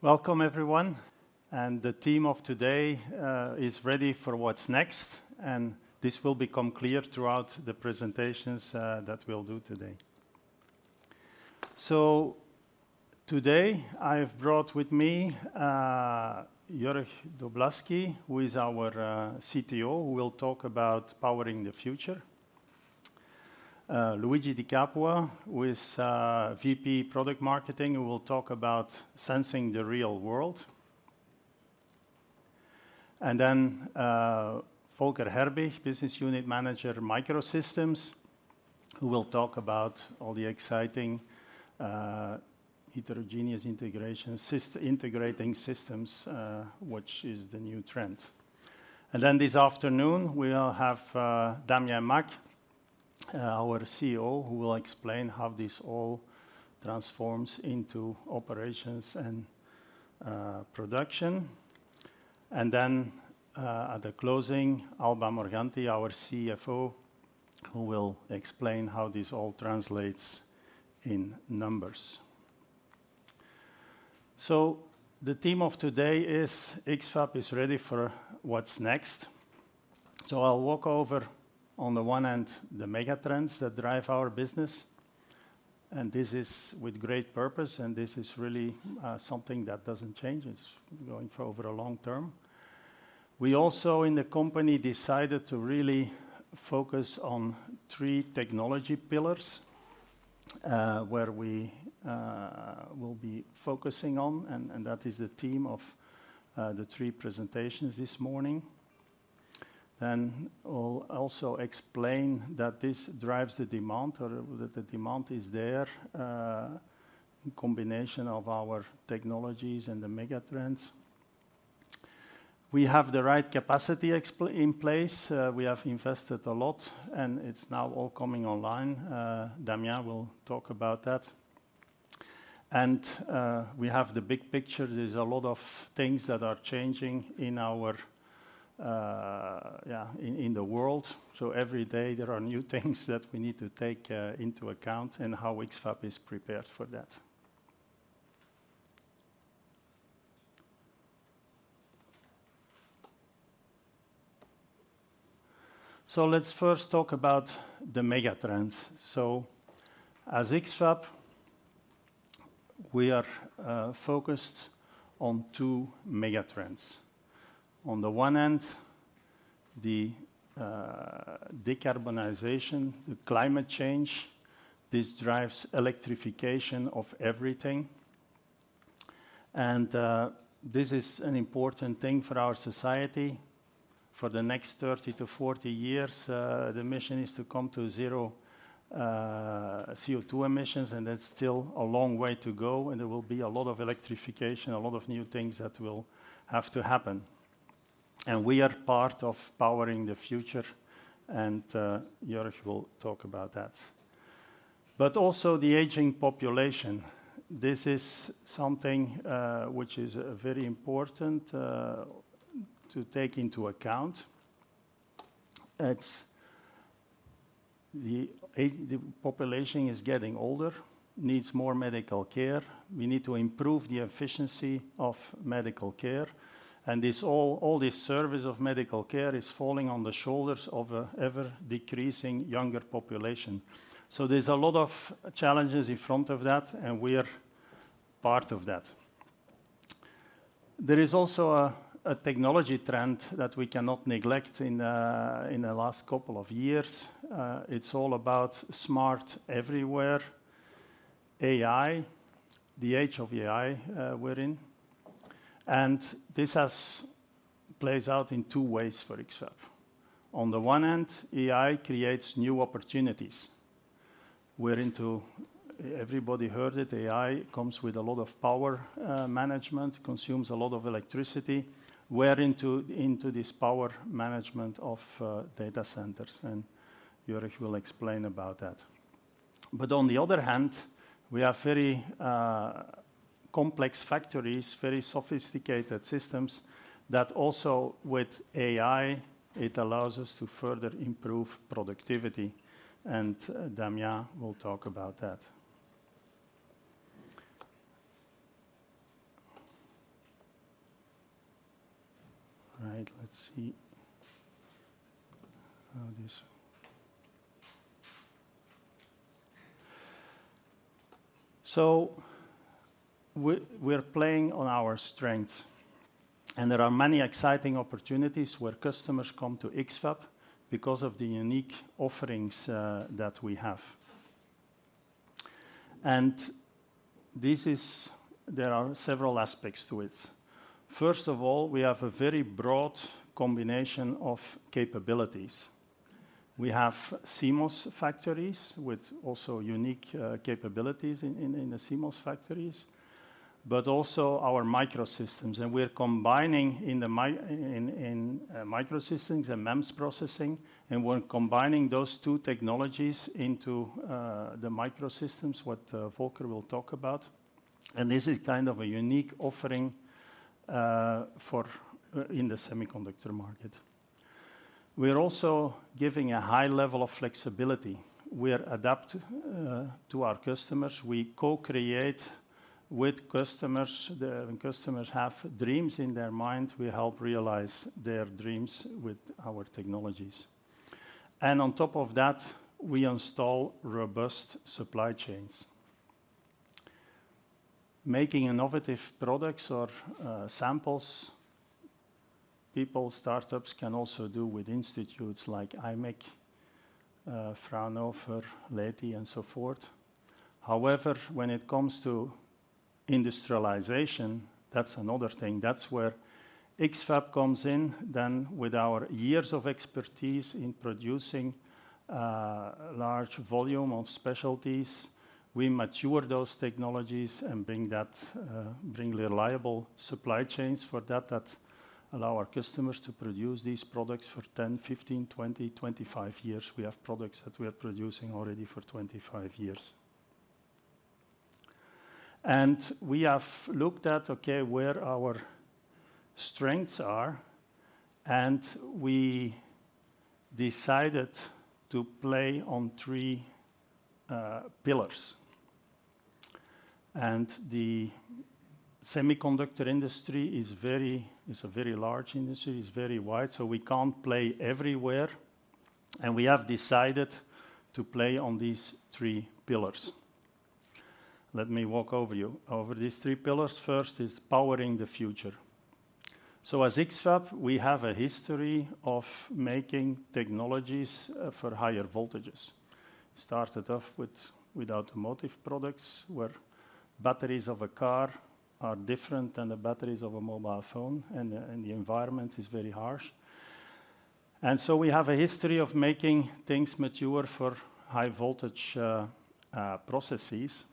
Welcome everyone, and the theme of today is ready for what's next, and this will become clear throughout the presentations that we'll do today. Today, I've brought with me Jörg Doblaski, who is our CTO, who will talk about powering the future. Luigi Di Capua, who is VP Product Marketing, who will talk about sensing the real world. Volker Herbig, Business Unit Manager, Microsystems, who will talk about all the exciting heterogeneous integrating systems, which is the new trend. This afternoon, we'll have Damien Macq, our COO, who will explain how this all transforms into operations and production. At the closing, Alba Morganti, our CFO, who will explain how this all translates in numbers. The theme of today is X-FAB is ready for what's next. So I'll walk over, on the one hand, the megatrends that drive our business, and this is with great purpose, and this is really something that doesn't change. It's going for over a long term. We also, in the company, decided to really focus on three technology pillars, where we will be focusing on, and that is the theme of the three presentations this morning. Then I'll also explain that this drives the demand, or that the demand is there, in combination of our technologies and the megatrends. We have the right capacity expansion in place. We have invested a lot, and it's now all coming online. Damien will talk about that. And we have the big picture. There's a lot of things that are changing in the world. So every day there are new things that we need to take into account, and how X-FAB is prepared for that. So let's first talk about the megatrends. So as X-FAB, we are focused on two megatrends. On the one hand, the decarbonization, the climate change, this drives electrification of everything, and this is an important thing for our society. For the next thirty to forty years, the mission is to come to zero CO2 emissions, and that's still a long way to go, and there will be a lot of electrification, a lot of new things that will have to happen, and we are part of powering the future, and Jörg will talk about that. But also the aging population, this is something which is very important to take into account. It's—the population is getting older, needs more medical care. We need to improve the efficiency of medical care, and this all this service of medical care is falling on the shoulders of a ever-decreasing younger population. So there's a lot of challenges in front of that, and we are part of that. There is also a technology trend that we cannot neglect in the last couple of years. It's all about smart everywhere, AI, the age of AI, we're in, and this plays out in two ways for X-FAB. On the one hand, AI creates new opportunities. We're into everybody heard it, AI comes with a lot of power management, consumes a lot of electricity. We're into this power management of data centers, and Jörg will explain about that. But on the other hand, we are very complex factories, very sophisticated systems that also, with AI, it allows us to further improve productivity, and Damien will talk about that. All right, let's see. We're playing on our strengths, and there are many exciting opportunities where customers come to X-FAB because of the unique offerings that we have, and there are several aspects to it. First of all, we have a very broad combination of capabilities. We have CMOS factories with also unique capabilities in the CMOS factories, but also our Microsystems, and we are combining in the Microsystems and MEMS processing, and we're combining those two technologies into the Microsystems, what Volker will talk about, and this is kind of a unique offering in the semiconductor market. We are also giving a high level of flexibility. We are adapt to our customers. We co-create with customers. The customers have dreams in their mind, we help realize their dreams with our technologies. And on top of that, we install robust supply chains. Making innovative products or samples, people, startups can also do with institutes like IMEC, Fraunhofer, LETI, and so forth. However, when it comes to industrialization, that's another thing. That's where X-FAB comes in, then with our years of expertise in producing large volume of specialties, we mature those technologies and bring reliable supply chains for that, that allow our customers to produce these products for 10, 15, 20, 25 years. We have products that we are producing already for 25 years. We have looked at, okay, where our strengths are, and we decided to play on three pillars. The semiconductor industry is very. It is a very large industry, it is very wide, so we can't play everywhere, and we have decided to play on these three pillars. Let me walk you over these three pillars. First is powering the future. As X-FAB, we have a history of making technologies for higher voltages. Started off with automotive products, where batteries of a car are different than the batteries of a mobile phone, and the environment is very harsh. We have a history of making things mature for high voltage processes,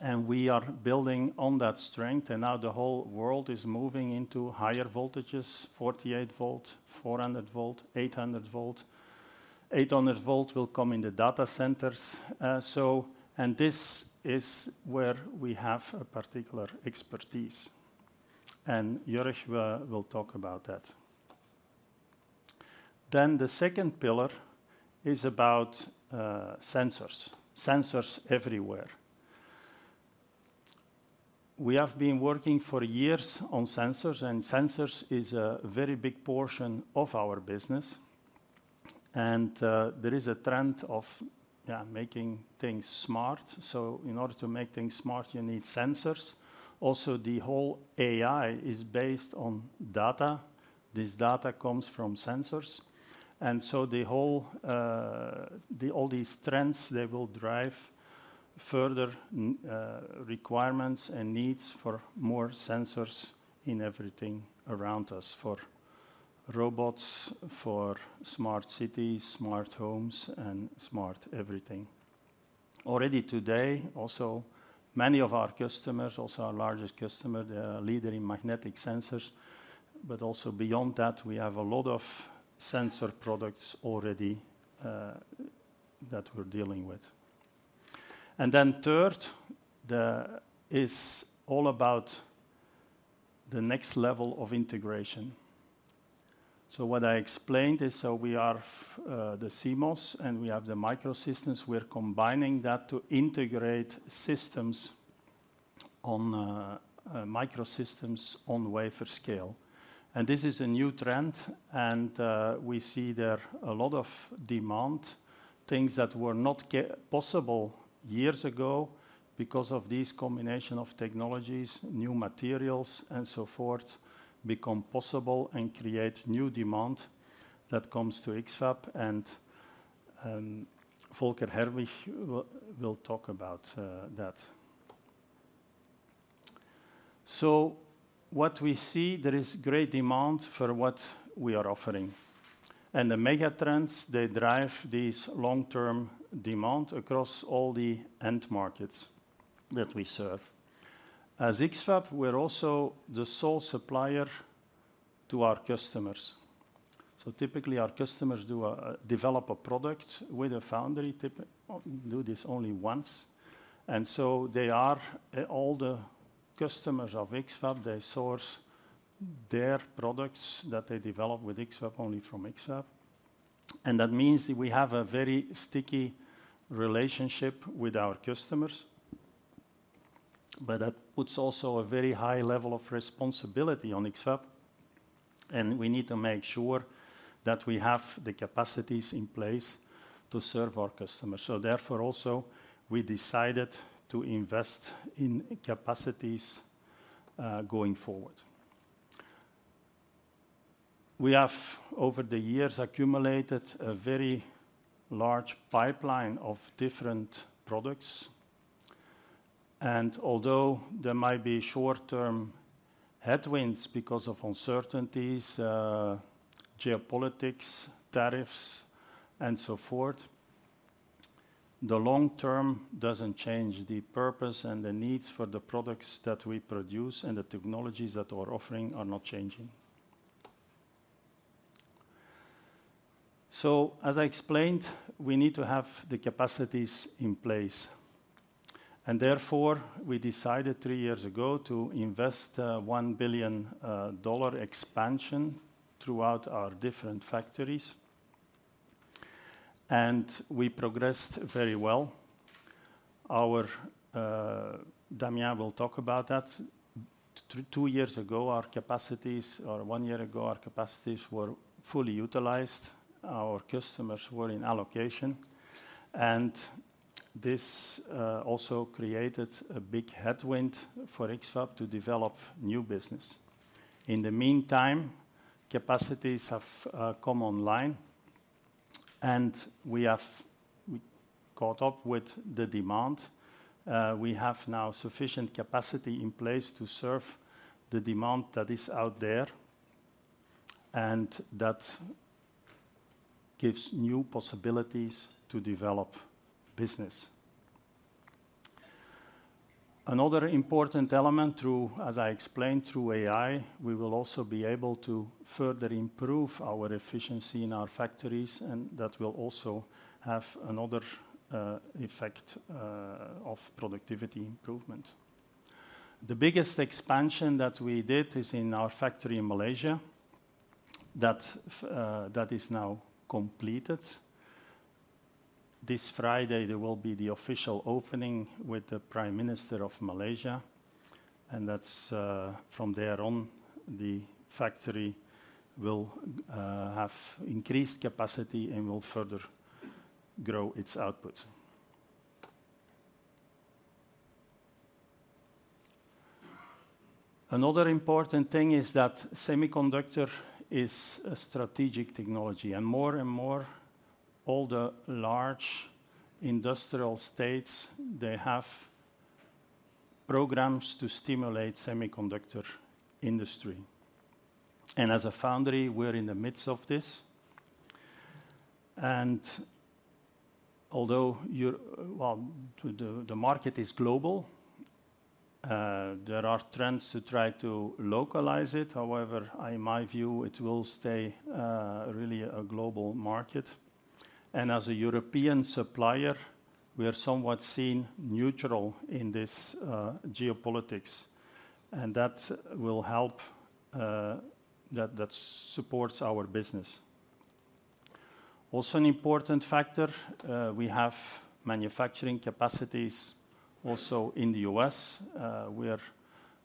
and we are building on that strength, and now the whole world is moving into higher voltages, 48 V, 400 V, 800 V. Eight hundred volts will come in the data centers. So, and this is where we have a particular expertise, and Jörg will talk about that. Then the second pillar is about sensors. Sensors everywhere. We have been working for years on sensors, and sensors is a very big portion of our business, and there is a trend of, yeah, making things smart. So in order to make things smart, you need sensors. Also, the whole AI is based on data. This data comes from sensors, and so the whole all these trends, they will drive further requirements and needs for more sensors in everything around us, for robots, for smart cities, smart homes, and smart everything. Already today, also, many of our customers, also our largest customer, they are a leader in magnetic sensors, but also beyond that, we have a lot of sensor products already, that we're dealing with. And then third, the, is all about the next level of integration. So what I explained is, so we are, the CMOS, and we have the microsystems. We're combining that to integrate systems on, microsystems on wafer scale. And this is a new trend, and, we see there a lot of demand, things that were not possible years ago. Because of this combination of technologies, new materials, and so forth, become possible and create new demand that comes to X-FAB and, Volker Herbig will talk about, that. So what we see, there is great demand for what we are offering, and the mega trends, they drive this long-term demand across all the end markets that we serve. As X-FAB, we're also the sole supplier to our customers. So typically, our customers do develop a product with a foundry, do this only once, and so they are all the customers of X-FAB, they source their products that they develop with X-FAB, only from X-FAB, and that means that we have a very sticky relationship with our customers. But that puts also a very high level of responsibility on X-FAB, and we need to make sure that we have the capacities in place to serve our customers. So therefore, also, we decided to invest in capacities going forward. We have, over the years, accumulated a very large pipeline of different products, and although there might be short-term headwinds because of uncertainties, geopolitics, tariffs, and so forth, the long term doesn't change the purpose and the needs for the products that we produce, and the technologies that we're offering are not changing. As I explained, we need to have the capacities in place, and therefore, we decided three years ago to invest $1 billion expansion throughout our different factories, and we progressed very well. Our Damien will talk about that. Two years ago, our capacities, or one year ago, our capacities were fully utilized. Our customers were in allocation, and this also created a big headwind for X-FAB to develop new business. In the meantime, capacities have come online, and we have caught up with the demand. We have now sufficient capacity in place to serve the demand that is out there, and that gives new possibilities to develop business. Another important element through, as I explained, through AI, we will also be able to further improve our efficiency in our factories, and that will also have another effect of productivity improvement. The biggest expansion that we did is in our factory in Malaysia, that is now completed. This Friday, there will be the official opening with the Prime Minister of Malaysia, and that's from there on, the factory will have increased capacity and will further grow its output. Another important thing is that semiconductor is a strategic technology, and more and more, all the large industrial states, they have programs to stimulate semiconductor industry, and as a foundry, we're in the midst of this. And although you're— The market is global, there are trends to try to localize it. However, in my view, it will stay really a global market, and as a European supplier, we are somewhat seen neutral in this geopolitics, and that will help, that supports our business. Also, an important factor, we have manufacturing capacities also in the US. We are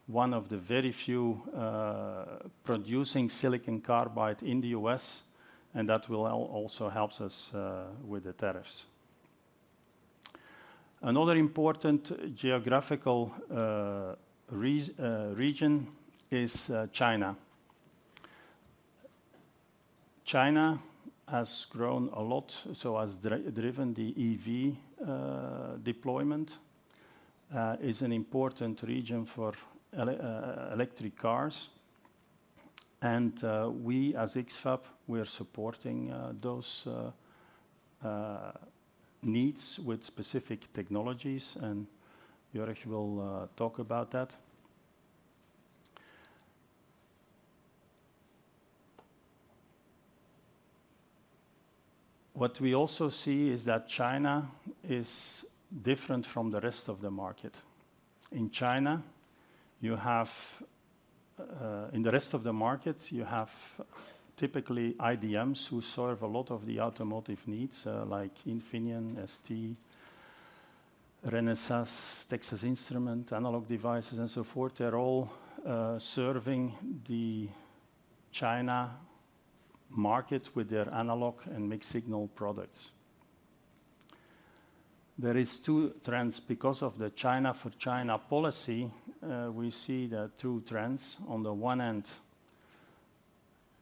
one of the very few producing silicon carbide in the US, and that will also helps us with the tariffs. Another important geographical region is China. China has grown a lot, so has driven the EV deployment, is an important region for electric cars, and we, as X-FAB, we are supporting those needs with specific technologies, and Jörg will talk about that. What we also see is that China is different from the rest of the market. In China, you have, in the rest of the market, you have typically IDMs who serve a lot of the automotive needs, like Infineon, ST, Renesas, Texas Instruments, Analog Devices, and so forth. They're all, serving the China market with their analog and mixed-signal products. There is two trends. Because of the China-for-China policy, we see the two trends. On the one hand,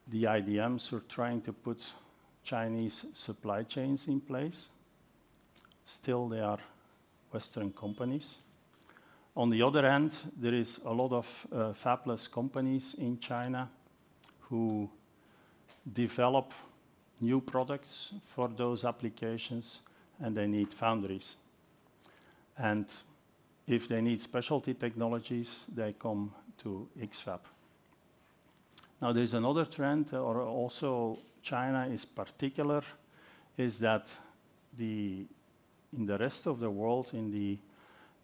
the IDMs are trying to put Chinese supply chains in place. Still, they are Western companies. On the other hand, there is a lot of, fabless companies in China who develop new products for those applications, and they need foundries, and if they need specialty technologies, they come to X-FAB. Now, there's another trend, or also China is particular, is that in the rest of the world, in the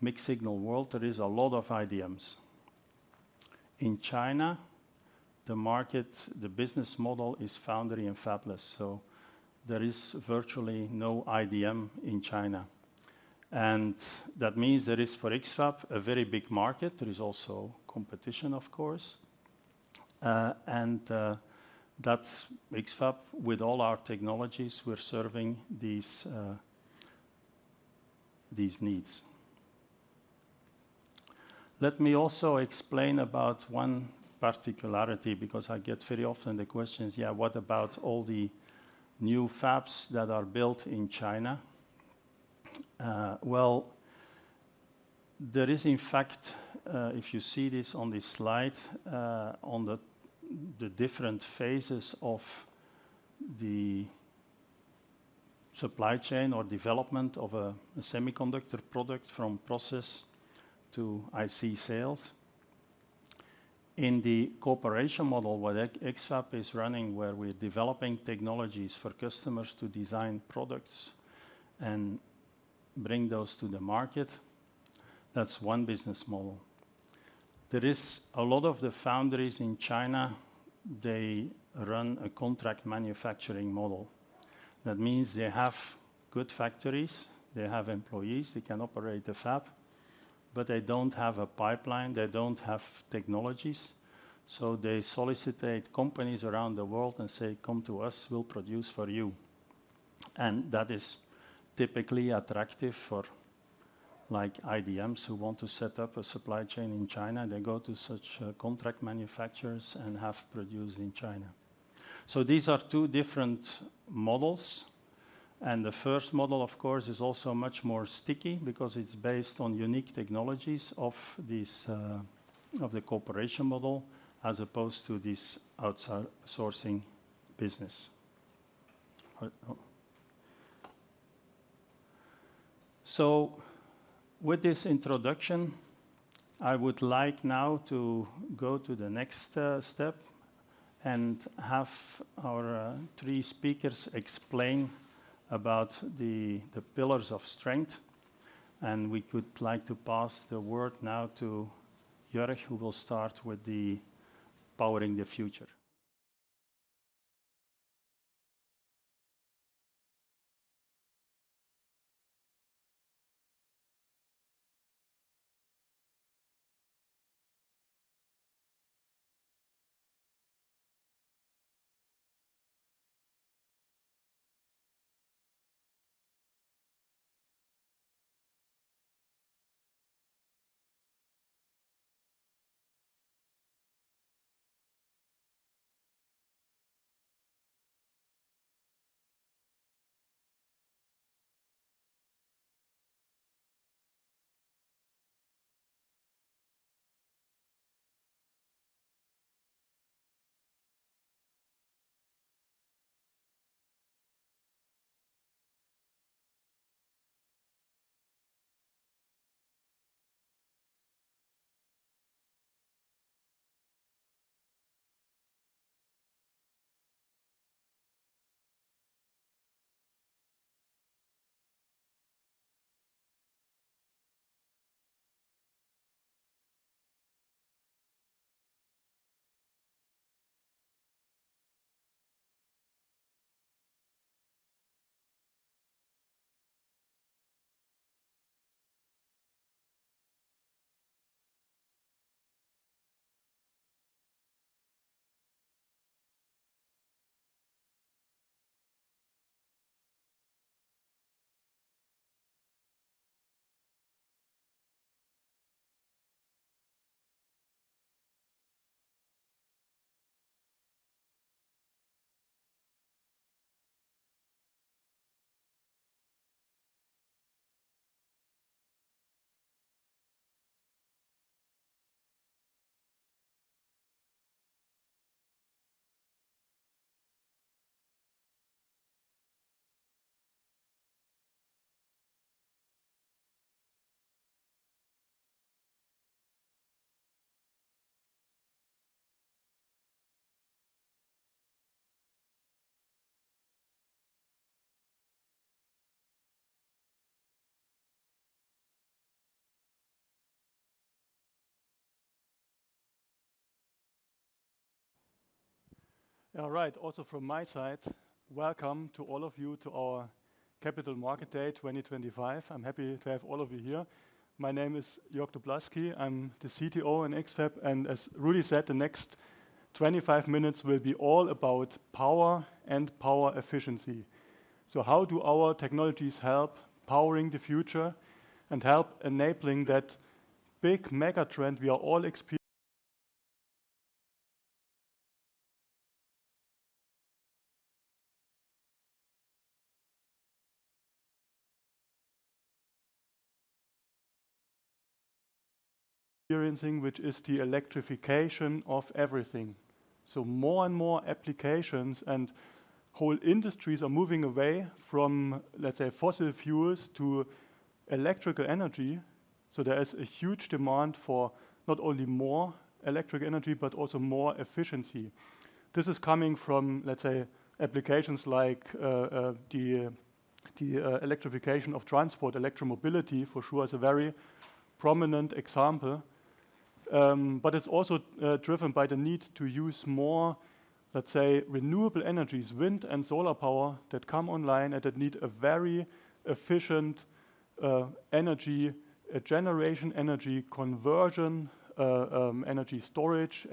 mixed-signal world, there is a lot of IDMs. In China, the market, the business model is foundry and fabless, so there is virtually no IDM in China, and that means there is for X-FAB a very big market. There is also competition, of course, and that's X-FAB, with all our technologies, we're serving these needs. Let me also explain about one particularity because I get very often the questions, "Yeah, what about all the new fabs that are built in China?" Well, there is in fact if you see this on this slide on the different phases of the supply chain or development of a semiconductor product from process to IC sales— In the cooperation model where X-FAB is running, where we're developing technologies for customers to design products and bring those to the market, that's one business model. There is a lot of the foundries in China, they run a contract manufacturing model. That means they have good factories, they have employees, they can operate the fab, but they don't have a pipeline, they don't have technologies. So they solicit companies around the world and say, "Come to us, we'll produce for you." And that is typically attractive for, like, IDMs who want to set up a supply chain in China. They go to such contract manufacturers and have produced in China. So these are two different models, and the first model, of course, is also much more sticky because it's based on unique technologies of this of the cooperation model, as opposed to this outside sourcing business. So with this introduction, I would like now to go to the next step and have our three speakers explain about the pillars of strength, and we would like to pass the word now to Jörg, who will start with powering the future. Yeah, right. Also from my side, welcome to all of you to our Capital Market Day 2025. I'm happy to have all of you here. My name is Jörg Doblaski. I'm the CTO in X-FAB, and as Rudi said, the next twenty-five minutes will be all about power and power efficiency. So how do our technologies help powering the future and help enabling that big mega trend we are all experiencing, which is the electrification of everything? So more and more applications and whole industries are moving away from, let's say, fossil fuels to electrical energy. So there is a huge demand for not only more electric energy, but also more efficiency. This is coming from, let's say, applications like the electrification of transport. Electromobility, for sure, is a very prominent example. But it's also driven by the need to use more, let's say, renewable energies, wind and solar power, that come online and that need a very efficient energy generation, energy conversion, energy storage,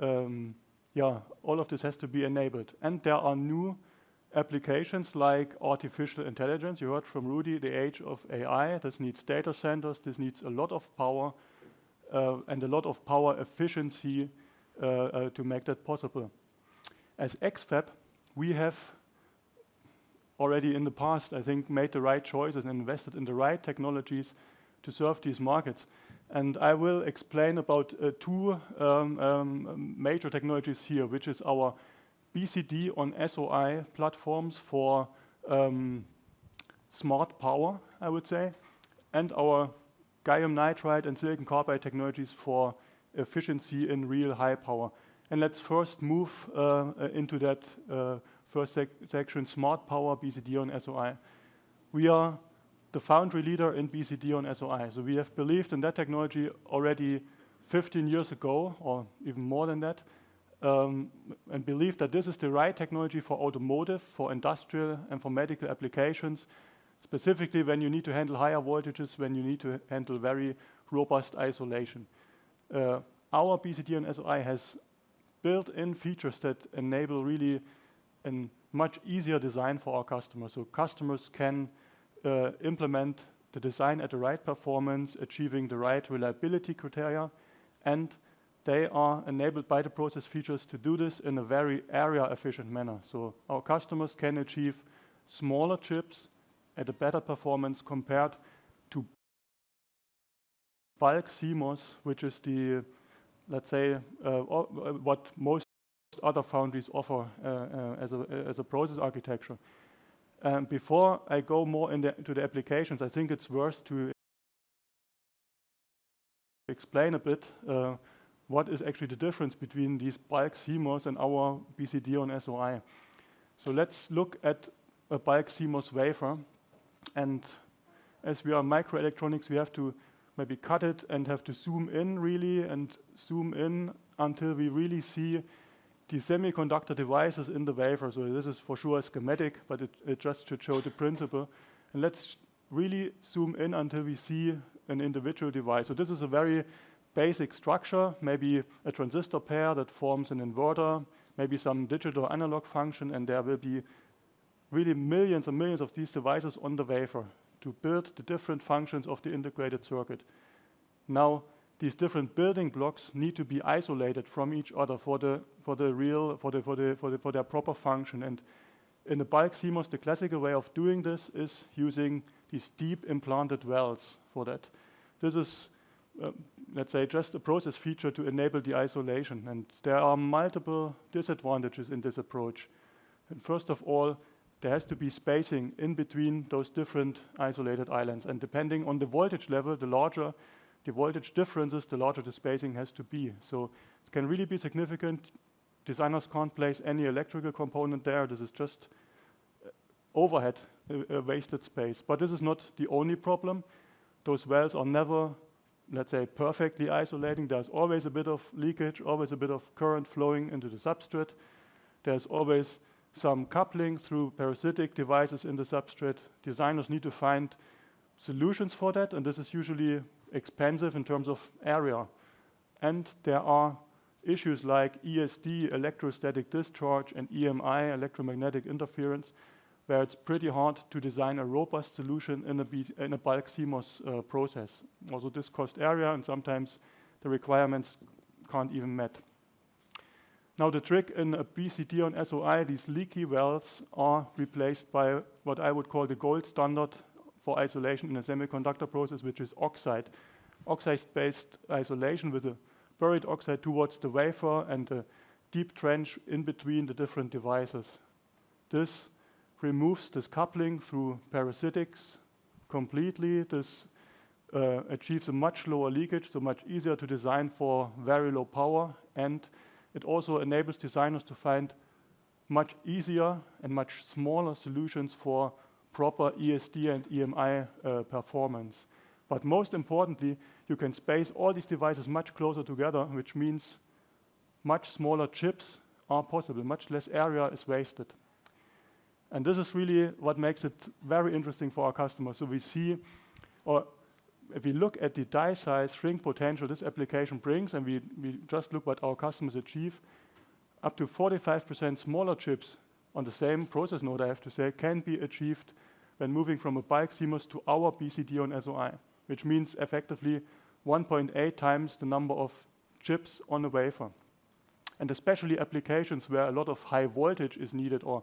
and—Yeah, all of this has to be enabled. And there are new applications like artificial intelligence. You heard from Rudi, the age of AI. This needs data centers, this needs a lot of power and a lot of power efficiency to make that possible. As X-FAB, we have already in the past, I think, made the right choices and invested in the right technologies to serve these markets. And I will explain about two major technologies here, which is our BCD-on-SOI platforms for smart power, I would say, and our gallium nitride and silicon carbide technologies for efficiency and real high power. Let's first move into that first section, smart power BCD-on-SOI. We are the foundry leader in BCD-on-SOI. So we have believed in that technology already 15 years ago, or even more than that, and believe that this is the right technology for automotive, for industrial, and for medical applications, specifically when you need to handle higher voltages, when you need to handle very robust isolation. Our BCD-on-SOI has built-in features that enable really a much easier design for our customers. So customers can implement the design at the right performance, achieving the right reliability criteria, and they are enabled by the process features to do this in a very area-efficient manner. So our customers can achieve smaller chips at a better performance compared to bulk CMOS, which is the, let's say, what most other foundries offer as a process architecture. And before I go more into the applications, I think it's worth to explain a bit what is actually the difference between these bulk CMOS and our BCD-on-SOI. So let's look at a bulk CMOS wafer, and as we are microelectronics, we have to maybe cut it and have to zoom in really, and zoom in until we really see the semiconductor devices in the wafer. So this is for sure a schematic, but it just to show the principle. And let's really zoom in until we see an individual device. So this is a very basic structure, maybe a transistor pair that forms an inverter, maybe some digital analog function, and there will be really millions and millions of these devices on the wafer to build the different functions of the integrated circuit. Now, these different building blocks need to be isolated from each other for their proper function. And in the bulk CMOS, the classical way of doing this is using these deep implanted wells for that. This is, let's say, just a process feature to enable the isolation, and there are multiple disadvantages in this approach. And first of all, there has to be spacing in between those different isolated islands. And depending on the voltage level, the larger the voltage differences, the larger the spacing has to be. So it can really be significant. Designers can't place any electrical component there. This is just overhead, a wasted space. But this is not the only problem. Those wells are never, let's say, perfectly isolating. There's always a bit of leakage, always a bit of current flowing into the substrate. There's always some coupling through parasitic devices in the substrate. Designers need to find solutions for that, and this is usually expensive in terms of area. And there are issues like ESD, electrostatic discharge, and EMI, electromagnetic interference, where it's pretty hard to design a robust solution in a bulk CMOS process. Also, this costs area, and sometimes the requirements can't even be met. Now, the trick in a BCD-on-SOI, these leaky wells are replaced by what I would call the gold standard for isolation in a semiconductor process, which is oxide. Oxide-based isolation with a buried oxide towards the wafer and a deep trench in between the different devices. This removes this coupling through parasitics completely. This achieves a much lower leakage, so much easier to design for very low power, and it also enables designers to find much easier and much smaller solutions for proper ESD and EMI performance. But most importantly, you can space all these devices much closer together, which means much smaller chips are possible, much less area is wasted. And this is really what makes it very interesting for our customers. If we look at the die size shrink potential this application brings, and we just look what our customers achieve, up to 45% smaller chips on the same process node, I have to say, can be achieved when moving from a bulk CMOS to our BCD-on-SOI, which means effectively 1.8 times the number of chips on the wafer. Especially applications where a lot of high voltage is needed or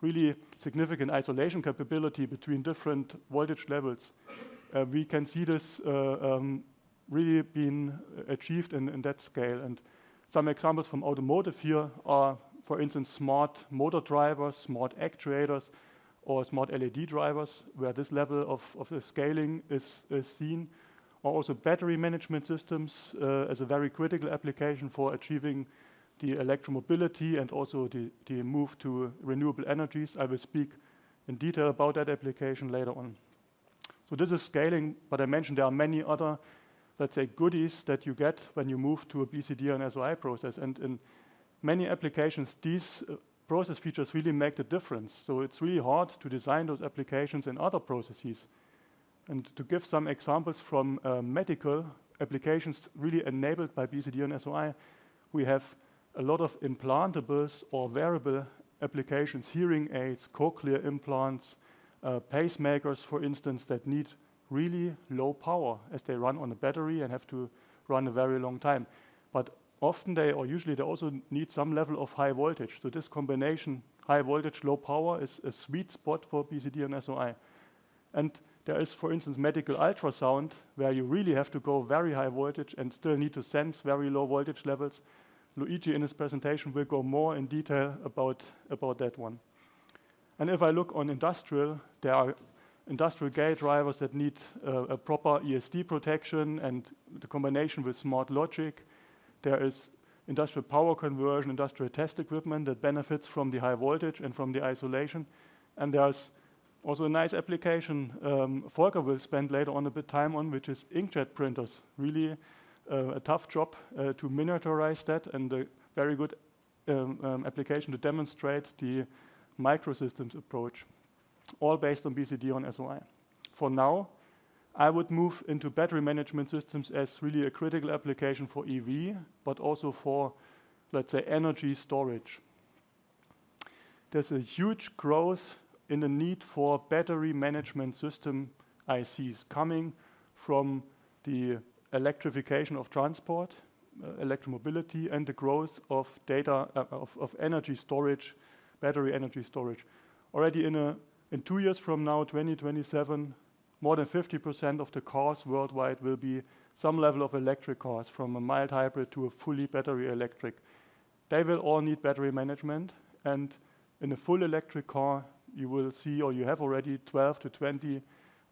really significant isolation capability between different voltage levels, we can see this really being achieved in that scale. Some examples from automotive here are, for instance, smart motor drivers, smart actuators, or smart LED drivers, where this level of scaling is seen. Also, battery management systems is a very critical application for achieving the electromobility and also the move to renewable energies. I will speak in detail about that application later on, so this is scaling, but I mentioned there are many other, let's say, goodies that you get when you move to a BCD-on-SOI process, and in many applications, these process features really make the difference, so it's really hard to design those applications in other processes. And to give some examples from medical applications really enabled by BCD-on-SOI, we have a lot of implantables or wearable applications, hearing aids, cochlear implants, pacemakers, for instance, that need really low power as they run on a battery and have to run a very long time, but often they, or usually, they also need some level of high voltage. This combination, high voltage, low power, is a sweet spot for BCD-on-SOI. There is, for instance, medical ultrasound, where you really have to go very high voltage and still need to sense very low voltage levels. Luigi, in his presentation, will go more in detail about that one. If I look on industrial, there are industrial gate drivers that need a proper ESD protection and the combination with smart logic. There is industrial power conversion, industrial test equipment that benefits from the high voltage and from the isolation, and there's also a nice application. Volker will spend later on a bit time on which is inkjet printers. Really, a tough job to miniaturize that, and a very good application to demonstrate the microsystems approach, all based on BCD-on-SOI. For now, I would move into battery management systems as really a critical application for EV, but also for, let's say, energy storage. There's a huge growth in the need for battery management system ICs coming from the electrification of transport, electro mobility, and the growth of data, of energy storage, battery energy storage. Already in two years from now, 2027, more than 50% of the cars worldwide will be some level of electric cars, from a mild hybrid to a fully battery electric. They will all need battery management, and in a full electric car, you will see, or you have already, 12-20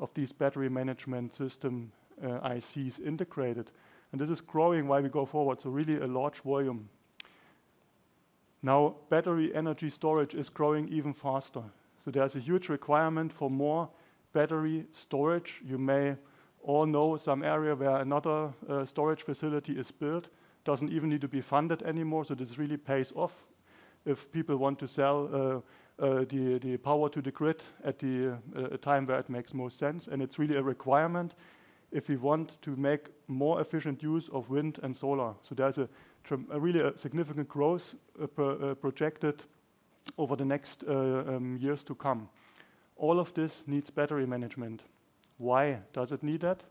of these battery management system ICs integrated, and this is growing while we go forward, so really a large volume. Now, battery energy storage is growing even faster, so there's a huge requirement for more battery storage. You may all know some area where another storage facility is built. It doesn't even need to be funded anymore, so this really pays off if people want to sell the power to the grid at the time where it makes most sense, and it's really a requirement if we want to make more efficient use of wind and solar. So there's a really significant growth projected over the next years to come. All of this needs battery management. Why does it need that?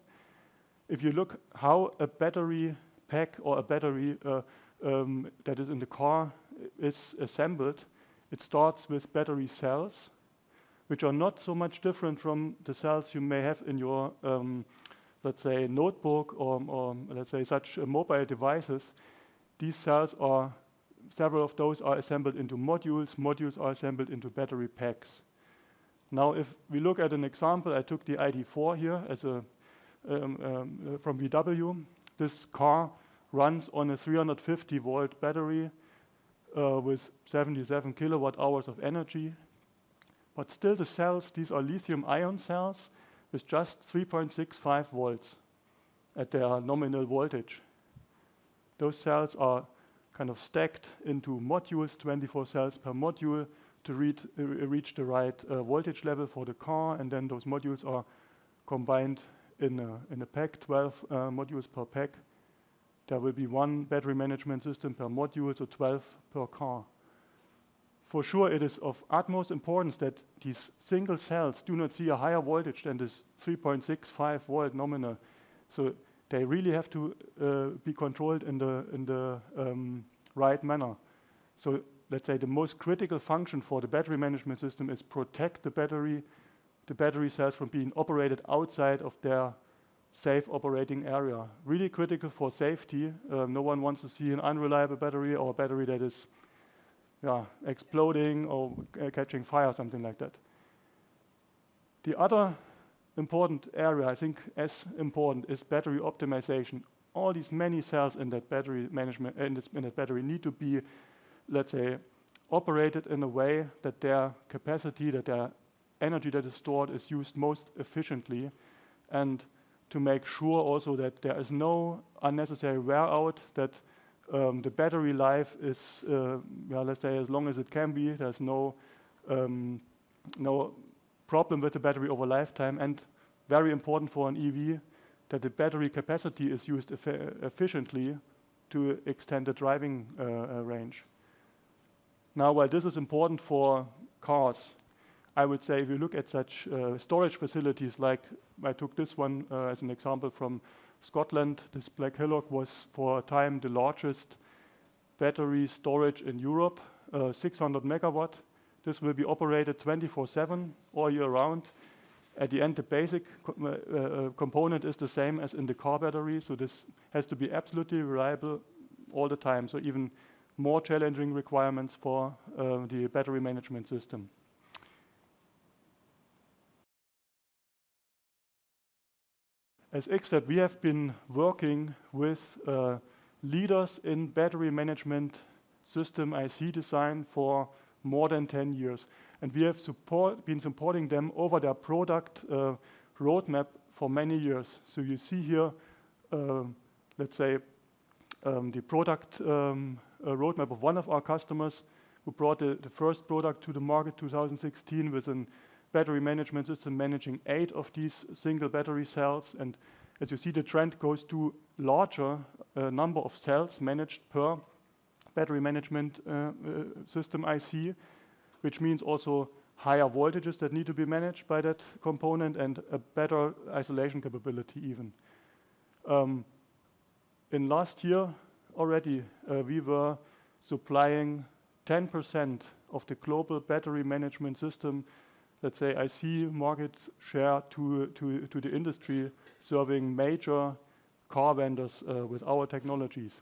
If you look how a battery pack or a battery that is in the car is assembled, it starts with battery cells, which are not so much different from the cells you may have in your, let's say, notebook, or let's say, such mobile devices. These cells are, several of those are assembled into modules, modules are assembled into battery packs. Now, if we look at an example, I took the ID.4 here as a, from VW. This car runs on a 350 V battery, with 77 kWh of energy. But still the cells, these are lithium-ion cells, with just 3.65 V at their nominal voltage. Those cells are kind of stacked into modules, 24 cells per module, to reach the right, voltage level for the car, and then those modules are combined in a, in a pack, 12 modules per pack. There will be one battery management system per module, so 12 per car. For sure, it is of utmost importance that these single cells do not see a higher voltage than this 3.65 V nominal, so they really have to be controlled in the right manner. So let's say the most critical function for the battery management system is protect the battery, the battery cells from being operated outside of their safe operating area. Really critical for safety. No one wants to see an unreliable battery or a battery that is exploding or catching fire or something like that. The other important area, I think as important, is battery optimization. All these many cells in that battery need to be, let's say, operated in a way that their capacity, that their energy that is stored, is used most efficiently. To make sure also that there is no unnecessary wear out, that the battery life is, well, let's say, as long as it can be, there's no problem with the battery over lifetime. Very important for an EV, that the battery capacity is used efficiently to extend the driving range. Now, while this is important for cars, I would say if you look at such storage facilities, like I took this one as an example from Scotland, this Blackhillock was, for a time, the largest battery storage in Europe, 600 MW. This will be operated 24/7, all year round. At the end, the basic component is the same as in the car battery, so this has to be absolutely reliable all the time. Even more challenging requirements for the battery management system. As X-FAB, we have been working with leaders in battery management system IC design for more than ten years, and we have been supporting them over their product roadmap for many years. So you see here, let's say, the product roadmap of one of our customers who brought the first product to the market in 2016, with a battery management system managing eight of these single battery cells. And as you see, the trend goes to larger number of cells managed per battery management system IC, which means also higher voltages that need to be managed by that component, and a better isolation capability even. In last year already, we were supplying 10% of the global battery management system, let's say, IC markets share to the industry, serving major car vendors with our technologies.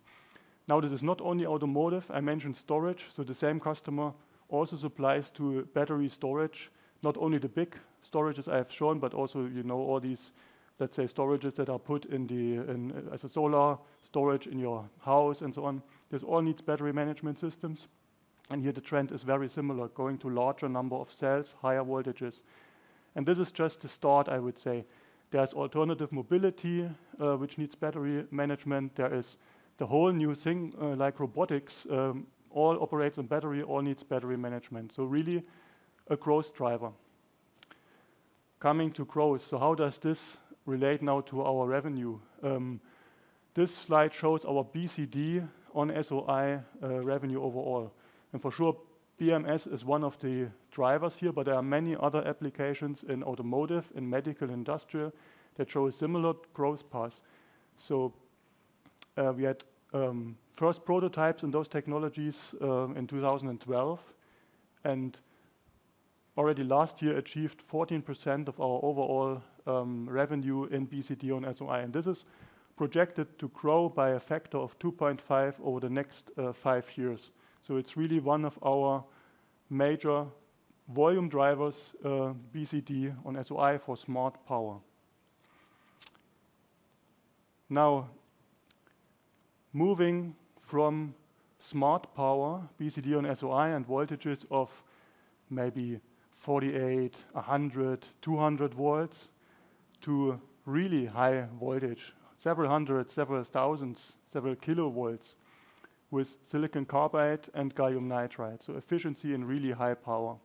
Now, this is not only automotive. I mentioned storage, so the same customer also supplies to battery storage, not only the big storages I have shown, but also, you know, all these, let's say, storages that are put in the, in as a solar storage in your house, and so on. This all needs battery management systems, and here the trend is very similar, going to larger number of cells, higher voltages. And this is just the start, I would say. There's alternative mobility, which needs battery management. There is the whole new thing, like robotics, all operates on battery, all needs battery management, so really a growth driver. Coming to growth, so how does this relate now to our revenue? This slide shows our BCD-on-SOI revenue overall, and for sure, BMS is one of the drivers here, but there are many other applications in automotive, in medical, industrial, that show a similar growth path. We had first prototypes in those technologies in 2012, and already last year achieved 14% of our overall revenue in BCD-on-SOI, and this is projected to grow by a factor of 2.5 over the next five years. It's really one of our major volume drivers, BCD-on-SOI for smart power. Now, moving from smart power, BCD-on-SOI, and voltages of maybe 48, 100, 200 V, to really high voltage, several hundred, several thousands, several kV, with silicon carbide and gallium nitride, so efficiency and really high power.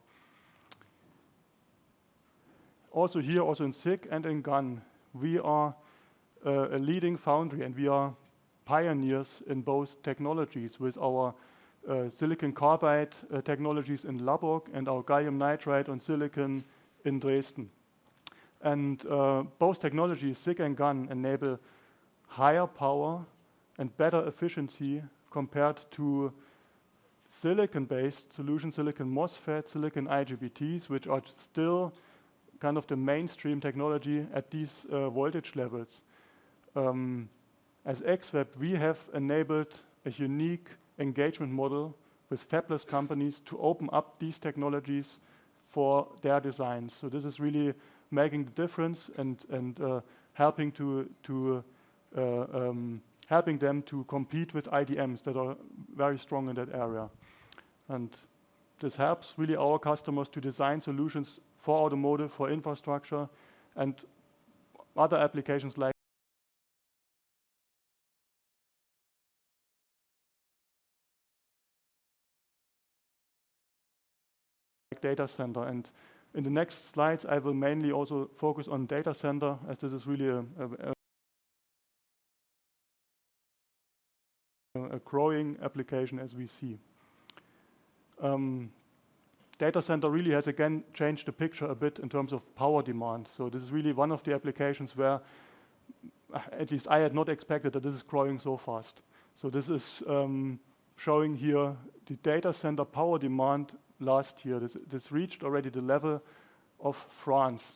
Also here, also in SiC and in GaN, we are a leading foundry, and we are pioneers in both technologies with our silicon carbide technologies in Lubbock and our gallium nitride on silicon in Dresden. And both technologies, SiC and GaN, enable higher power and better efficiency compared to silicon-based solutions, silicon MOSFET, silicon IGBTs, which are still kind of the mainstream technology at these voltage levels. As X-FAB, we have enabled a unique engagement model with fabless companies to open up these technologies for their designs. So this is really making the difference and helping them to compete with IDMs that are very strong in that area. And this helps really our customers to design solutions for automotive, for infrastructure, and other applications like data center. In the next slides, I will mainly also focus on data center, as this is really a growing application as we see. Data center really has, again, changed the picture a bit in terms of power demand. This is really one of the applications where at least I had not expected that this is growing so fast. So this showing here the data center power demand last year. This reached already the level of France.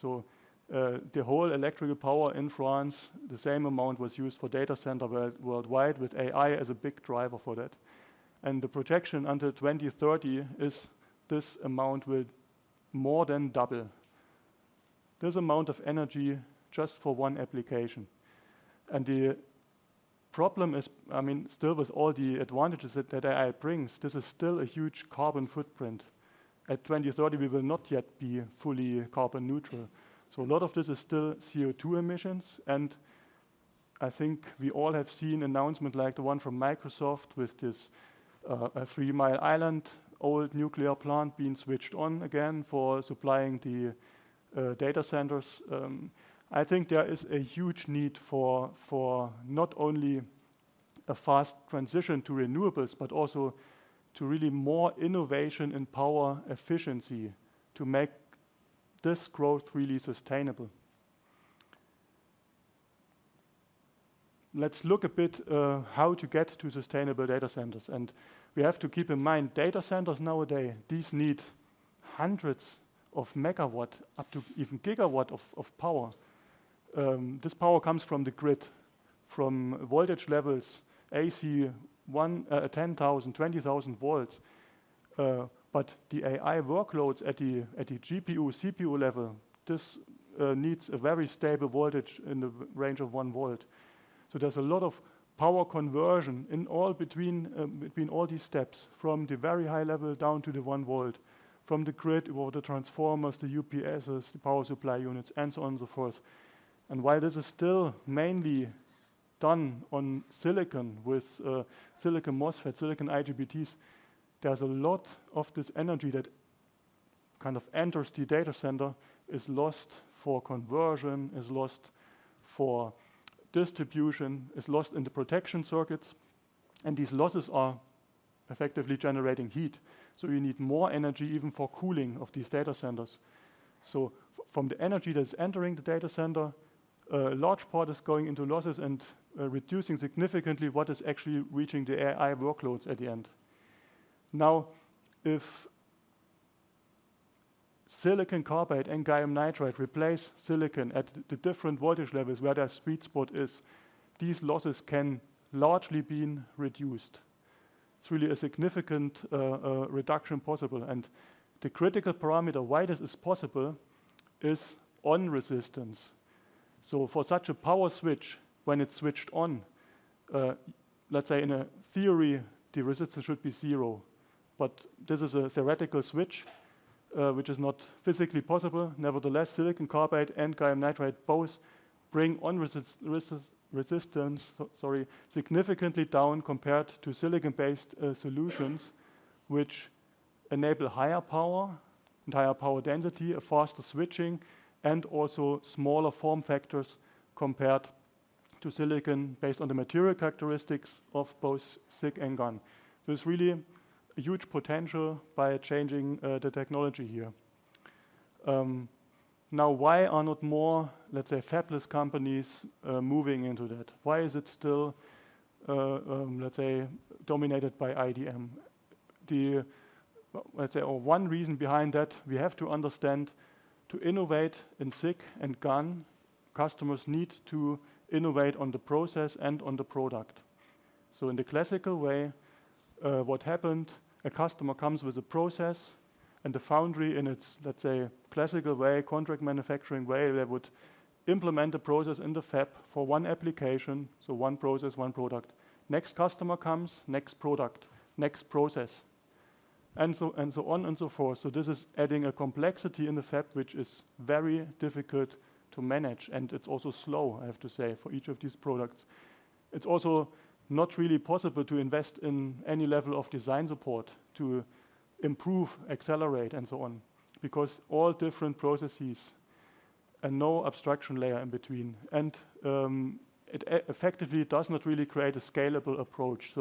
The whole electrical power in France, the same amount was used for data center worldwide, with AI as a big driver for that. The projection until 2030 is this amount will more than double. This amount of energy just for one application. And the problem is, I mean, still, with all the advantages that AI brings, this is still a huge carbon footprint. At 2030, we will not yet be fully carbon neutral. So a lot of this is still CO2 emissions, and I think we all have seen announcement, like the one from Microsoft with this, a Three Mile Island old nuclear plant being switched on again for supplying the data centers. I think there is a huge need for not only a fast transition to renewables, but also to really more innovation and power efficiency to make this growth really sustainable. Let's look a bit how to get to sustainable data centers, and we have to keep in mind, data centers nowadays, these need hundreds of MW, up to even gigawatt of power. This power comes from the grid, from voltage levels, AC one, 10,000 V, 20,000 V, but the AI workloads at the GPU, CPU level, this needs a very stable voltage in the range of one volt. So there's a lot of power conversion in all between, between all these steps, from the very high level down to the one volt, from the grid, or the transformers, the UPSs, the power supply units, and so on and so forth, and while this is still mainly done on silicon with silicon MOSFET, silicon IGBTs, there's a lot of this energy that kind of enters the data center, is lost for conversion, is lost for distribution, is lost in the protection circuits, and these losses are effectively generating heat, so you need more energy, even for cooling of these data centers. So from the energy that's entering the data center, a large part is going into losses and reducing significantly what is actually reaching the AI workloads at the end. Now, silicon carbide and gallium nitride replace silicon at the different voltage levels where their sweet spot is, these losses can largely been reduced. It's really a significant reduction possible, and the critical parameter why this is possible is on-resistance. For such a power switch, when it's switched on, let's say in a theory, the resistance should be zero, but this is a theoretical switch, which is not physically possible. Nevertheless, silicon carbide and gallium nitride both bring on resistance significantly down compared to silicon-based solutions, which enable higher power and higher power density, a faster switching, and also smaller form factors compared to silicon, based on the material characteristics of both SiC and GaN. There's really a huge potential by changing the technology here. Now, why are not more, let's say, fabless companies moving into that? Why is it still, let's say, dominated by IDM? The, let's say, one reason behind that we have to understand, to innovate in SiC and GaN, customers need to innovate on the process and on the product. So in the classical way, what happened, a customer comes with a process, and the foundry in its, let's say, classical way, contract manufacturing way, they would implement the process in the fab for one application, so one process, one product. Next customer comes, next product, next process, and so, and so on and so forth. So this is adding a complexity in the fab, which is very difficult to manage, and it's also slow, I have to say, for each of these products. It's also not really possible to invest in any level of design support to improve, accelerate, and so on, because all different processes and no abstraction layer in between, and it effectively does not really create a scalable approach,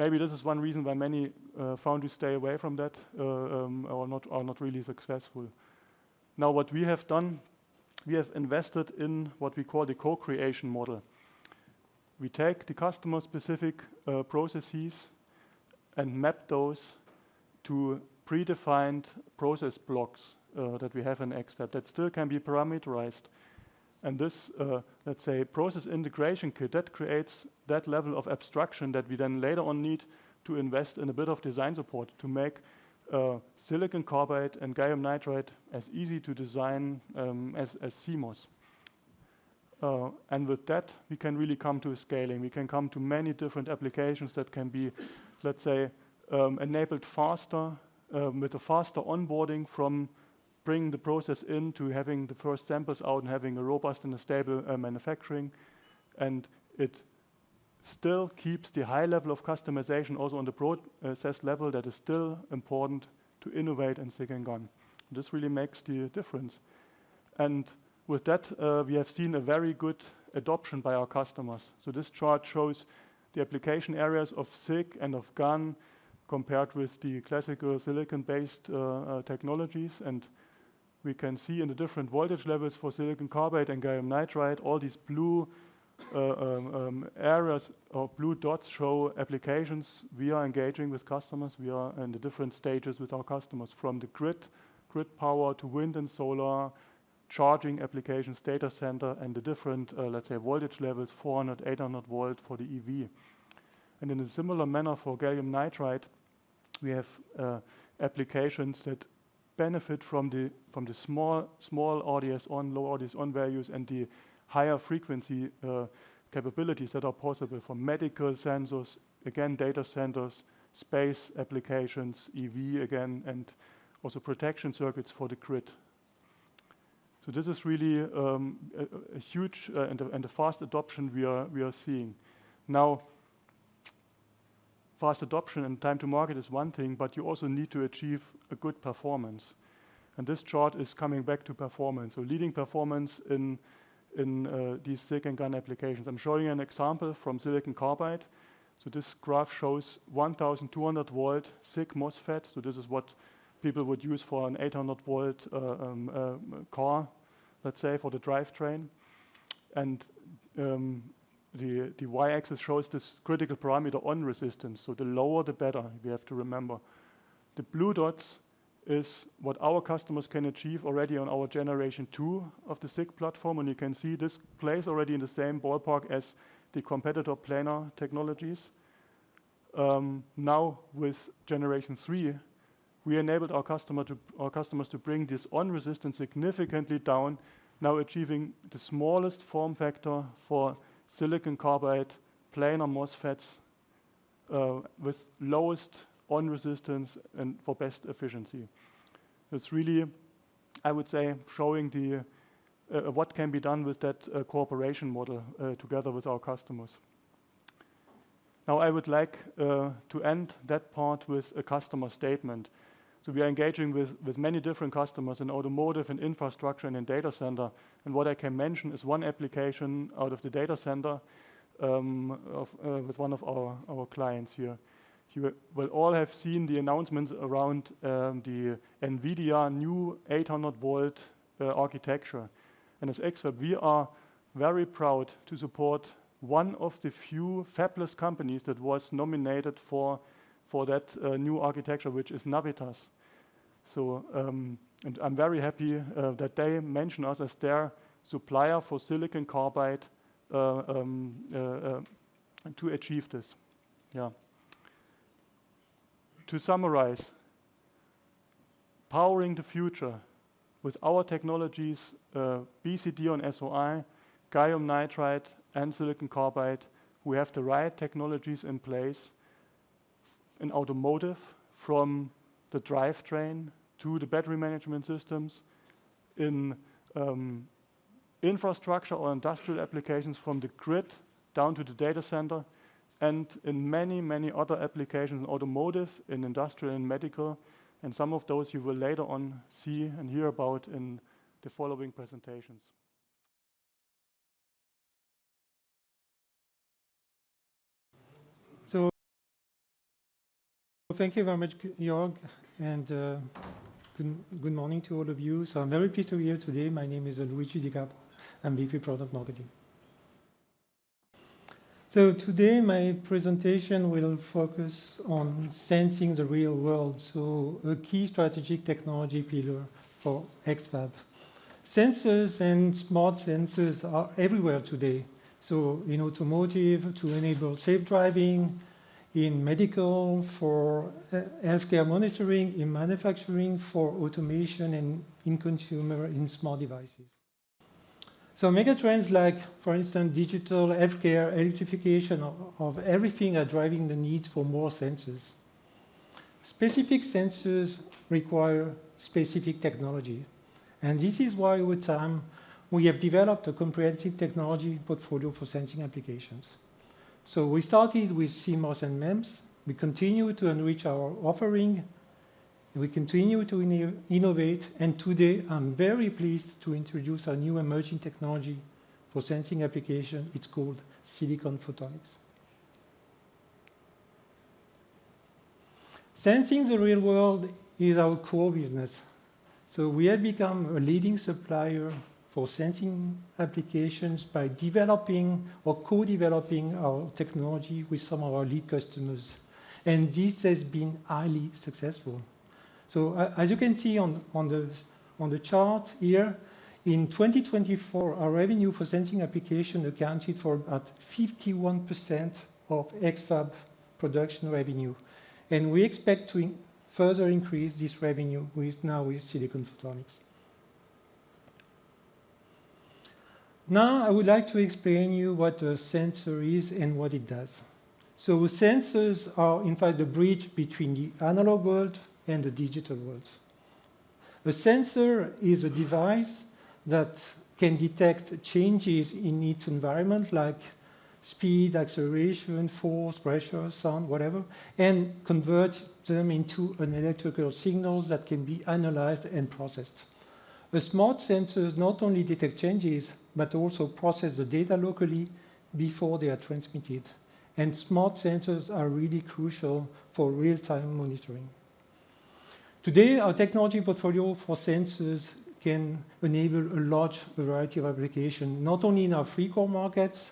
so maybe this is one reason why many foundries stay away from that, or not, are not really successful. Now, what we have done, we have invested in what we call the co-creation model. We take the customer-specific processes and map those to predefined process blocks that we have in X-FAB that still can be parameterized. And this, let's say, process integration kit, that creates that level of abstraction that we then later on need to invest in a bit of design support to make silicon carbide and gallium nitride as easy to design as CMOS. And with that, we can really come to a scaling. We can come to many different applications that can be, let's say, enabled faster with a faster onboarding from bringing the process in, to having the first samples out and having a robust and a stable manufacturing. And it still keeps the high level of customization also on the process level that is still important to innovate in SiC and GaN. This really makes the difference. And with that, we have seen a very good adoption by our customers. So this chart shows the application areas of SiC and of GaN, compared with the classical silicon-based technologies. And we can see in the different voltage levels for silicon carbide and gallium nitride, all these blue areas or blue dots show applications. We are engaging with customers. We are in the different stages with our customers, from the grid, grid power to wind and solar, charging applications, data center, and the different, let's say, voltage levels, 400 V, 800 V for the EV. And in a similar manner for gallium nitride, we have applications that benefit from the small, small RDS(on), low RDS(on) values, and the higher frequency capabilities that are possible for medical sensors, again, data centers, space applications, EV again, and also protection circuits for the grid. So this is really a huge and a fast adoption we are seeing. Now, fast adoption and time to market is one thing, but you also need to achieve a good performance, and this chart is coming back to performance, so leading performance in these SiC and GaN applications. I'm showing you an example from silicon carbide. So this graph shows 1200 V SiC MOSFET. So this is what people would use for an 800 V car, let's say, for the drivetrain. The y-axis shows this critical parameter on-resistance, so the lower, the better, we have to remember. The blue dots is what our customers can achieve already on our generation two of the SiC platform, and you can see this plays already in the same ballpark as the competitor planar technologies. Now, with generation three, we enabled our customers to bring this on-resistance significantly down, now achieving the smallest form factor for Silicon Carbide, planar MOSFETs, with lowest on-resistance and for best efficiency. It's really, I would say, showing what can be done with that cooperation model together with our customers. Now, I would like to end that part with a customer statement. We are engaging with many different customers in automotive, in infrastructure, and in data center. And what I can mention is one application out of the data center, of, with one of our clients here. You will all have seen the announcements around the NVIDIA new 800 V architecture. And as X-FAB, we are very proud to support one of the few fabless companies that was nominated for that new architecture, which is Navitas. So, and I'm very happy that they mention us as their supplier for silicon carbide to achieve this. Yeah. To summarize, powering the future with our technologies, BCD and SOI, gallium nitride, and silicon carbide, we have the right technologies in place in automotive, from the drivetrain to the battery management systems, in infrastructure or industrial applications, from the grid down to the data center, and in many, many other applications, automotive and industrial and medical, and some of those you will later on see and hear about in the following presentations. So—Thank you very much, Jörg, and good morning to all of you, so I'm very pleased to be here today. My name is Luigi Di Capua. I'm VP, Product Marketing. Today, my presentation will focus on sensing the real world, so a key strategic technology pillar for X-FAB. Sensors and smart sensors are everywhere today, so in automotive to enable safe driving, in medical for healthcare monitoring, in manufacturing for automation, and in consumer and smart devices. Megatrends like, for instance, digital healthcare, electrification of everything, are driving the need for more sensors. Specific sensors require specific technology, and this is why, with time, we have developed a comprehensive technology portfolio for sensing applications. We started with CMOS and MEMS. We continue to enrich our offering, and we continue to innovate, and today I'm very pleased to introduce our new emerging technology for sensing application. It's called silicon photonics. Sensing the real world is our core business, so we have become a leading supplier for sensing applications by developing or co-developing our technology with some of our lead customers, and this has been highly successful. So as you can see on the chart here, in 2024, our revenue for sensing application accounted for about 51% of X-FAB production revenue, and we expect to further increase this revenue with silicon photonics. Now, I would like to explain you what a sensor is and what it does. So sensors are, in fact, the bridge between the analog world and the digital world. A sensor is a device that can detect changes in its environment, like speed, acceleration, force, pressure, sound, whatever, and convert them into an electrical signal that can be analyzed and processed. The smart sensors not only detect changes, but also process the data locally before they are transmitted, and smart sensors are really crucial for real-time monitoring. Today, our technology portfolio for sensors can enable a large variety of application, not only in our three core markets,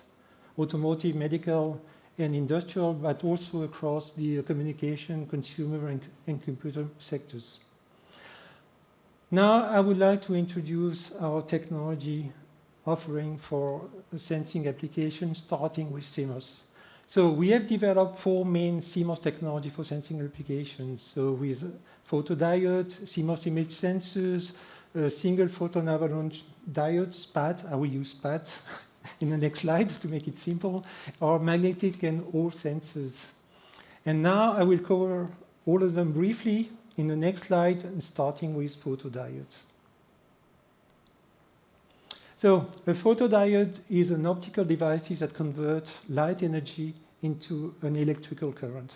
automotive, medical, and industrial, but also across the communication, consumer, and computer sectors. Now, I would like to introduce our technology offering for sensing applications, starting with CMOS. So we have developed four main CMOS technology for sensing applications, so with photodiode, CMOS image sensors, single photon avalanche diodes, SPAD, I will use SPAD in the next slide to make it simple, or magnetic Hall sensors. Now I will cover all of them briefly in the next slide, and starting with photodiodes. A photodiode is an optical device that convert light energy into an electrical current.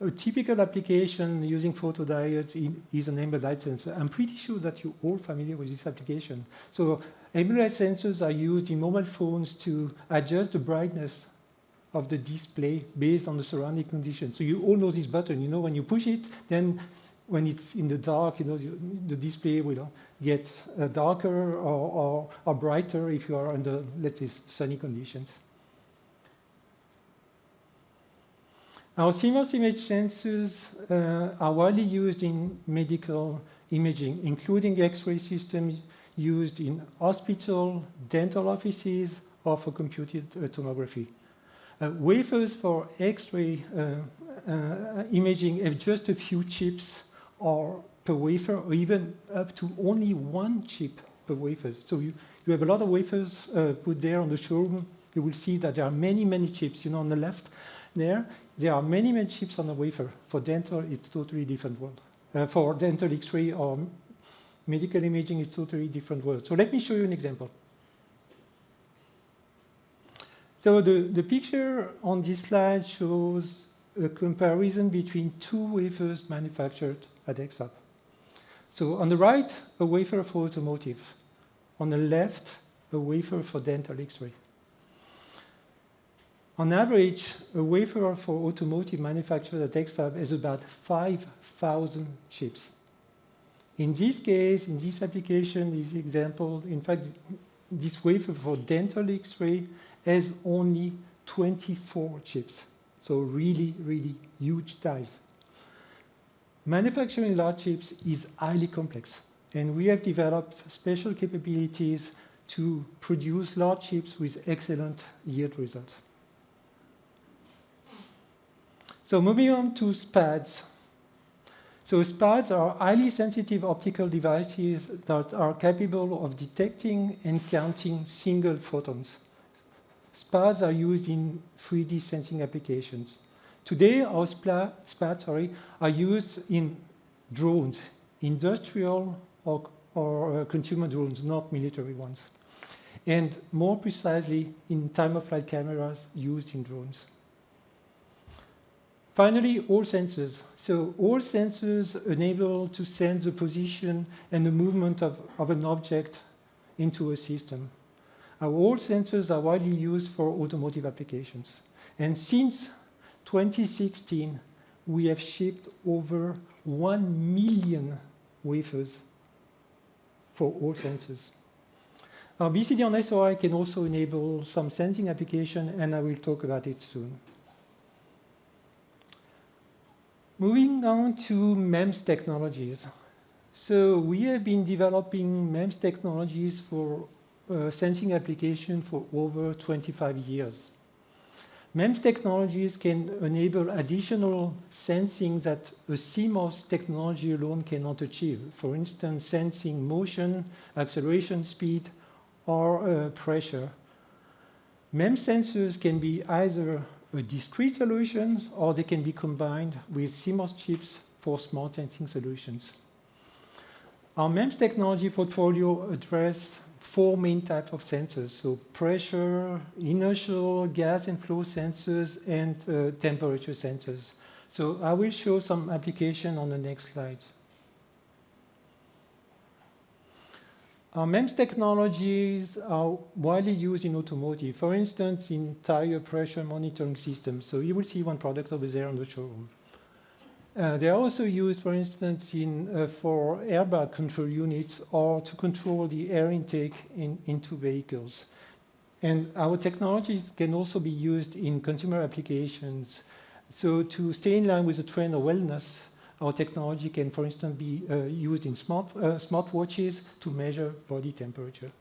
A typical application using photodiode is an ambient light sensor. I'm pretty sure that you're all familiar with this application. Ambient light sensors are used in mobile phones to adjust the brightness of the display based on the surrounding conditions. You all know this button. You know when you push it, then when it's in the dark, you know, the display will get darker or brighter if you are under, let's say, sunny conditions. Our CMOS image sensors are widely used in medical imaging, including X-ray systems used in hospital, dental offices, or for computed tomography. Wafers for X-ray imaging have just a few chips per wafer or even up to only one chip per wafer. So you have a lot of wafers put there on the showroom. You will see that there are many, many chips, you know, on the left there. There are many, many chips on the wafer. For dental, it's a totally different world. For dental X-ray or medical imaging, it's a totally different world. So let me show you an example. So the picture on this slide shows a comparison between two wafers manufactured at X-FAB. So on the right, a wafer for automotive. On the left, a wafer for dental X-ray. On average, a wafer for automotive manufactured at X-FAB is about five thousand chips. In this case, in this application, this example, in fact, this wafer for dental X-ray has only 24 chips, so really, really huge tiles. Manufacturing large chips is highly complex, and we have developed special capabilities to produce large chips with excellent yield results. Moving on to SPADs. SPADs are highly sensitive optical devices that are capable of detecting and counting single photons. SPADs are used in 3D sensing applications. Today, our SPADs are used in drones, industrial or consumer drones, not military ones, and more precisely, in time-of-flight cameras used in drones. Finally, Hall sensors. Hall sensors enable to send the position and the movement of an object into a system. Our Hall sensors are widely used for automotive applications, and since 2016, we have shipped over 1 million wafers for Hall sensors. Now, BCD-on-SOI can also enable some sensing application, and I will talk about it soon. Moving on to MEMS technologies. We have been developing MEMS technologies for sensing application for over twenty-five years. MEMS technologies can enable additional sensing that a CMOS technology alone cannot achieve. For instance, sensing motion, acceleration, speed, or pressure. MEMS sensors can be either a discrete solutions, or they can be combined with CMOS chips for smart sensing solutions. Our MEMS technology portfolio address four main types of sensors: so pressure, inertial, gas and flow sensors, and temperature sensors. So I will show some application on the next slide. Our MEMS technologies are widely used in automotive, for instance, in tire pressure monitoring systems. So you will see one product over there on the showroom. They are also used, for instance, in for airbag control units or to control the air intake into vehicles, and our technologies can also be used in consumer applications, so to stay in line with the trend of wellness, our technology can, for instance, be used in smartwatches to measure body temperature.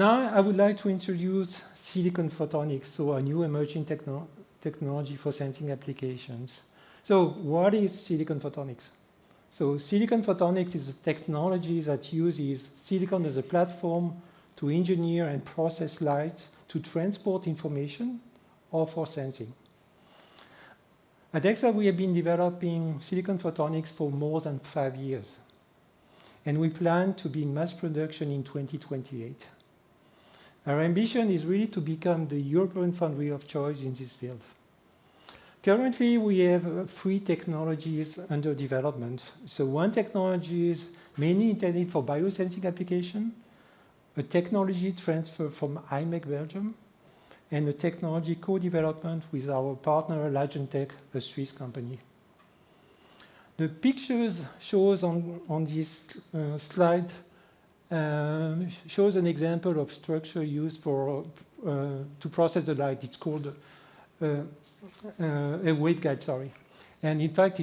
Now, I would like to introduce Silicon Photonics, so a new emerging technology for sensing applications. So what is Silicon Photonics? So Silicon Photonics is a technology that uses silicon as a platform to engineer and process light, to transport information, or for sensing. At X-FAB, we have been developing Silicon Photonics for more than five years, and we plan to be in mass production in 2028. Our ambition is really to become the European foundry of choice in this field. Currently, we have three technologies under development. So one technology is mainly intended for biosensing application, a technology transfer from imec, Belgium, and a technology co-development with our partner, LIGENTEC, a Swiss company. The pictures shows on this slide shows an example of structure used to process the light. It's called a waveguide, sorry. And in fact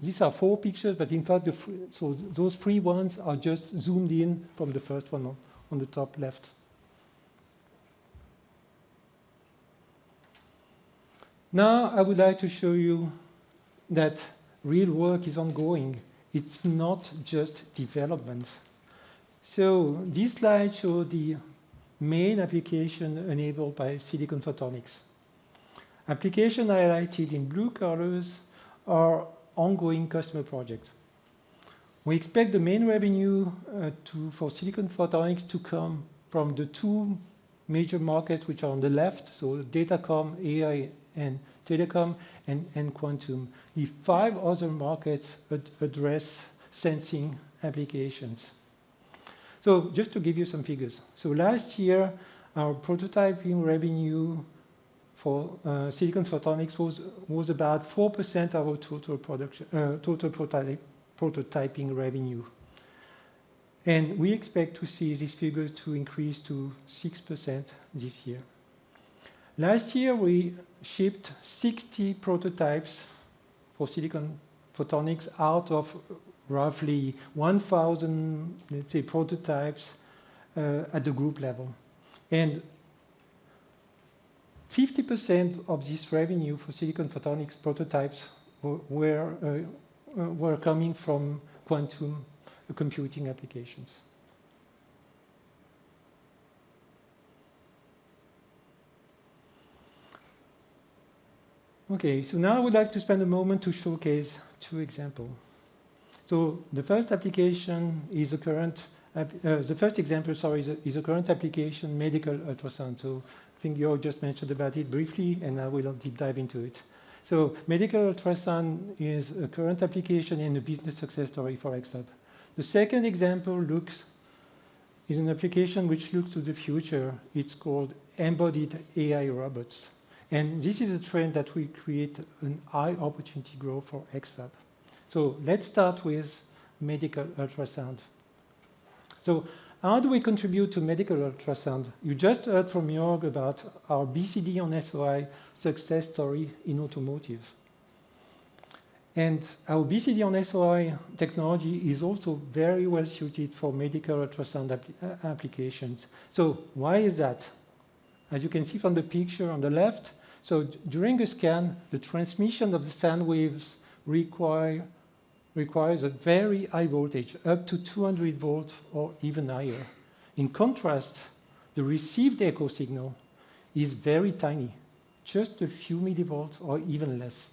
these are four pictures, but in fact so those three ones are just zoomed in from the first one on the top left. Now, I would like to show you that real work is ongoing. It's not just development. So this slide show the main application enabled by silicon photonics. Application highlighted in blue colors are ongoing customer projects. We expect the main revenue for silicon photonics to come from the two major markets, which are on the left, so datacom, AI and telecom, and quantum. The five other markets address sensing applications. So just to give you some figures. So last year, our prototyping revenue for silicon photonics was about 4% of our total production, total prototyping revenue, and we expect to see this figure to increase to 6% this year. Last year, we shipped 60 prototypes for silicon photonics out of roughly 1,000, let's say, prototypes at the group level, and 50% of this revenue for silicon photonics prototypes were coming from quantum computing applications. Okay, so now I would like to spend a moment to showcase two examples. The first example, sorry, is a current application, medical ultrasound. I think Jörg just mentioned about it briefly, and now we will deep dive into it. Medical ultrasound is a current application and a business success story for X-FAB. The second example is an application which looks to the future. It's called embodied AI robots, and this is a trend that will create a high opportunity growth for X-FAB. Let's start with medical ultrasound. How do we contribute to medical ultrasound? You just heard from Jörg about our BCD-on-SOI success story in automotive. Our BCD-on-SOI technology is also very well suited for medical ultrasound applications. Why is that? As you can see from the picture on the left, during a scan, the transmission of the sound waves requires a very high voltage, up to 200 V or even higher. In contrast, the received echo signal is very tiny, just a few mV or even less.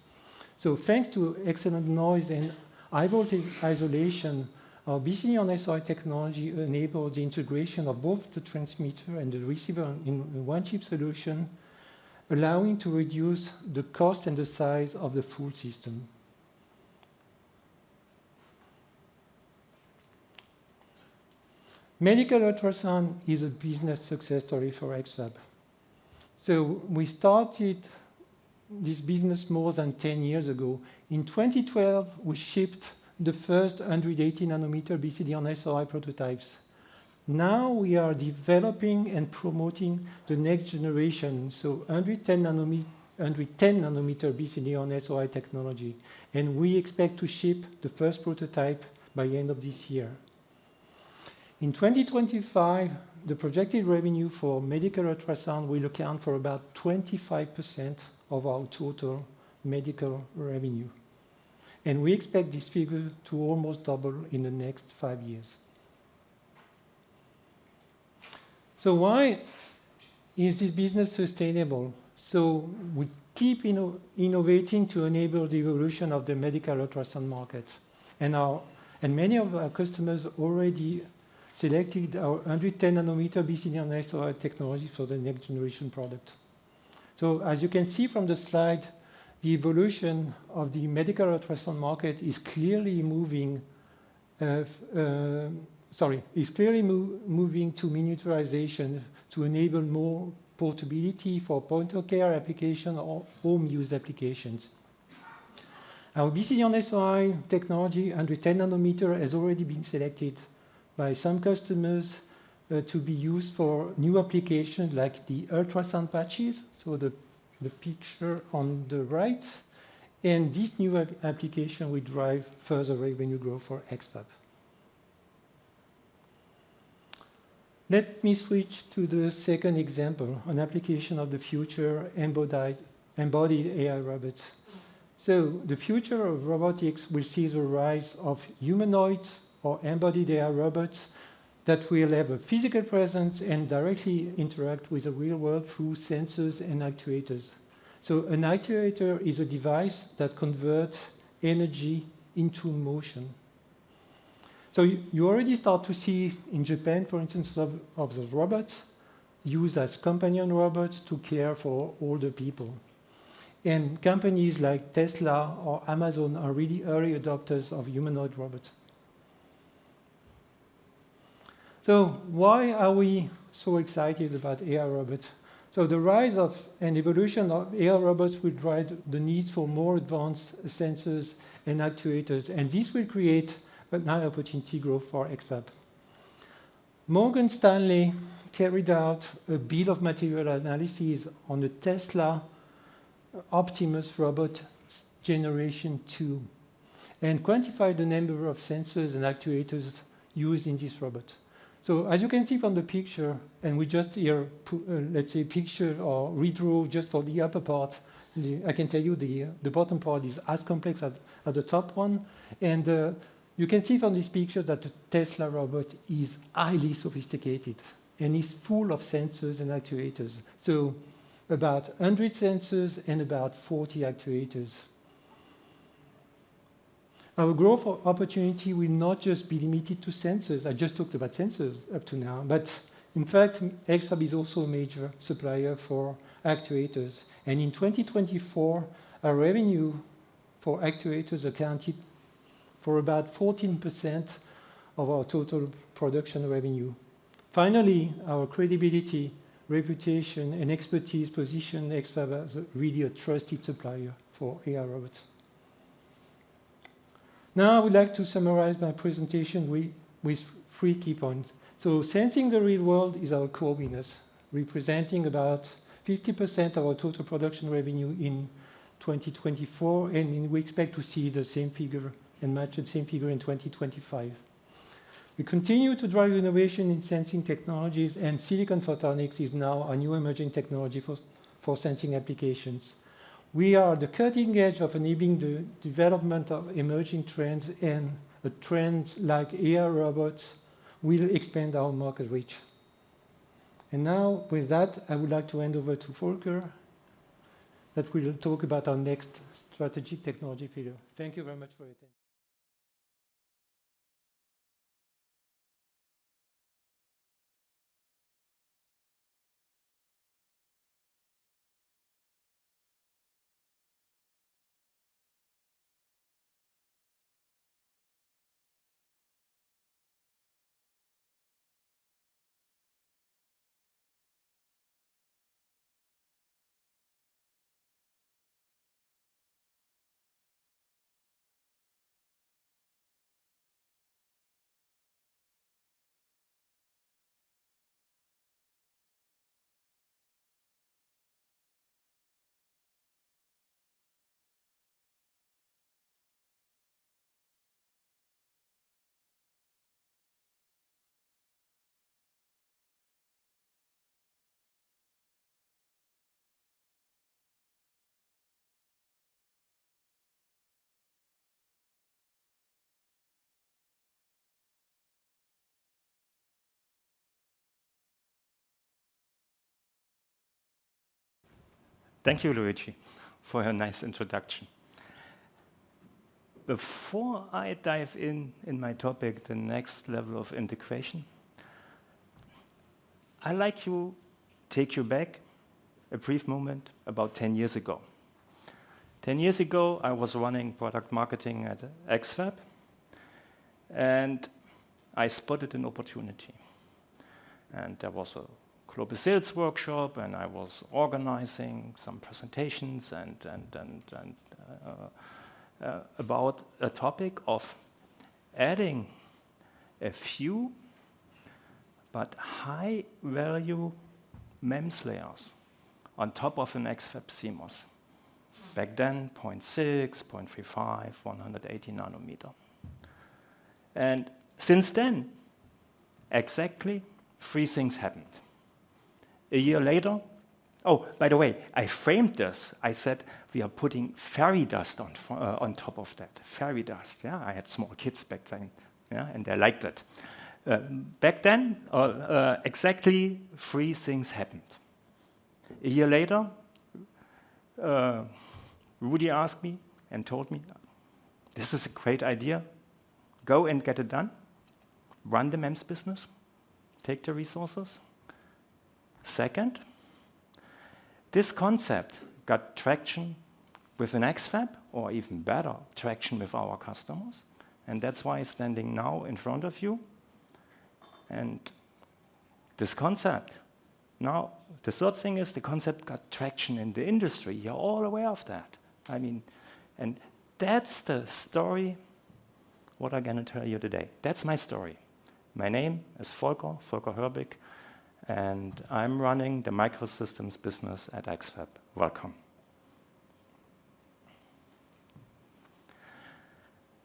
So thanks to excellent noise and high voltage isolation, our BCD-on-SOI technology enabled the integration of both the transmitter and the receiver in one chip solution, allowing to reduce the cost and the size of the full system. Medical ultrasound is a business success story for X-FAB. We started this business more than 10 years ago. In 2012, we shipped the first 180-nm BCD-on-SOI prototypes. Now, we are developing and promoting the next generation, so 110 nm BCD-on-SOI technology, and we expect to ship the first prototype by end of this year. In 2025, the projected revenue for medical ultrasound will account for about 25% of our total medical revenue, and we expect this figure to almost double in the next five years. So why is this business sustainable? So we keep innovating to enable the evolution of the medical ultrasound market, and many of our customers already selected our 110 nm BCD-on-SOI technology for the next generation product. So as you can see from the slide, the evolution of the medical ultrasound market is clearly moving to miniaturization to enable more portability for point-of-care application or home use applications. Our BCD-on-SOI technology, 110 nm, has already been selected by some customers to be used for new applications, like the ultrasound patches, so the picture on the right, and this new application will drive further revenue growth for X-FAB. Let me switch to the second example, an application of the future, embodied AI robots. The future of robotics will see the rise of humanoids or embodied AI robots that will have a physical presence and directly interact with the real world through sensors and actuators. An actuator is a device that convert energy into motion. You already start to see, in Japan, for instance, of those robots used as companion robots to care for older people, and companies like Tesla or Amazon are really early adopters of humanoid robots. Why are we so excited about AI robot? The rise of and evolution of AI robots will drive the need for more advanced sensors and actuators, and this will create an opportunity to grow for X-FAB. Morgan Stanley carried out a bill of material analysis on the Tesla Optimus robot, generation two, and quantified the number of sensors and actuators used in this robot. As you can see from the picture, and we just here, let's say picture or redraw just for the upper part, I can tell you, the bottom part is as complex as the top one. You can see from this picture that the Tesla robot is highly sophisticated and is full of sensors and actuators, so about 100 sensors and about 40 actuators. Our growth opportunity will not just be limited to sensors. I just talked about sensors up to now, but in fact, X-FAB is also a major supplier for actuators, and in 2024, our revenue for actuators accounted for about 14% of our total production revenue. Finally, our credibility, reputation, and expertise position X-FAB as really a trusted supplier for AI robots. Now, I would like to summarize my presentation with three key points. Sensing the real world is our core business, representing about 50% of our total production revenue in 2024, and we expect to see the same figure, and match the same figure in 2025. We continue to drive innovation in sensing technologies, and silicon photonics is now a new emerging technology for sensing applications. We are at the cutting edge of enabling the development of emerging trends, and a trend like AI robots will expand our market reach. Now, with that, I would like to hand over to Volker, that will talk about our next strategic technology pillar. Thank you very much for your attention. Thank you, Luigi, for your nice introduction. Before I dive in, in my topic, the next level of integration, I'd like to take you back a brief moment about 10 years ago. Ten years ago, I was running product marketing at X-FAB, and I spotted an opportunity. There was a global sales workshop, and I was organizing some presentations about a topic of adding a few, but high-value MEMS layers on top of an X-FAB CMOS. Back then, 0.6, 0.35, 180 nm. Since then, exactly three things happened. A year later—Oh, by the way, I framed this. I said, "We are putting fairy dust on top of that." Fairy dust. Yeah, I had small kids back then, yeah, and they liked it. Back then, exactly three things happened. A year later, Rudi asked me and told me, "This is a great idea. Go and get it done. Run the MEMS business. Take the resources." Second, this concept got traction with an X-FAB, or even better, traction with our customers, and that's why I'm standing now in front of you. And this concept, now, the third thing is the concept got traction in the industry. You're all aware of that. I mean, and that's the story what I'm gonna tell you today. That's my story. My name is Volker, Volker Herbig, and I'm running the Microsystems business at X-FAB. Welcome.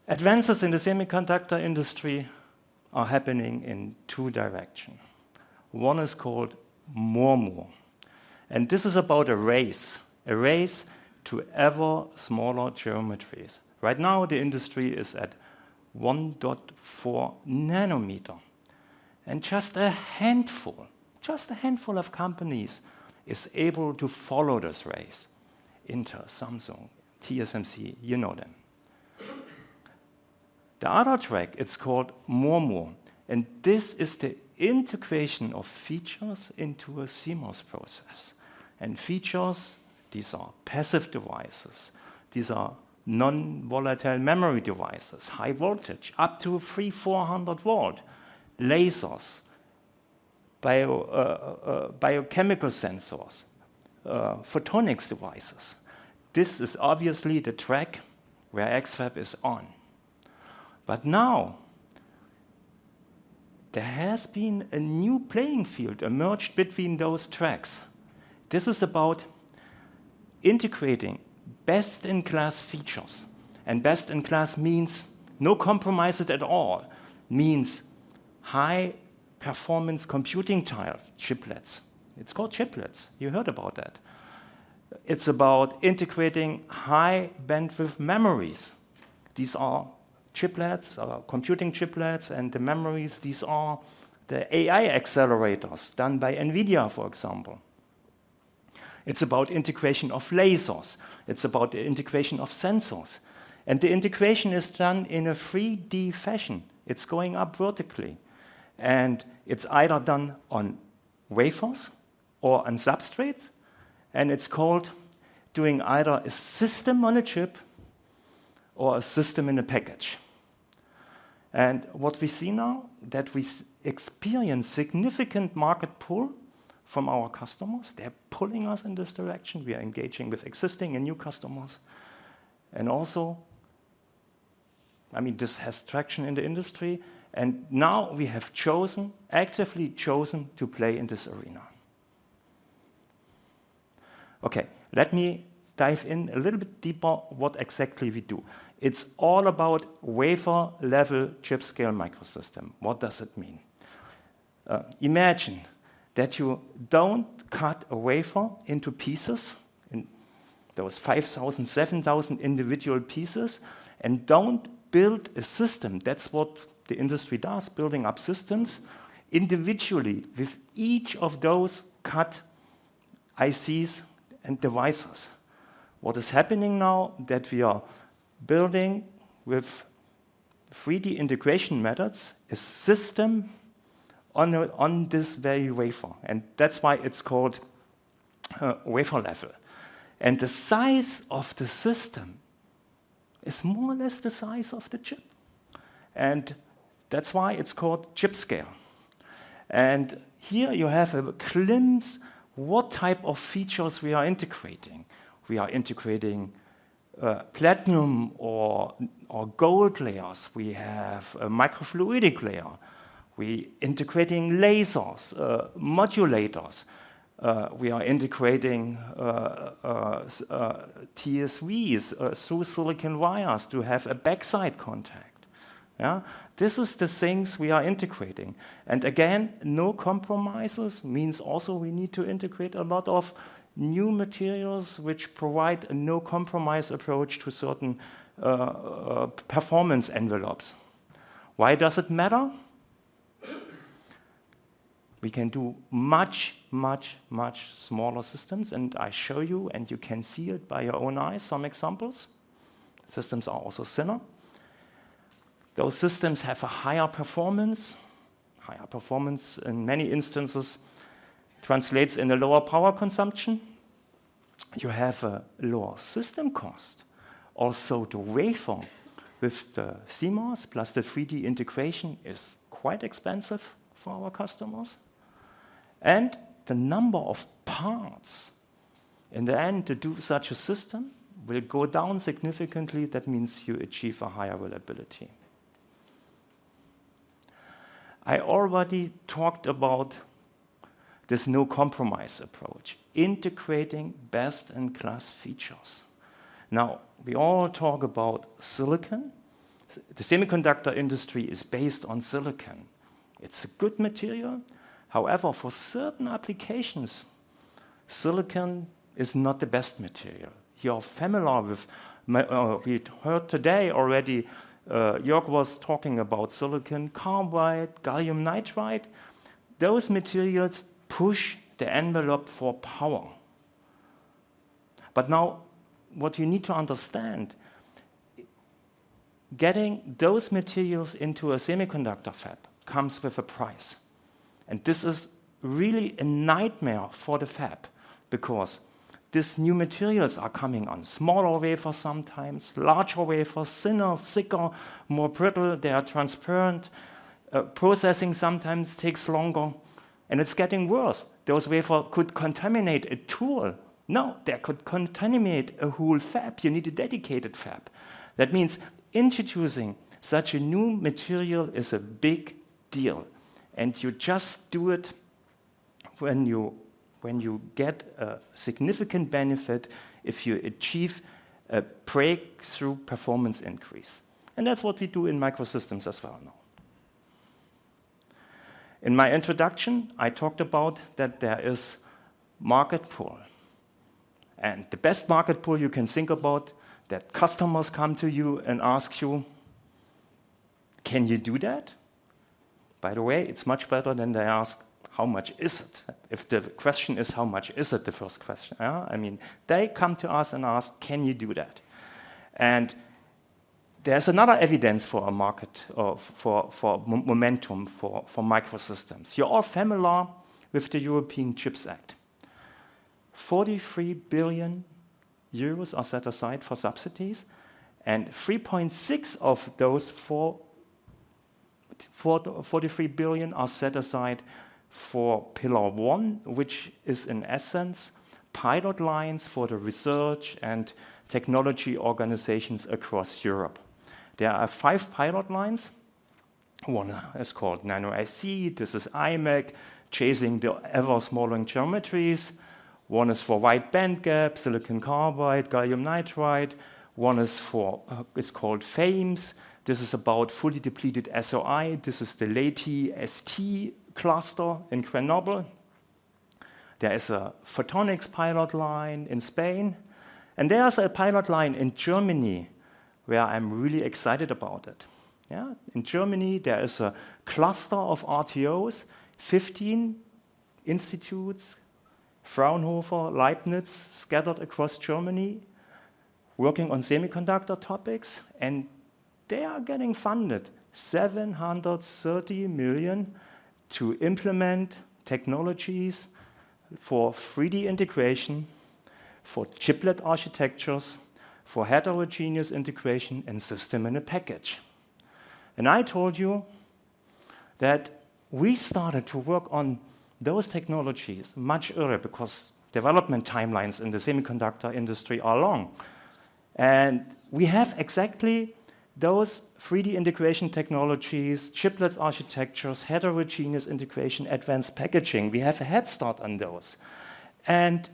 Advances in the semiconductor industry are happening in two direction. One is called More Moore, and this is about a race, a race to ever smaller geometries. Right now, the industry is at 1.4 nm, and just a handful of companies is able to follow this race: Intel, Samsung, TSMC, you know them. The other track, it's called More Moore, and this is the integration of features into a seamless process. And features, these are passive devices, these are non-volatile memory devices, high voltage, up to 3,400 volt, lasers, biochemical sensors, photonics devices. This is obviously the track where X-FAB is on. But now, there has been a new playing field emerged between those tracks. This is about integrating best-in-class features, and best-in-class means no compromises at all, means high-performance computing tiles, chiplets. It's called chiplets. You heard about that. It's about integrating high bandwidth memories. These are chiplets, computing chiplets, and the memories, these are the AI accelerators done by NVIDIA, for example. It's about integration of lasers. It's about the integration of sensors. And the integration is done in a 3D fashion. It's going up vertically, and it's either done on wafers or on substrates, and it's called doing either a system-on-a-chip or a system-in-a-package. And what we see now, that we experience significant market pull from our customers. They're pulling us in this direction. We are engaging with existing and new customers, and also, I mean, this has traction in the industry, and now we have chosen, actively chosen to play in this arena. Okay, let me dive in a little bit deeper what exactly we do. It's all about wafer-level chip-scale microsystem. What does it mean? Imagine that you don't cut a wafer into pieces, and there was 5,000, 7,000 individual pieces, and don't build a system. That's what the industry does, building up systems, individually with each of those cut ICs and devices. What is happening now, that we are building with 3D integration methods, a system on a, on this very wafer, and that's why it's called, wafer-level. And the size of the system is more or less the size of the chip, and that's why it's called chip scale. And here you have a glimpse what type of features we are integrating. We are integrating, platinum or, or gold layers. We have a microfluidic layer. We integrating lasers, modulators. We are integrating, TSVs, through silicon vias, to have a backside contact. Yeah? This is the things we are integrating, and again, no compromises means also we need to integrate a lot of new materials, which provide a no-compromise approach to certain, performance envelopes. Why does it matter? We can do much, much, much smaller systems, and I show you, and you can see it by your own eyes, some examples. Systems are also thinner. Those systems have a higher performance. Higher performance in many instances translates into lower power consumption. You have a lower system cost. Also, the wafer with the CMOS, plus the 3D integration, is quite expensive for our customers, and the number of parts in the end to do such a system will go down significantly. That means you achieve a higher reliability. I already talked about this no-compromise approach, integrating best-in-class features. Now, we all talk about silicon. The semiconductor industry is based on silicon. It's a good material, however, for certain applications, silicon is not the best material. You are familiar with, we heard today already, Jörg was talking about silicon carbide, gallium nitride. Those materials push the envelope for power. But now, what you need to understand, getting those materials into a semiconductor fab comes with a price, and this is really a nightmare for the fab because these new materials are coming on smaller wafer, sometimes larger wafer, thinner, thicker, more brittle. They are transparent. Processing sometimes takes longer, and it's getting worse. Those wafer could contaminate a tool. No, they could contaminate a whole fab. You need a dedicated fab. That means introducing such a new material is a big deal, and you just do it when you get a significant benefit, if you achieve a breakthrough performance increase, and that's what we do in Microsystems as well now. In my introduction, I talked about that there is market pull, and the best market pull you can think about, that customers come to you and ask you, "Can you do that?" By the way, it's much better than they ask, "How much is it?" If the question is, how much is it, the first question. I mean, they come to us and ask, "Can you do that?" And there's another evidence for a market momentum for Microsystems. You're all familiar with the European Chips Act. 43 billion euros are set aside for subsidies, and 3.6 of those 43 billion EUR are set aside for Pillar One, which is, in essence, pilot lines for the research and technology organizations across Europe. There are five pilot lines. One is called NanoIC. This is imec, chasing the ever-smaller geometries. One is for wide bandgap, silicon carbide, gallium nitride. One is for, it's called FAMES. This is about fully depleted SOI. This is the Leti ST cluster in Grenoble. There is a photonics pilot line in Spain, and there is a pilot line in Germany, where I'm really excited about it. Yeah, in Germany, there is a cluster of RTOs, 15 institutes, Fraunhofer, Leibniz, scattered across Germany, working on semiconductor topics, and they are getting funded 730 million to implement technologies for 3D integration, for chiplet architectures, for heterogeneous integration, and system in a package. And I told you that we started to work on those technologies much earlier because development timelines in the semiconductor industry are long. And we have exactly those 3D integration technologies, chiplets architectures, heterogeneous integration, advanced packaging. We have a head start on those. And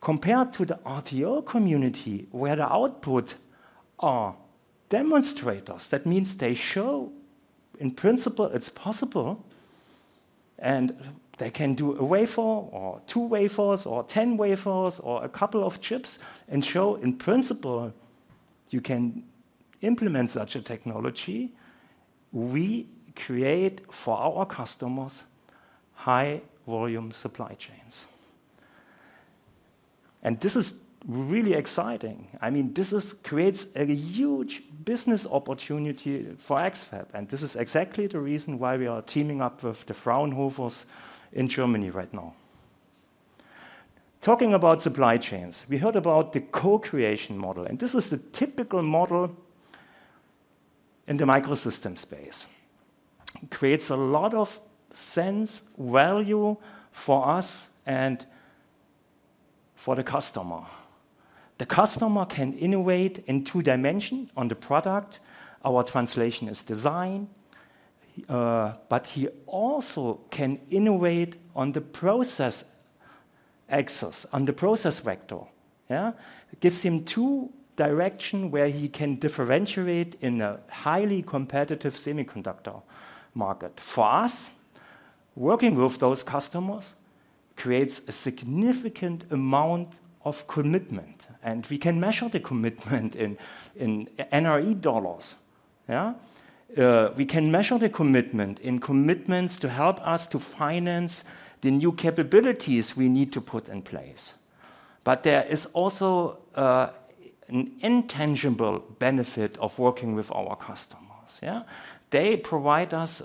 compared to the RTO community, where the output are demonstrators, that means they show, in principle, it's possible, and they can do a wafer or two wafers or ten wafers or a couple of chips, and show, in principle, you can implement such a technology. We create, for our customers, high-volume supply chains. And this is really exciting. I mean, this creates a huge business opportunity for X-FAB, and this is exactly the reason why we are teaming up with the Fraunhofer in Germany right now. Talking about supply chains, we heard about the co-creation model, and this is the typical model in the microsystem space. It creates a lot of sense, value for us and for the customer. The customer can innovate in two dimension on the product, our translation is design, but he also can innovate on the process axis, on the process vector. Yeah? It gives him two directions where he can differentiate in a highly competitive semiconductor market. For us, working with those customers creates a significant amount of commitment, and we can measure the commitment in NRE dollars. Yeah? We can measure the commitment in commitments to help us to finance the new capabilities we need to put in place. But there is also an intangible benefit of working with our customers. Yeah? They provide us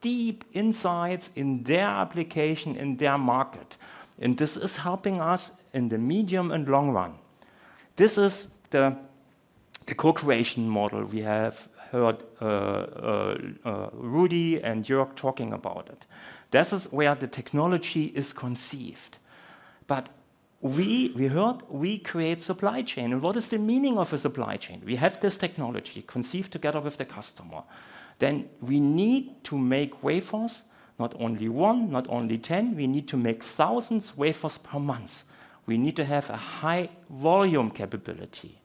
deep insights in their application, in their market, and this is helping us in the medium and long run. This is the co-creation model we have heard Rudi and Jörg talking about it. This is where the technology is conceived. But we heard we create supply chain, and what is the meaning of a supply chain? We have this technology, conceived together with the customer. Then we need to make wafers, not only one, not only 10, we need to make thousands of wafers per month. We need to have a high volume capability.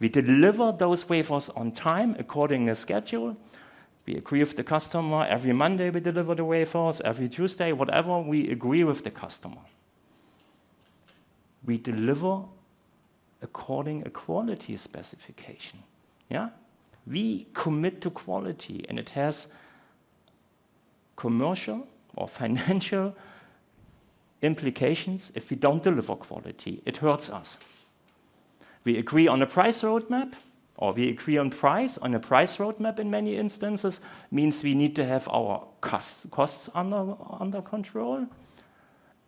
We deliver those wafers on time, according to a schedule we agree with the customer. Every Monday, we deliver the wafers, every Tuesday, whatever we agree with the customer. We deliver according to a quality specification. Yeah? We commit to quality, and it has commercial or financial implications if we don't deliver quality, it hurts us. We agree on a price roadmap, or we agree on price, on a price roadmap in many instances, means we need to have our costs under control.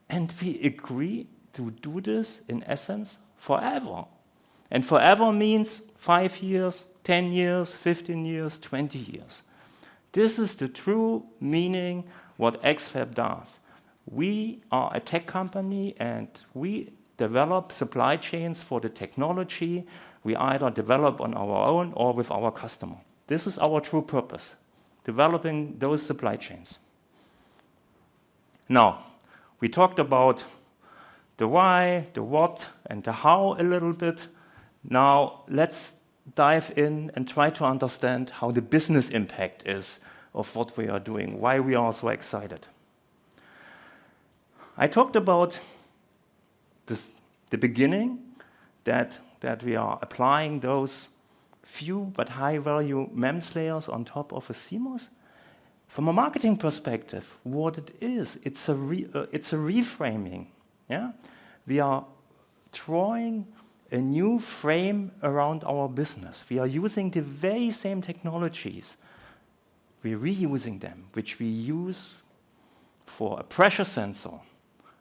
And we agree to do this, in essence, forever. And forever means five years, 10 years, 15 years, 20 years. This is the true meaning of what X-FAB does. We are a tech company, and we develop supply chains for the technology we either develop on our own or with our customer. This is our true purpose, developing those supply chains. Now, we talked about the why, the what, and the how a little bit. Now, let's dive in and try to understand how the business impact is of what we are doing, why we are so excited. I talked about this at the beginning, that we are applying those few but high-value MEMS layers on top of a CMOS. From a marketing perspective, what it is, it's a reframing. Yeah? We are drawing a new frame around our business. We are using the very same technologies, we're reusing them, which we use for a pressure sensor,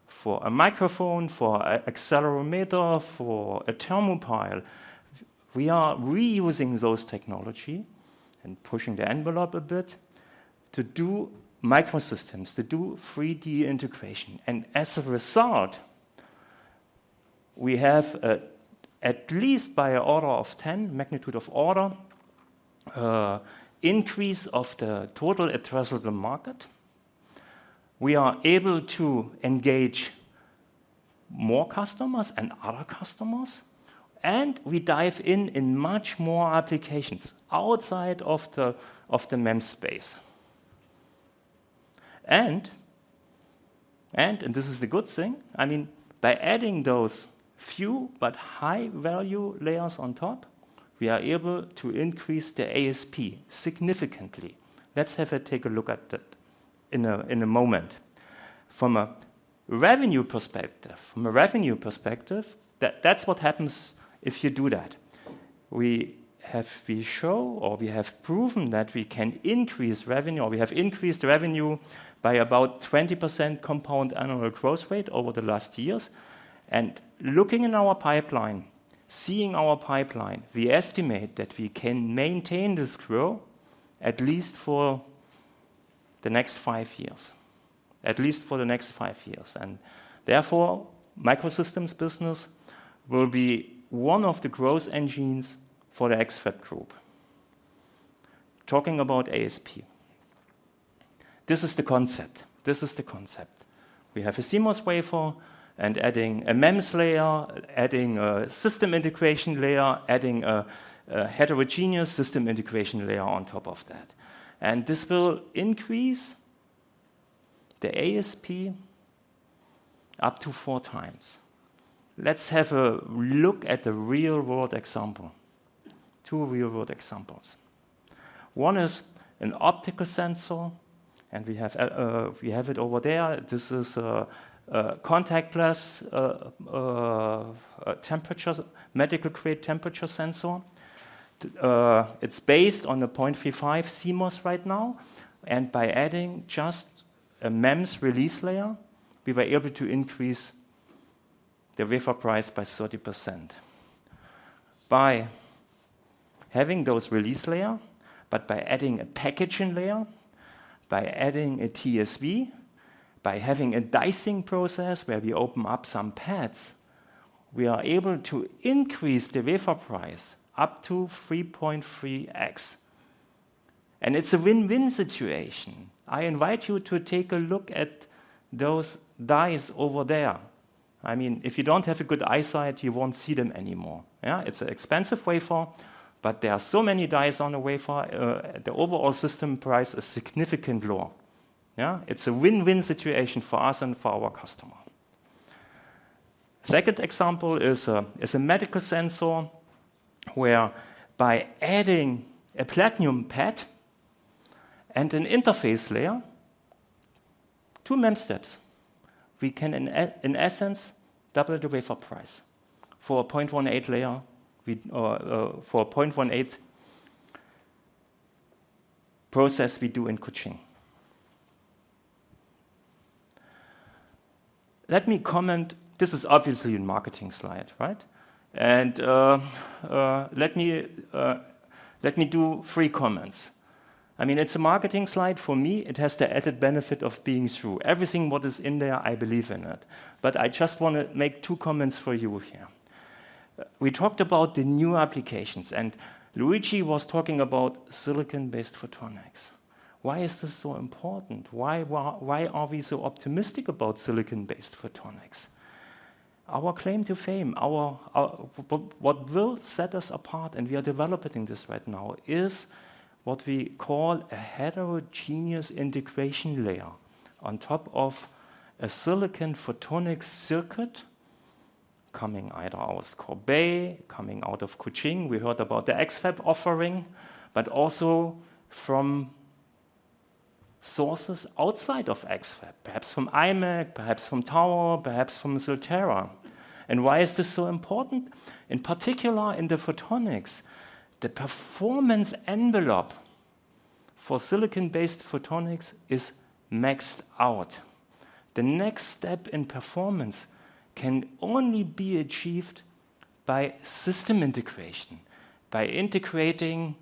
for a microphone, for an accelerometer, for a thermopile. We are reusing those technology and pushing the envelope a bit to do microsystems, to do 3D integration. And as a result, we have, at least by an order of 10, magnitude of order, increase of the total addressable market. We are able to engage more customers and other customers, and we dive in much more applications outside of the MEMS space. And this is the good thing, I mean, by adding those few but high-value layers on top, we are able to increase the ASP significantly. Let's take a look at that in a moment. From a revenue perspective, that's what happens if you do that. We have— We show, or we have proven that we can increase revenue, or we have increased revenue by about 20% compound annual growth rate over the last years. Looking in our pipeline, seeing our pipeline, we estimate that we can maintain this growth at least for the next five years, at least for the next five years. Therefore, microsystems business will be one of the growth engines for the X-FAB Group. Talking about ASP, this is the concept. This is the concept. We have a CMOS wafer, and adding a MEMS layer, adding a system integration layer, adding a heterogeneous system integration layer on top of that. This will increase the ASP up to four times. Let's have a look at the real-world example, two real-world examples. One is an optical sensor, and we have, we have it over there. This is a contactless temperature sensor, medical-grade. It's based on the 0.35 CMOS right now, and by adding just a MEMS release layer, we were able to increase the wafer price by 30%. By having those release layer, but by adding a packaging layer, by adding a TSV, by having a dicing process where we open up some pads, we are able to increase the wafer price up to 3.3x. And it's a win-win situation. I invite you to take a look at those dies over there. I mean, if you don't have a good eyesight, you won't see them anymore. Yeah, it's an expensive wafer, but there are so many dies on the wafer, the overall system price is significantly low. Yeah? It's a win-win situation for us and for our customer. Second example is a medical sensor, where by adding a platinum pad and an interface layer, two main steps, we can in essence double the wafer price for a 0.18 process we do in Kuching. Let me comment. This is obviously a marketing slide, right? And let me do three comments. I mean, it's a marketing slide. For me, it has the added benefit of being true. Everything what is in there, I believe in it. But I just wanna make two comments for you here. We talked about the new applications, and Luigi was talking about silicon-based photonics. Why is this so important? Why, why, why are we so optimistic about silicon-based photonics? Our claim to fame, our. What, what will set us apart, and we are developing this right now, is what we call a heterogeneous integration layer on top of a silicon photonic circuit coming out of our Corbeil, coming out of Kuching. We heard about the X-FAB offering, but also from sources outside of X-FAB, perhaps from imec, perhaps from Tower, perhaps from Silterra. And why is this so important? In particular, in the photonics, the performance envelope for silicon-based photonics is maxed out. The next step in performance can only be achieved by system integration, by integrating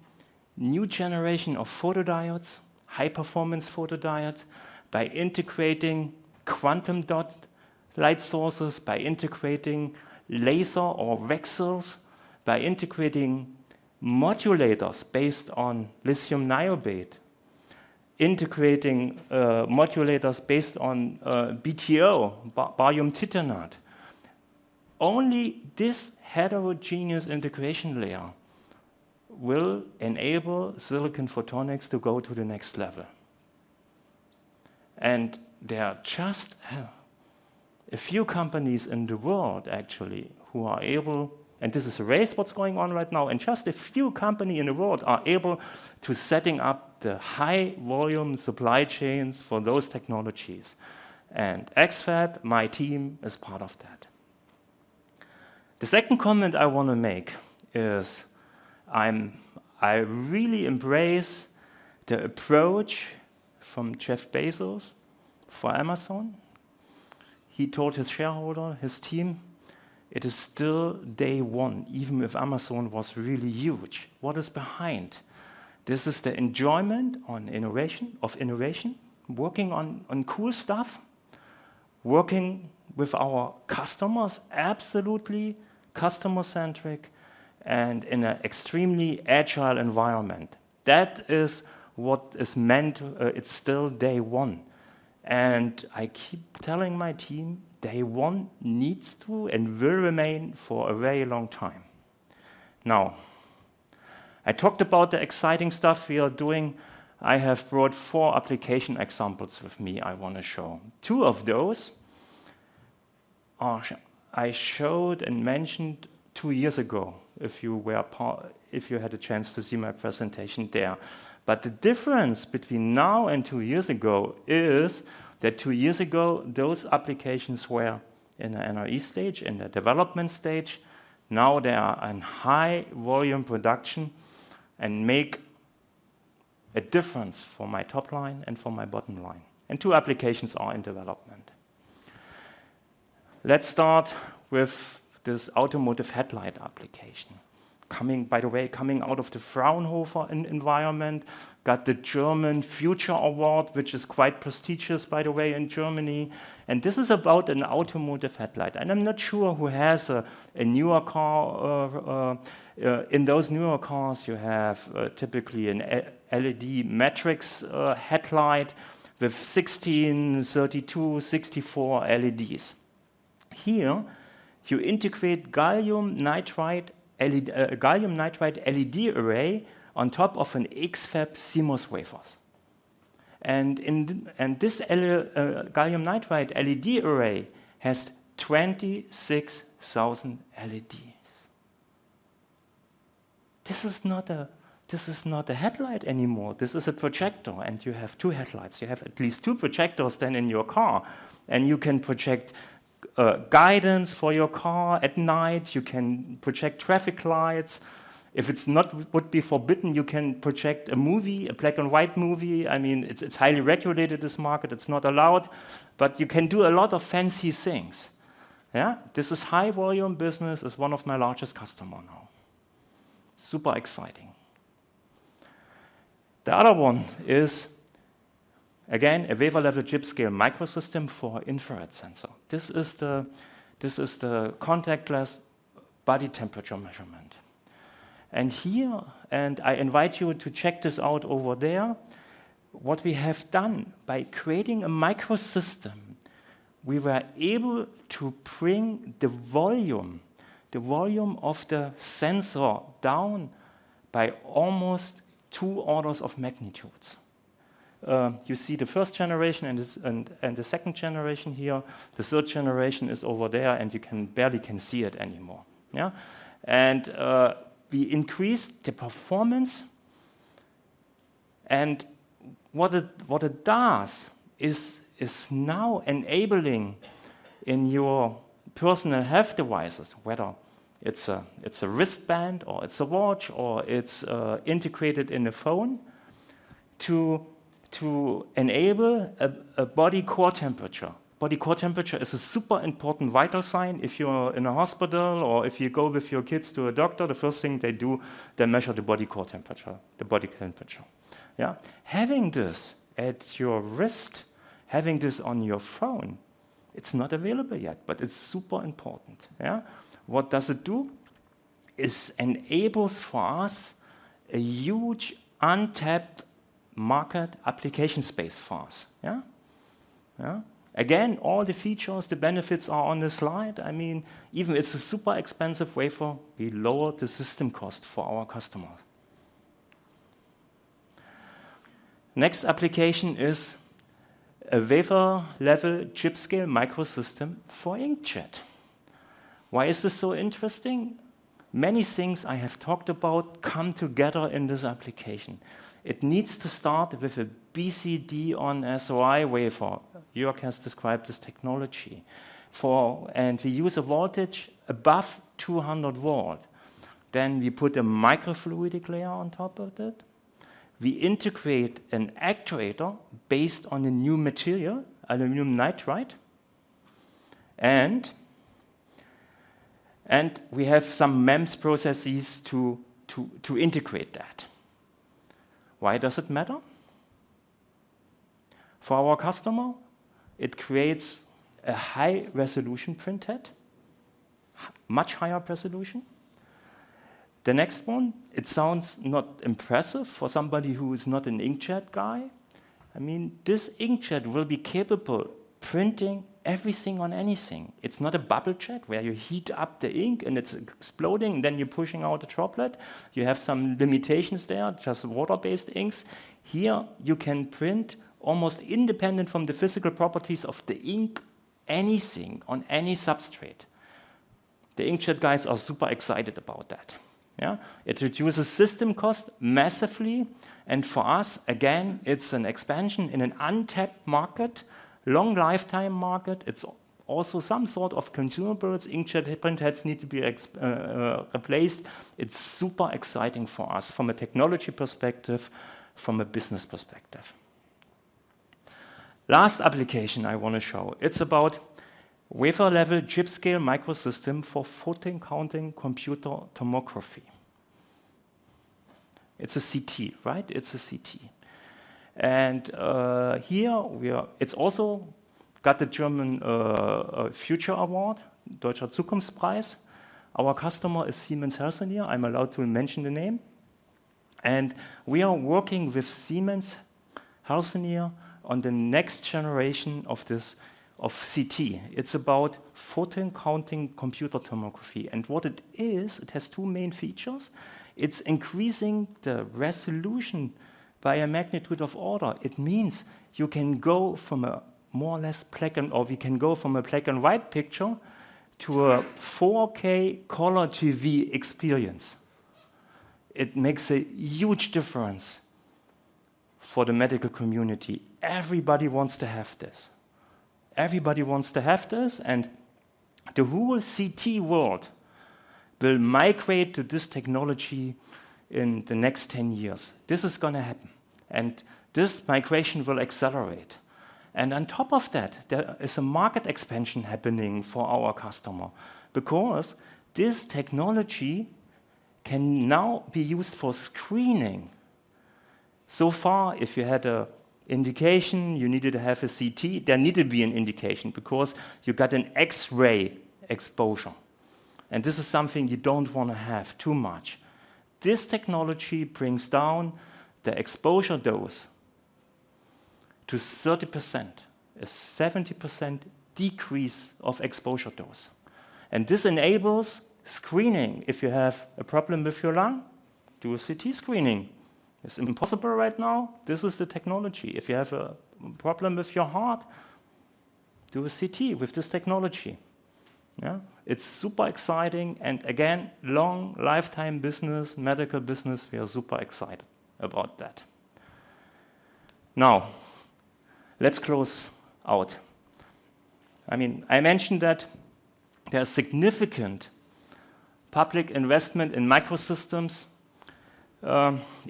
new generation of photodiodes, high-performance photodiodes, by integrating quantum dot light sources, by integrating laser or VCSELs, by integrating modulators based on lithium niobate, integrating modulators based on BTO, barium titanate. Only this heterogeneous integration layer will enable silicon photonics to go to the next level. And there are just a few companies in the world actually who are able to set up the high-volume supply chains for those technologies. This is a race that's going on right now, and just a few companies in the world are able to set up the high-volume supply chains for those technologies. And X-FAB, my team, is part of that. The second comment I want to make is, I really embrace the approach from Jeff Bezos for Amazon. He told his shareholders, his team, "It is still day one," even if Amazon was really huge. What is behind? This is the enjoyment of innovation, working on cool stuff, working with our customers, absolutely customer-centric, and in an extremely agile environment. That is what is meant. It's still day one. And I keep telling my team, day one needs to, and will remain, for a very long time. Now, I talked about the exciting stuff we are doing. I have brought four application examples with me I wanna show. Two of those I showed and mentioned two years ago, if you had a chance to see my presentation there, but the difference between now and two years ago is that two years ago, those applications were in an NRE stage, in the development stage. Now they are in high-volume production, and make a difference for my top line and for my bottom line, and two applications are in development. Let's start with this automotive headlight application. Coming, by the way, out of the Fraunhofer environment, got the German Future Award, which is quite prestigious, by the way, in Germany, and this is about an automotive headlight. I'm not sure who has a newer car. In those newer cars, you have typically an LED matrix headlight with 16, 32, 64 LEDs. Here, you integrate gallium nitride LED array on top of an X-FAB CMOS wafers. And this gallium nitride LED array has 26,000 LEDs. This is not a headlight anymore. This is a projector, and you have two headlights. You have at least two projectors then in your car, and you can project guidance for your car at night, you can project traffic lights. If it's not, would be forbidden, you can project a movie, a black and white movie. I mean, it's highly regulated, this market. It's not allowed, but you can do a lot of fancy things. Yeah? This is high volume business, it's one of my largest customer now. Super exciting. The other one is, again, a wafer-level chip-scale microsystem for infrared sensor. This is the contactless body temperature measurement. And here, and I invite you to check this out over there, what we have done, by creating a microsystem, we were able to bring the volume of the sensor down by almost two orders of magnitudes. You see the first generation and this, and the second generation here. The third generation is over there, and you can barely see it anymore. Yeah? And we increased the performance, and what it does is now enabling in your personal health devices, whether it's a wristband, or it's a watch, or it's integrated in a phone, to enable a body core temperature. Body core temperature is a super important vital sign. If you're in a hospital or if you go with your kids to a doctor, the first thing they do, they measure the body core temperature, the body temperature. Yeah. Having this at your wrist, having this on your phone, it's not available yet, but it's super important. Yeah? What does it do? It enables for us a huge untapped market application space for us. Yeah? Yeah. Again, all the features, the benefits are on the slide. I mean, even it's a super expensive wafer, we lowered the system cost for our customer. Next application is a wafer level chip scale microsystem for inkjet. Why is this so interesting? Many things I have talked about come together in this application. It needs to start with a BCD-on-SOI wafer. Jörg has described this technology, and we use a voltage above 200 V. Then we put a microfluidic layer on top of it. We integrate an actuator based on a new material, aluminum nitride. And we have some MEMS processes to integrate that. Why does it matter? For our customer, it creates a high resolution printhead, much higher resolution. The next one, it sounds not impressive for somebody who is not an inkjet guy. I mean, this inkjet will be capable printing everything on anything. It's not a bubble jet, where you heat up the ink and it's exploding, then you're pushing out a droplet. You have some limitations there, just water-based inks. Here, you can print almost independent from the physical properties of the ink, anything on any substrate. The inkjet guys are super excited about that. Yeah? It reduces system cost massively, and for us, again, it's an expansion in an untapped market, long lifetime market. It's also some sort of consumables. Inkjet printheads need to be replaced. It's super exciting for us from a technology perspective, from a business perspective. Last application I wanna show, it's about wafer-level chip-scale microsystem for photon-counting computerized tomography. It's a CT, right? It's a CT. And here we are, it's also got the German Future Award, Deutscher Zukunftspreis. Our customer is Siemens Healthineers. I'm allowed to mention the name. And we are working with Siemens Healthineers on the next generation of this, of CT. It's about photon-counting computerized tomography, and what it is, it has two main features. It's increasing the resolution by a magnitude of order. It means you can go from a more or less black and or we can go from a black and white picture to a 4K color TV experience. It makes a huge difference for the medical community. Everybody wants to have this. Everybody wants to have this, and the whole CT world will migrate to this technology in the next ten years. This is gonna happen, and this migration will accelerate. And on top of that, there is a market expansion happening for our customer, because this technology can now be used for screening. So far, if you had an indication you needed to have a CT, there needed to be an indication, because you got an X-ray exposure, and this is something you don't wanna have too much. This technology brings down the exposure dose to 30%, a 70% decrease of exposure dose, and this enables screening. If you have a problem with your lung, do a CT screening. It's impossible right now. This is the technology. If you have a problem with your heart Do a CT with this technology. Yeah, it's super exciting, and again, long lifetime business, medical business, we are super excited about that. Now, let's close out. I mean, I mentioned that there are significant public investment in microsystems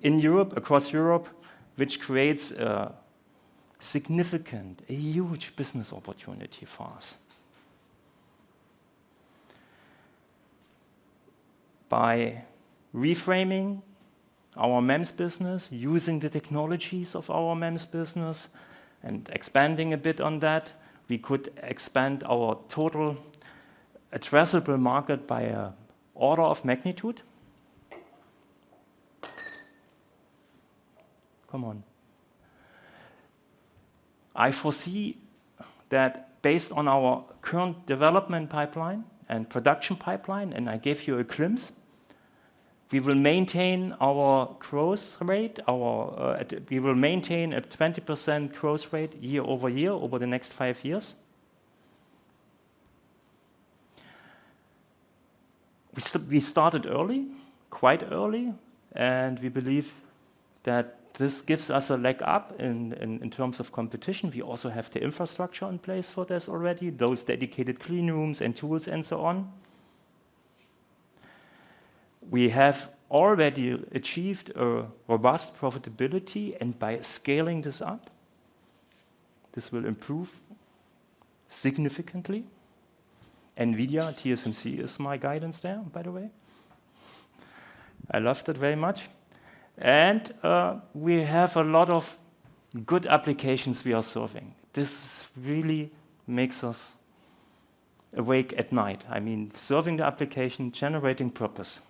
in Europe, across Europe, which creates a significant, a huge business opportunity for us. By reframing our MEMS business, using the technologies of our MEMS business, and expanding a bit on that, we could expand our total addressable market by an order of magnitude. Come on. I foresee that based on our current development pipeline and production pipeline, and I gave you a glimpse, we will maintain our growth rate. We will maintain a 20% growth rate year-over-year, over the next five years. We started early, quite early, and we believe that this gives us a leg up in terms of competition. We also have the infrastructure in place for this already, those dedicated clean rooms, and tools, and so on. We have already achieved a robust profitability, and by scaling this up, this will improve significantly. NVIDIA, TSMC, is my guidance there, by the way. I love that very much, and we have a lot of good applications we are solving. This really makes us awake at night. I mean, solving the application, generating purpose.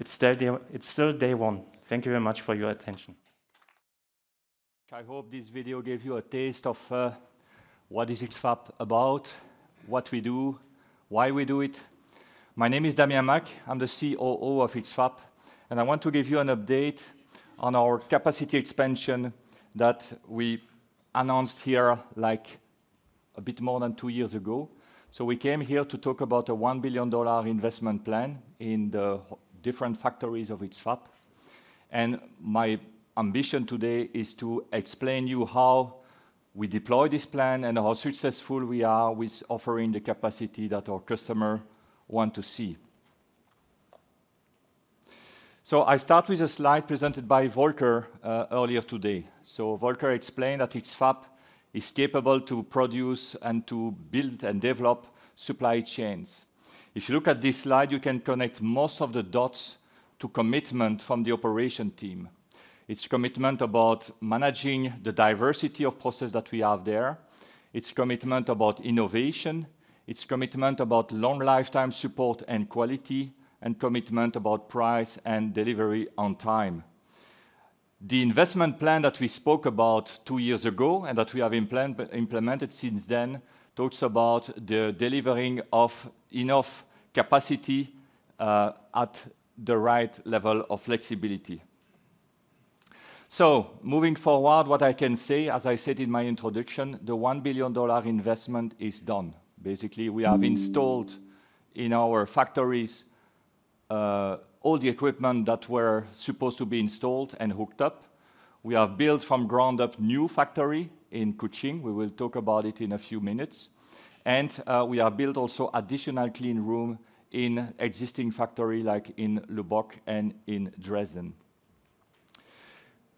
It's still day one. Thank you very much for your attention. I hope this video gave you a taste of what is X-FAB about, what we do, why we do it. My name is Damien Macq. I'm the COO of X-FAB, and I want to give you an update on our capacity expansion that we announced here, like, a bit more than two years ago. So we came here to talk about a $1 billion investment plan in the different factories of X-FAB, and my ambition today is to explain you how we deploy this plan, and how successful we are with offering the capacity that our customer want to see. So I start with a slide presented by Volker earlier today. So Volker explained that X-FAB is capable to produce, and to build, and develop supply chains. If you look at this slide, you can connect most of the dots to commitment from the operation team. It's commitment about managing the diversity of process that we have there. It's commitment about innovation. It's commitment about long lifetime support and quality, and commitment about price and delivery on time. The investment plan that we spoke about two years ago, and that we have implemented since then, talks about the delivering of enough capacity at the right level of flexibility. So moving forward, what I can say, as I said in my introduction, the $1 billion investment is done. Basically, we have installed in our factories all the equipment that were supposed to be installed and hooked up. We have built from ground up, new factory in Kuching. We will talk about it in a few minutes, and we have built also additional clean room in existing factory, like in Lubbock and in Dresden.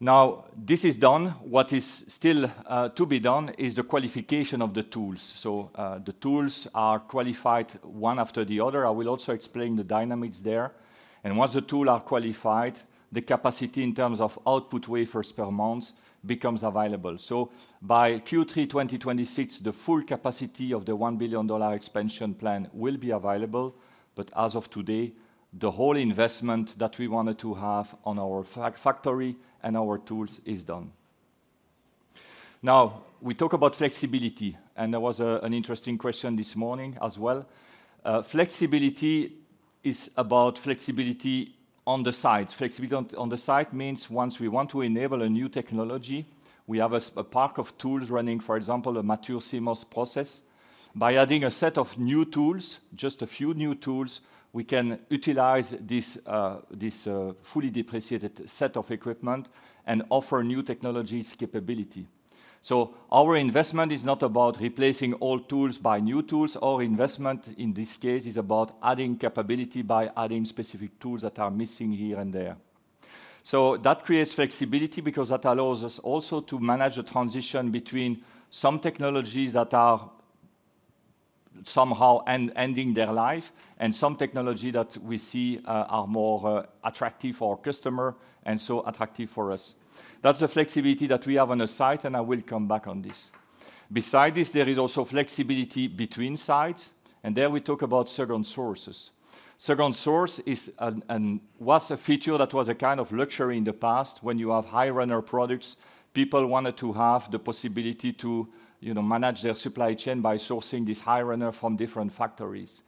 Now, this is done. What is still to be done is the qualification of the tools. So, the tools are qualified one after the other. I will also explain the dynamics there, and once the tools are qualified, the capacity in terms of output wafers per month becomes available. So by Q3 2026, the full capacity of the $1 billion expansion plan will be available, but as of today, the whole investment that we wanted to have on our factory and our tools is done. Now, we talk about flexibility, and there was an interesting question this morning as well. Flexibility is about flexibility on the site. Flexibility on the site means once we want to enable a new technology, we have a park of tools running, for example, a mature CMOS process. By adding a set of new tools, just a few new tools, we can utilize this fully depreciated set of equipment and offer new technologies capability. So our investment is not about replacing old tools by new tools. Our investment, in this case, is about adding capability by adding specific tools that are missing here and there. So that creates flexibility, because that allows us also to manage the transition between some technologies that are somehow ending their life, and some technology that we see are more attractive for our customer, and so attractive for us. That's the flexibility that we have on the site, and I will come back on this. Besides this, there is also flexibility between sites, and there we talk about second sources. Second source was a feature that was a kind of luxury in the past. When you have high-runner products, people wanted to have the possibility to, you know, manage their supply chain by sourcing this high runner from different factories.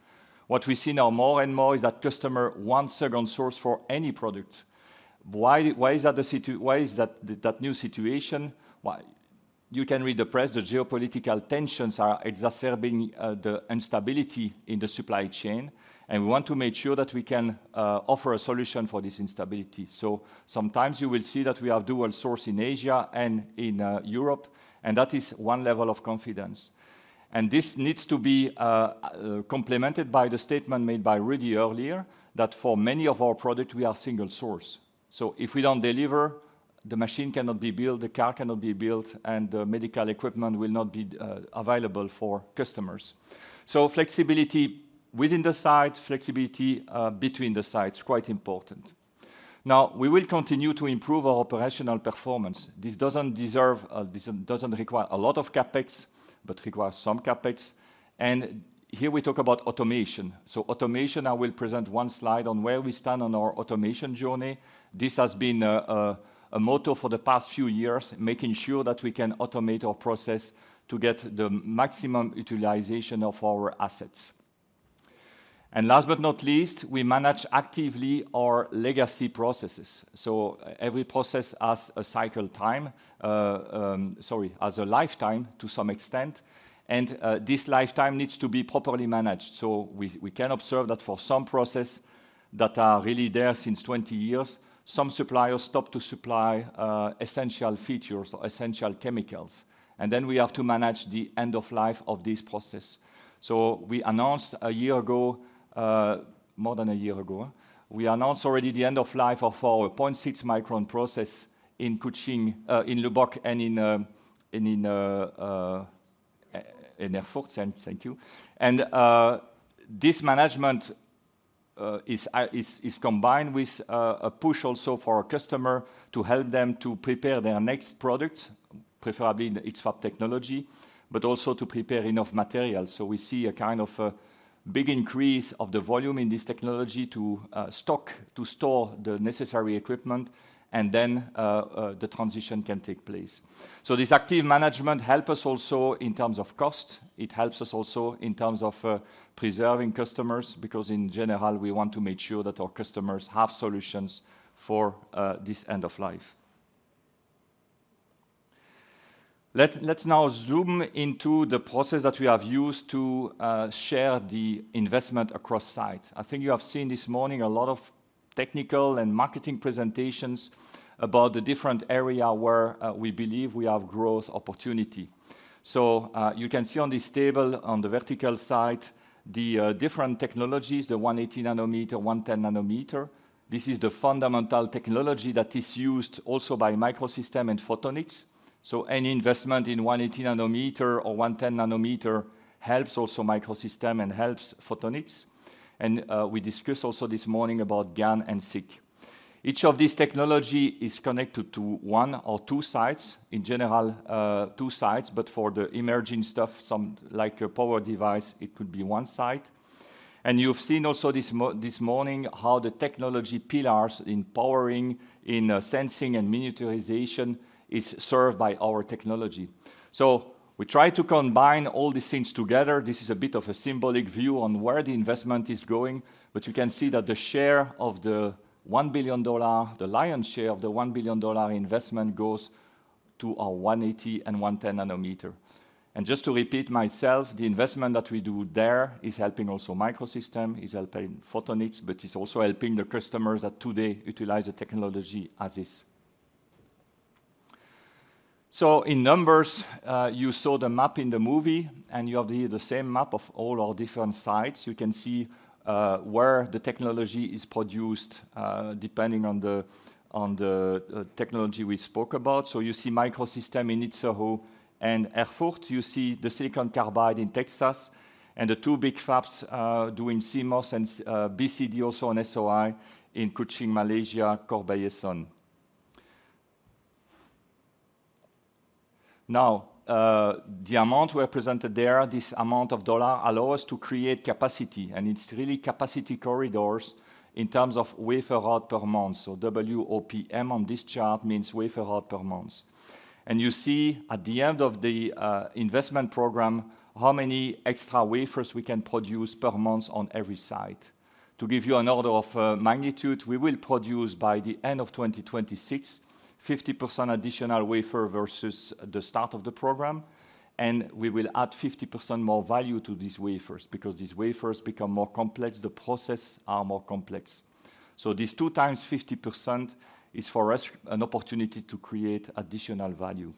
What we see now more and more is that customer want second source for any product. Why is that the situation? Why, you can read the press, the geopolitical tensions are exacerbating the instability in the supply chain, and we want to make sure that we can offer a solution for this instability. So sometimes you will see that we have dual source in Asia and in Europe, and that is one level of confidence. And this needs to be complemented by the statement made by Rudi earlier, that for many of our product, we are single source. So if we don't deliver, the machine cannot be built, the car cannot be built, and the medical equipment will not be available for customers. So flexibility within the site, flexibility between the sites, quite important. Now, we will continue to improve our operational performance. This doesn't require a lot of CapEx, but requires some CapEx. And here we talk about automation. So automation, I will present one slide on where we stand on our automation journey. This has been a motto for the past few years, making sure that we can automate our process to get the maximum utilization of our assets. And last but not least, we manage actively our legacy processes. So every process has a lifetime to some extent, and this lifetime needs to be properly managed. We can observe that for some processes that are really there since 20 years, some suppliers stop to supply essential features or essential chemicals, and then we have to manage the end of life of this process. We announced a year ago, more than a year ago, we announced already the end of life of our 0.6-micron process in Kuching, in Lubbock and in Erfurt. Erfurt. Thank you. And this management is combined with a push also for our customer to help them to prepare their next product, preferably in its fab technology, but also to prepare enough material. So we see a kind of a big increase of the volume in this technology to stock, to store the necessary equipment, and then the transition can take place. So this active management help us also in terms of cost. It helps us also in terms of preserving customers, because in general, we want to make sure that our customers have solutions for this end of life. Let's now zoom into the process that we have used to share the investment across site. I think you have seen this morning a lot of technical and marketing presentations about the different area where we believe we have growth opportunity. So you can see on this table, on the vertical side, the different technologies, the 180 nm, 110 nm. This is the fundamental technology that is used also by microsystem and photonics. So any investment in 180 nm or 110 nm helps also microsystem and helps photonics. And we discussed also this morning about GaN and SiC. Each of these technology is connected to one or two sites, in general, two sites, but for the emerging stuff, some like a power device, it could be one site. And you've seen also this morning, how the technology pillars in powering, in sensing and miniaturization is served by our technology. So we try to combine all these things together. This is a bit of a symbolic view on where the investment is going, but you can see that the share of the $1 billion, the lion's share of the $1 billion investment goes to our 180-nm and 110-nm. And just to repeat myself, the investment that we do there is helping also microsystem, is helping photonics, but it's also helping the customers that today utilize the technology as is. So in numbers, you saw the map in the movie, and you have the same map of all our different sites. You can see where the technology is produced, depending on the technology we spoke about. So you see microsystem in Itzehoe and Erfurt. You see the silicon carbide in Texas, and the two big fabs doing CMOS and BCD, also on SOI, in Kuching, Malaysia, Corbeil-Essonnes. Now, the amount we represented there, this amount of dollar allow us to create capacity, and it's really capacity corridors in terms of wafer out per month, so WOPM on this chart means wafer out per month, and you see at the end of the investment program, how many extra wafers we can produce per month on every site. To give you an order of magnitude, we will produce by the end of 2026, 50% additional wafer versus the start of the program, and we will add 50% more value to these wafers, because these wafers become more complex, the process are more complex, so this two times 50% is, for us, an opportunity to create additional value.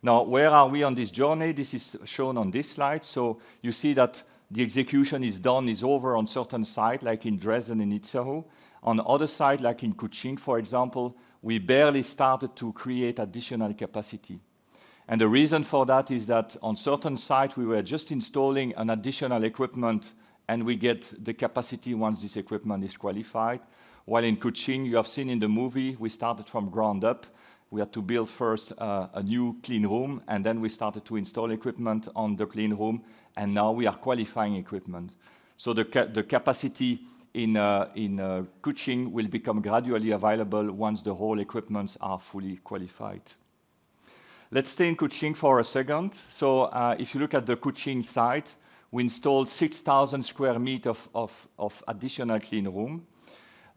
Now, where are we on this journey? This is shown on this slide. So you see that the execution is done, is over on certain site, like in Dresden and Itzehoe. On other site, like in Kuching, for example, we barely started to create additional capacity. And the reason for that is that on certain site, we were just installing an additional equipment, and we get the capacity once this equipment is qualified. While in Kuching, you have seen in the movie, we started from ground up. We had to build first, a new clean room, and then we started to install equipment on the clean room, and now we are qualifying equipment. So the capacity in, in, Kuching will become gradually available once the whole equipments are fully qualified. Let's stay in Kuching for a second. So, if you look at the Kuching site, we installed six thousand square meter of additional clean room.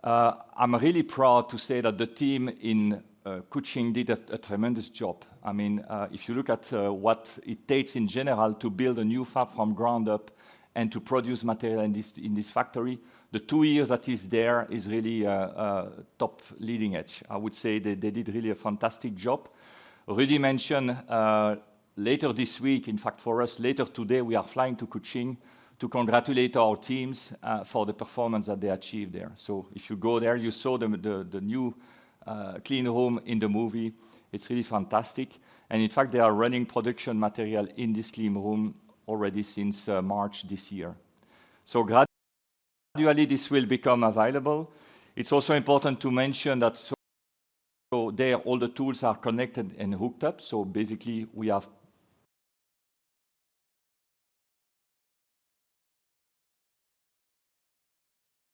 I'm really proud to say that the team in Kuching did a tremendous job. I mean, if you look at what it takes in general to build a new fab from ground up and to produce material in this factory, the two years that is there is really a top leading edge. I would say they did really a fantastic job. Already mentioned, later this week, in fact, for us, later today, we are flying to Kuching to congratulate our teams for the performance that they achieved there. So if you go there, you saw the new clean room in the movie. It's really fantastic, and in fact, they are running production material in this clean room already since March this year. So gradually, this will become available. It's also important to mention that so there, all the tools are connected and hooked up, so basically we have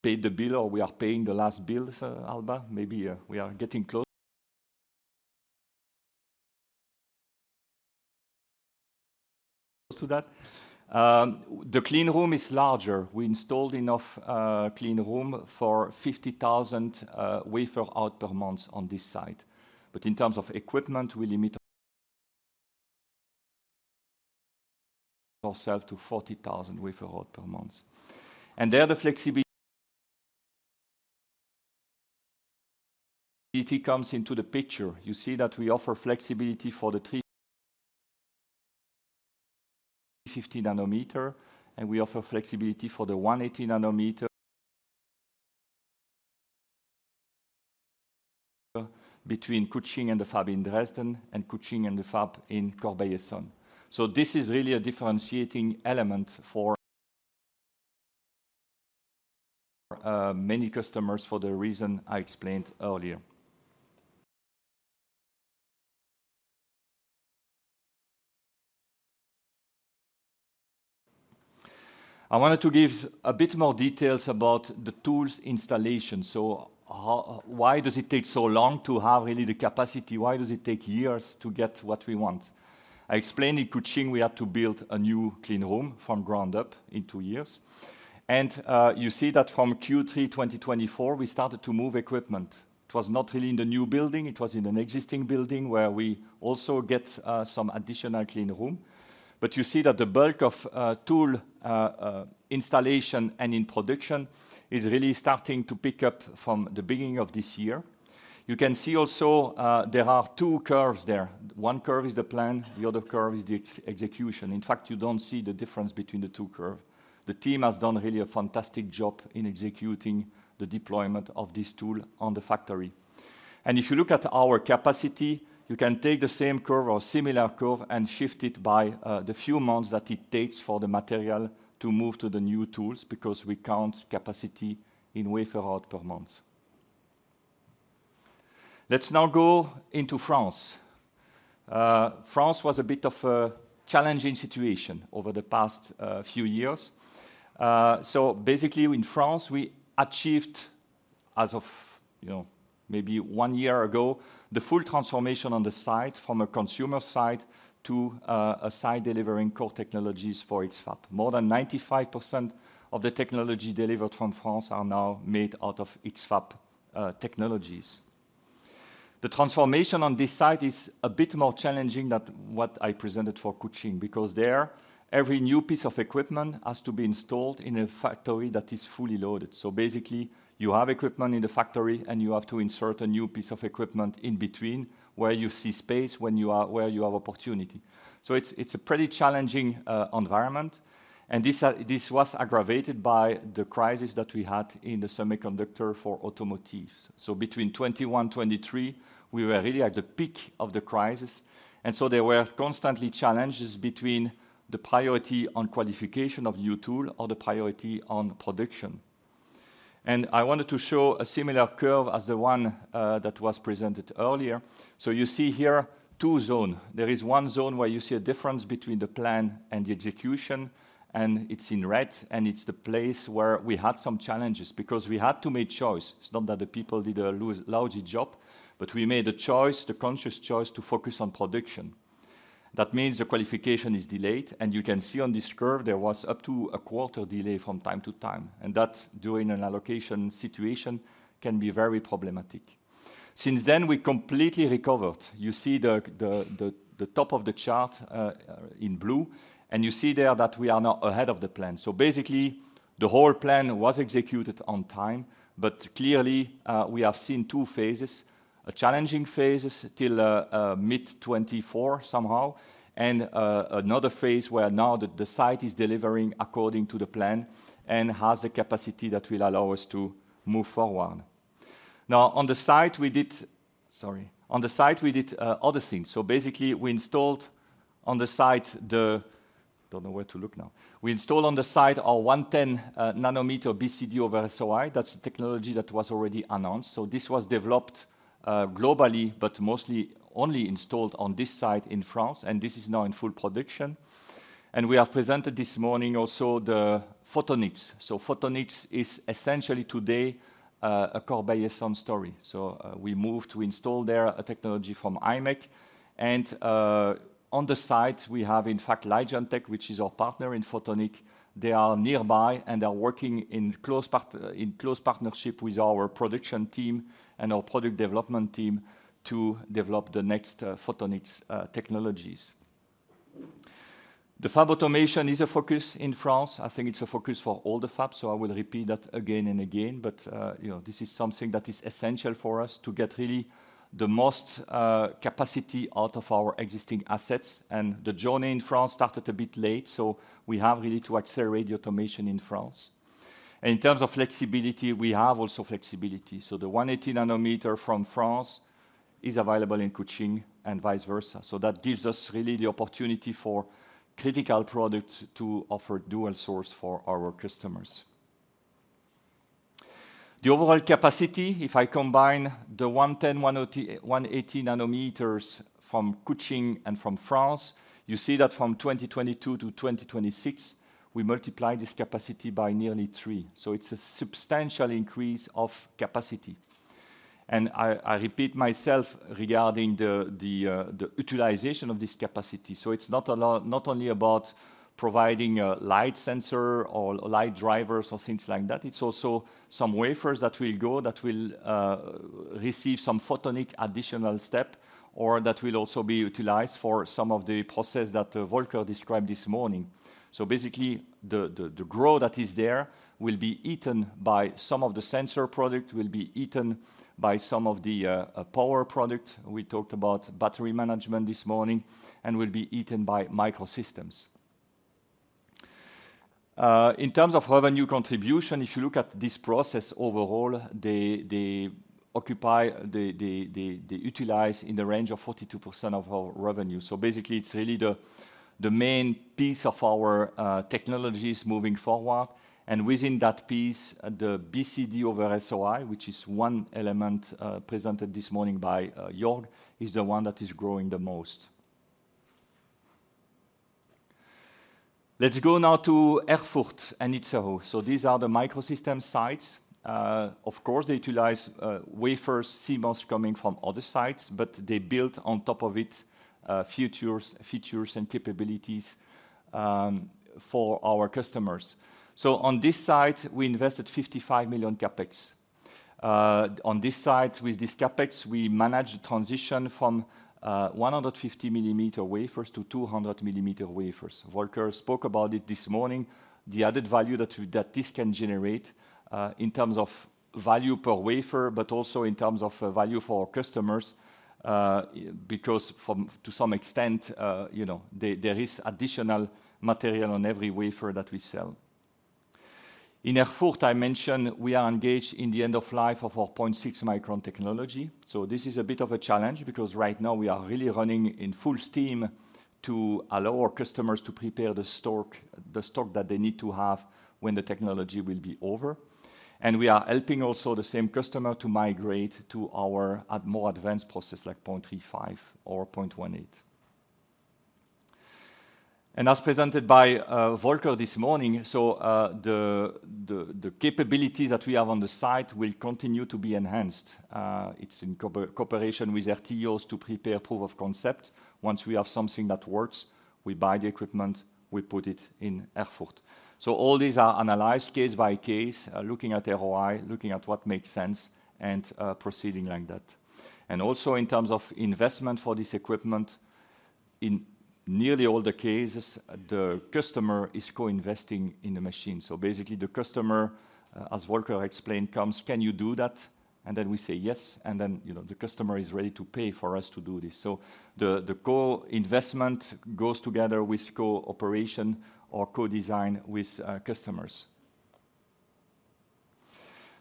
paid the bill, or we are paying the last bill for Alba. Maybe, we are getting close to that. The clean room is larger. We installed enough clean room for fifty thousand wafer out per month on this site. But in terms of equipment, we limit ourselves to forty thousand wafer out per month. And there, the flexibility comes into the picture. You see that we offer flexibility for the 350 nm, and we offer flexibility for the 180 nm between Kuching and the fab in Dresden, and Kuching and the fab in Corbeil-Essonnes. So this is really a differentiating element for many customers for the reason I explained earlier. I wanted to give a bit more details about the tools installation. Why does it take so long to have really the capacity? Why does it take years to get what we want? I explained in Kuching, we had to build a new clean room from ground up in two years. And you see that from Q3 2024, we started to move equipment. It was not really in the new building, it was in an existing building, where we also get some additional clean room. But you see that the bulk of tool installation and in production is really starting to pick up from the beginning of this year. You can see also there are two curves there. One curve is the plan, the other curve is the execution. In fact, you don't see the difference between the two curve. The team has done really a fantastic job in executing the deployment of this tool on the factory. And if you look at our capacity, you can take the same curve or similar curve and shift it by the few months that it takes for the material to move to the new tools, because we count capacity in wafer out per month. Let's now go into France. France was a bit of a challenging situation over the past few years. So basically in France, we achieved, as of, you know, maybe one year ago, the full transformation on the site from a consumer site to a site delivering core technologies for its fab. More than 95% of the technology delivered from France are now made out of its fab technologies. The transformation on this site is a bit more challenging than what I presented for Kuching, because there, every new piece of equipment has to be installed in a factory that is fully loaded. So basically, you have equipment in the factory, and you have to insert a new piece of equipment in between, where you see space, where you have opportunity. So it's a pretty challenging environment, and this was aggravated by the crisis that we had in the semiconductor for automotive. So between 2021, 2023, we were really at the peak of the crisis, and so there were constantly challenges between the priority on qualification of new tool or the priority on production. I wanted to show a similar curve as the one that was presented earlier. You see here two zones. There is one zone where you see a difference between the plan and the execution, and it's in red, and it's the place where we had some challenges, because we had to make choice. It's not that the people did a lousy job, but we made a choice, the conscious choice, to focus on production. That means the qualification is delayed, and you can see on this curve, there was up to a quarter delay from time to time, and that, during an allocation situation, can be very problematic. Since then, we completely recovered. You see the top of the chart in blue, and you see there that we are now ahead of the plan. Basically, the whole plan was executed on time, but clearly, we have seen two phases: a challenging phase till mid-2024 somehow, and another phase where now the site is delivering according to the plan and has the capacity that will allow us to move forward. Now, on the site, we did other things. Basically, we installed on the site our 110-nm BCD-on-SOI. That's the technology that was already announced. This was developed globally, but mostly only installed on this site in France, and this is now in full production. We have presented this morning also the photonics. Photonics is essentially today a Corbeil-Essonnes story. So, we moved to install there a technology from imec, and, on the site, we have in fact LIGENTEC, which is our partner in photonics. They are nearby and are working in close partnership with our production team and our product development team to develop the next photonics technologies. The fab automation is a focus in France. I think it's a focus for all the fabs, so I will repeat that again and again. But, you know, this is something that is essential for us to get really the most capacity out of our existing assets. And the journey in France started a bit late, so we have really to accelerate the automation in France. In terms of flexibility, we have also flexibility. So the 180-nm from France is available in Kuching and vice versa. So that gives us really the opportunity for critical products to offer dual source for our customers. The overall capacity, if I combine the 110, 180 nms from Kuching and from France, you see that from 2022 to 2026, we multiply this capacity by nearly three, so it's a substantial increase of capacity. And I repeat myself regarding the utilization of this capacity. So it's not only about providing a light sensor or light drivers or things like that, it's also some wafers that will go, that will receive some photonic additional step, or that will also be utilized for some of the process that Volker described this morning. So basically, the growth that is there will be eaten by some of the sensor product, will be eaten by some of the power product. We talked about battery management this morning, and will be eaten by microsystems. In terms of revenue contribution, if you look at this process overall, they utilize in the range of 42% of our revenue. So basically, it's really the main piece of our technologies moving forward. And within that piece, the BCD over SOI, which is one element, presented this morning by Jörg, is the one that is growing the most. Let's go now to Erfurt and Itzehoe. So these are the microsystem sites. Of course, they utilize wafers, CMOS coming from other sites, but they built on top of it, features and capabilities for our customers. So on this site, we invested 55 million CapEx. On this site, with this CapEx, we managed the transition from 150-mm wafers to 200-mm wafers. Volker spoke about it this morning. The added value that this can generate in terms of value per wafer, but also in terms of value for our customers, because to some extent, you know, there is additional material on every wafer that we sell. In Erfurt, I mentioned we are engaged in the end of life of our 0.6-micron technology. So this is a bit of a challenge because right now we are really running in full steam to allow our customers to prepare the stock that they need to have when the technology will be over. We are helping also the same customer to migrate to our more advanced process, like 0.35 or 0.18. As presented by Volker this morning, the capabilities that we have on the site will continue to be enhanced. It's in cooperation with RTOs to prepare proof of concept. Once we have something that works, we buy the equipment, we put it in Erfurt. All these are analyzed case by case, looking at ROI, looking at what makes sense, and proceeding like that. Also in terms of investment for this equipment, in nearly all the cases, the customer is co-investing in the machine. So basically, the customer, as Volker explained, comes, "Can you do that?" And then we say, "Yes," and then, you know, the customer is ready to pay for us to do this. So the co-investment goes together with co-operation or co-design with customers.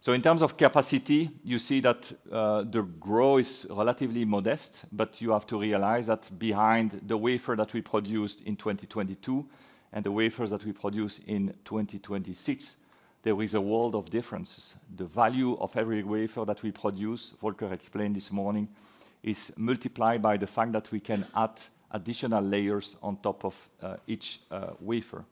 So in terms of capacity, you see that the growth is relatively modest, but you have to realize that behind the wafer that we produced in 2022 and the wafers that we produce in 2026, there is a world of differences. The value of every wafer that we produce, Volker explained this morning, is multiplied by the fact that we can add additional layers on top of each wafer.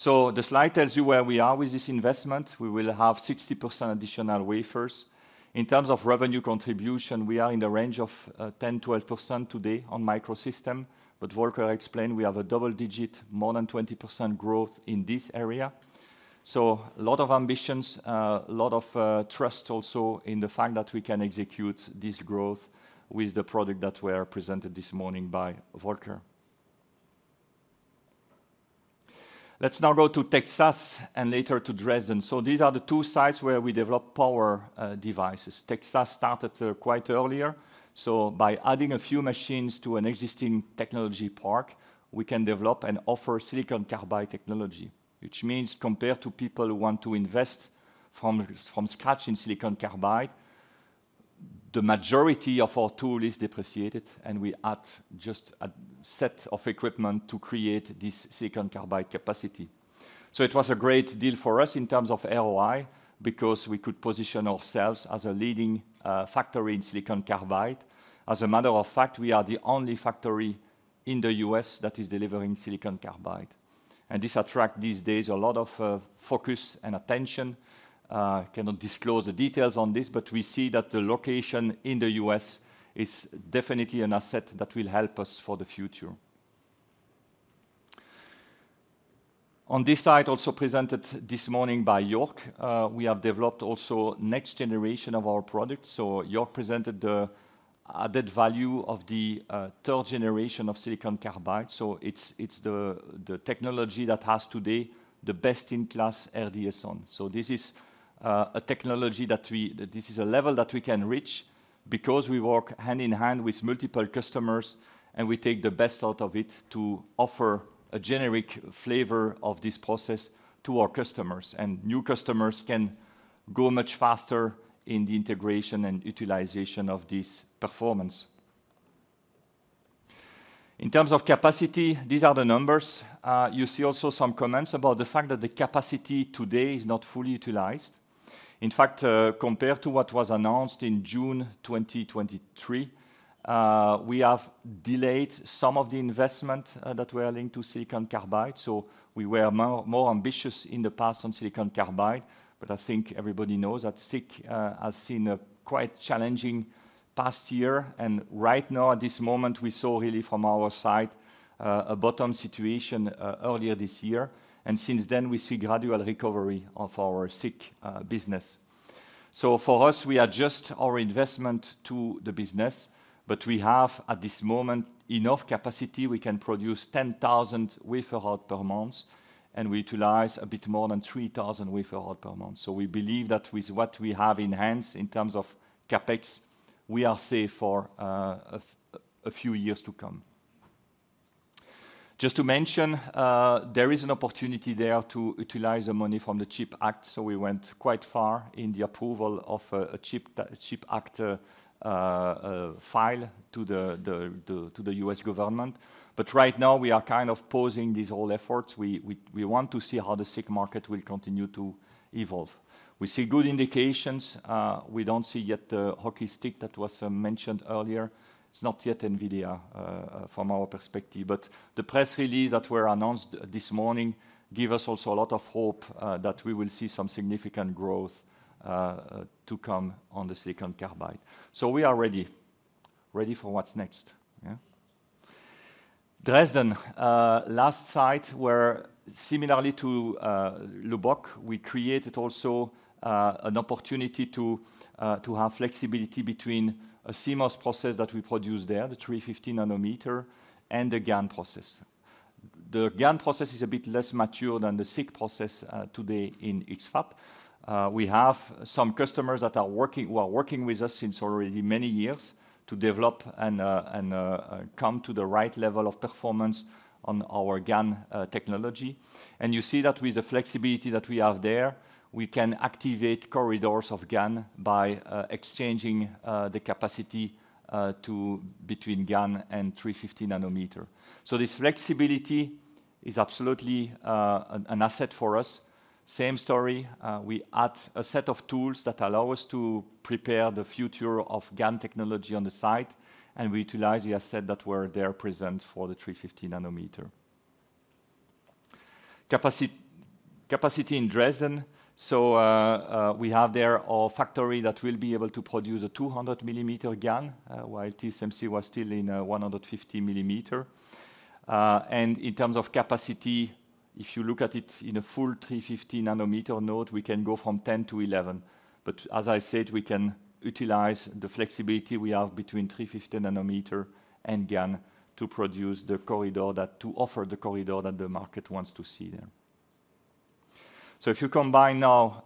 So the slide tells you where we are with this investment. We will have 60% additional wafers. In terms of revenue contribution, we are in the range of 10%-12% today on microsystems, but Volker explained we have a double-digit, more than 20% growth in this area. So a lot of ambitions, a lot of trust also in the fact that we can execute this growth with the product that were presented this morning by Volker. Let's now go to Texas and later to Dresden. So these are the two sites where we develop power devices. Texas started quite earlier, so by adding a few machines to an existing technology park, we can develop and offer silicon carbide technology, which means compared to people who want to invest from scratch in silicon carbide, the majority of our tool is depreciated, and we add just a set of equipment to create this silicon carbide capacity. So it was a great deal for us in terms of ROI, because we could position ourselves as a leading factory in silicon carbide. As a matter of fact, we are the only factory in the U.S. that is delivering silicon carbide, and this attract these days a lot of focus and attention. Cannot disclose the details on this, but we see that the location in the U.S. is definitely an asset that will help us for the future. On this site, also presented this morning by Jörg, we have developed also next generation of our products. So Jörg presented the added value of the third generation of silicon carbide. So it's the technology that has today the best-in-class RDS(on). So this is a technology that this is a level that we can reach because we work hand-in-hand with multiple customers, and we take the best out of it to offer a generic flavor of this process to our customers. New customers can go much faster in the integration and utilization of this performance. In terms of capacity, these are the numbers. You see also some comments about the fact that the capacity today is not fully utilized. In fact, compared to what was announced in June 2023, we have delayed some of the investment that were linked to silicon carbide, so we were more ambitious in the past on silicon carbide. I think everybody knows that SiC has seen a quite challenging past year, and right now, at this moment, we saw really from our side a bottom situation earlier this year, and since then, we see gradual recovery of our SiC business. So for us, we adjust our investment to the business, but we have, at this moment, enough capacity. We can produce 10,000 wafers per month, and we utilize a bit more than 3,000 wafers per month. So we believe that with what we have in hand in terms of CapEx, we are safe for a few years to come. Just to mention, there is an opportunity there to utilize the money from the CHIPS Act, so we went quite far in the approval of a CHIPS Act file to the U.S. government. But right now, we are kind of pausing these whole efforts. We want to see how the SiC market will continue to evolve. We see good indications. We don't see yet the hockey stick that was mentioned earlier. It's not yet NVIDIA from our perspective, but the press release that were announced this morning give us also a lot of hope that we will see some significant growth to come on the silicon carbide. So we are ready for what's next. Yeah? Dresden, last site, where similarly to Lubbock, we created also an opportunity to have flexibility between a CMOS process that we produce there, the 350-nm, and the GaN process. The GaN process is a bit less mature than the SiC process today in X-FAB. We have some customers who are working with us since already many years to develop and come to the right level of performance on our GaN technology. And you see that with the flexibility that we have there, we can activate corridors of GaN by exchanging the capacity to between GaN and 350-nm. So this flexibility is absolutely an asset for us. Same story, we add a set of tools that allow us to prepare the future of GaN technology on the site, and we utilize the asset that were there present for the 350-nm. Capacity in Dresden, so we have there a factory that will be able to produce a 200-mm GaN, while TSMC was still in a 150-mm. And in terms of capacity, if you look at it in a full 350-nm node, we can go from 10 to 11. But as I said, we can utilize the flexibility we have between 350-nm and GaN to produce the capacity that to offer the capacity that the market wants to see there. So if you combine now,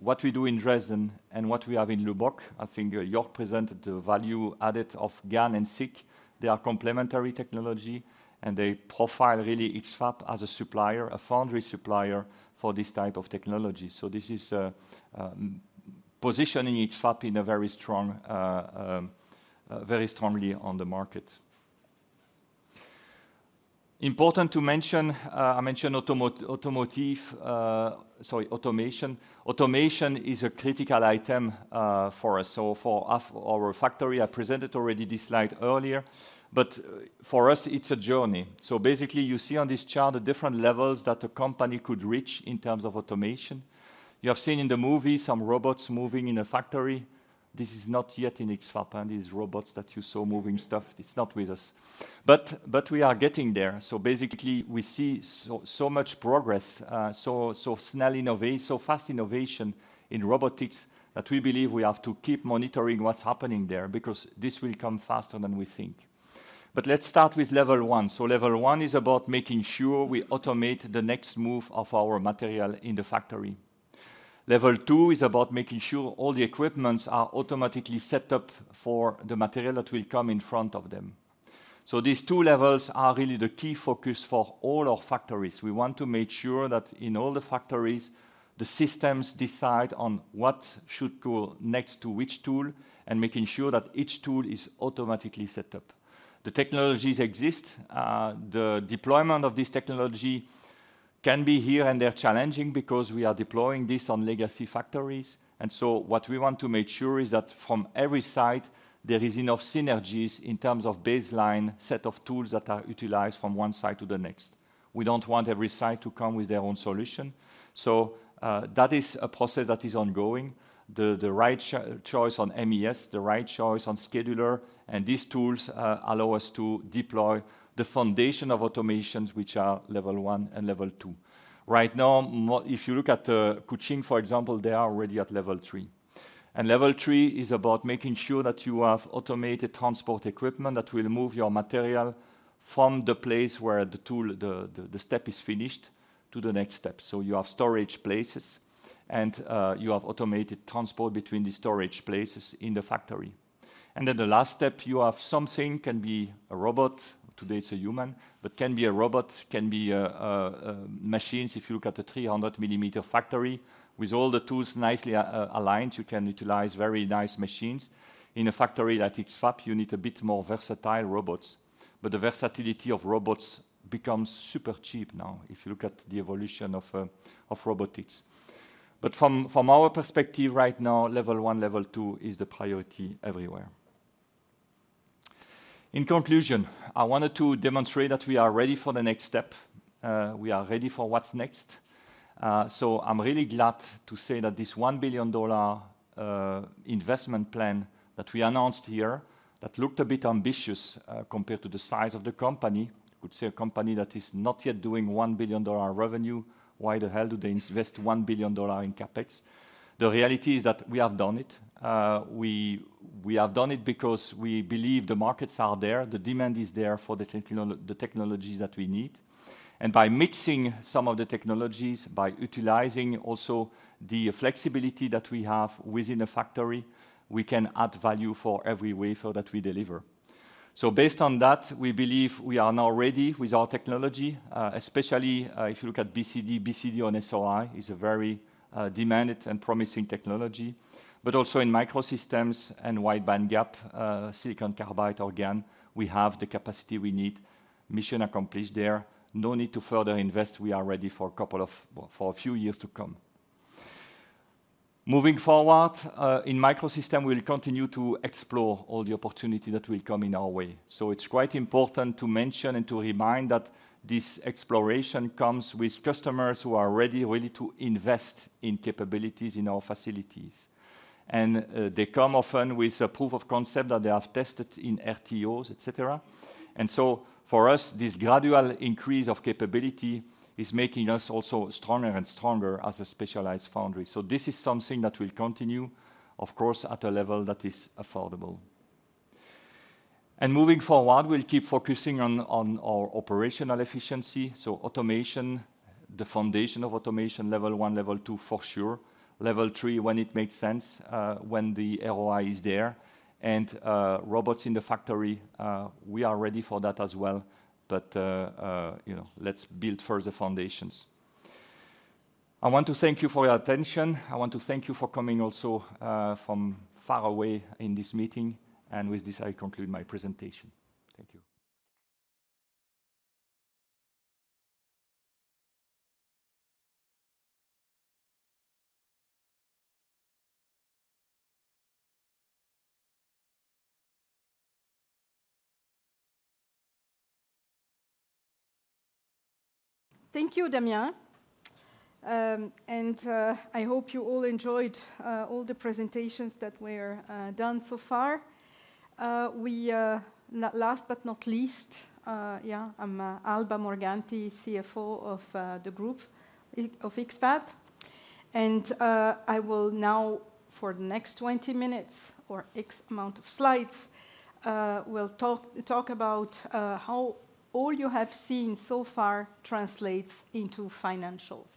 what we do in Dresden and what we have in Lubbock, I think Jörg presented the value added of GaN and SiC. They are complementary technology, and they profile really X-FAB as a supplier, a foundry supplier for this type of technology. So this is positioning X-FAB in a very strong, very strongly on the market. Important to mention, I mentioned automotive, sorry, automation. Automation is a critical item, for us, so for our factory. I presented already this slide earlier, but for us, it's a journey. So basically, you see on this chart the different levels that a company could reach in terms of automation. You have seen in the movie some robots moving in a factory. This is not yet in X-FAB, these robots that you saw moving stuff. It's not with us. But we are getting there. So basically, we see so much progress, so fast innovation in robotics, that we believe we have to keep monitoring what's happening there, because this will come faster than we think. But let's start with level 1. Level 1 is about making sure we automate the next move of our material in the factory. Level 2 is about making sure all the equipments are automatically set up for the material that will come in front of them. So these two levels are really the key focus for all our factories. We want to make sure that in all the factories, the systems decide on what should go next to which tool, and making sure that each tool is automatically set up. The technologies exist. The deployment of this technology— Can be here and there challenging because we are deploying this on legacy factories, and so what we want to make sure is that from every site, there is enough synergies in terms of baseline set of tools that are utilized from one site to the next. We don't want every site to come with their own solution. So, that is a process that is ongoing. The right choice on MES, the right choice on scheduler, and these tools allow us to deploy the foundation of automations, which are level 1 and level 2. Right now, if you look at Kuching, for example, they are already at level, and level 3 is about making sure that you have automated transport equipment that will move your material from the place where the tool, the step is finished to the next step. You have storage places, and you have automated transport between the storage places in the factory. And then the last step, you have something, can be a robot, today it's a human, but can be a robot, can be a machines. If you look at the 300-mm factory, with all the tools nicely aligned, you can utilize very nice machines. In a factory that is fab, you need a bit more versatile robots, but the versatility of robots becomes super cheap now, if you look at the evolution of robotics. But from our perspective right now, level 1, level 2 is the priority everywhere. In conclusion, I wanted to demonstrate that we are ready for the next step. We are ready for what's next. So I'm really glad to say that this $1 billion investment plan that we announced here looked a bit ambitious compared to the size of the company. Would say a company that is not yet doing $1 billion revenue, why the hell do they invest $1 billion in CapEx? The reality is that we have done it. We have done it because we believe the markets are there, the demand is there for the technologies that we need, and by mixing some of the technologies, by utilizing also the flexibility that we have within a factory, we can add value for every wafer that we deliver. So based on that, we believe we are now ready with our technology, especially, if you look at BCD, BCD-on-SOI is a very demanded and promising technology, but also in microsystems and wide bandgap, silicon carbide or GaN, we have the capacity we need. Mission accomplished there. No need to further invest. We are ready for a few years to come. Moving forward, in microsystem, we'll continue to explore all the opportunity that will come in our way. So it's quite important to mention and to remind that this exploration comes with customers who are ready to invest in capabilities in our facilities. And they come often with a proof of concept that they have tested in RTOs, et cetera. And so for us, this gradual increase of capability is making us also stronger and stronger as a specialized foundry. So this is something that will continue, of course, at a level that is affordable. And moving forward, we'll keep focusing on our operational efficiency, so automation, the foundation of automation, level one, level two for sure, level three when it makes sense, when the ROI is there, and, you know, let's build further foundations. I want to thank you for your attention. I want to thank you for coming also from far away in this meeting, and with this, I conclude my presentation. Thank you. Thank you, Damien. I hope you all enjoyed all the presentations that were done so far. Last but not least, yeah, I'm Alba Morganti, CFO of the group of X-FAB. I will now, for the next 20 minutes or X amount of slides, talk about how all you have seen so far translates into financials.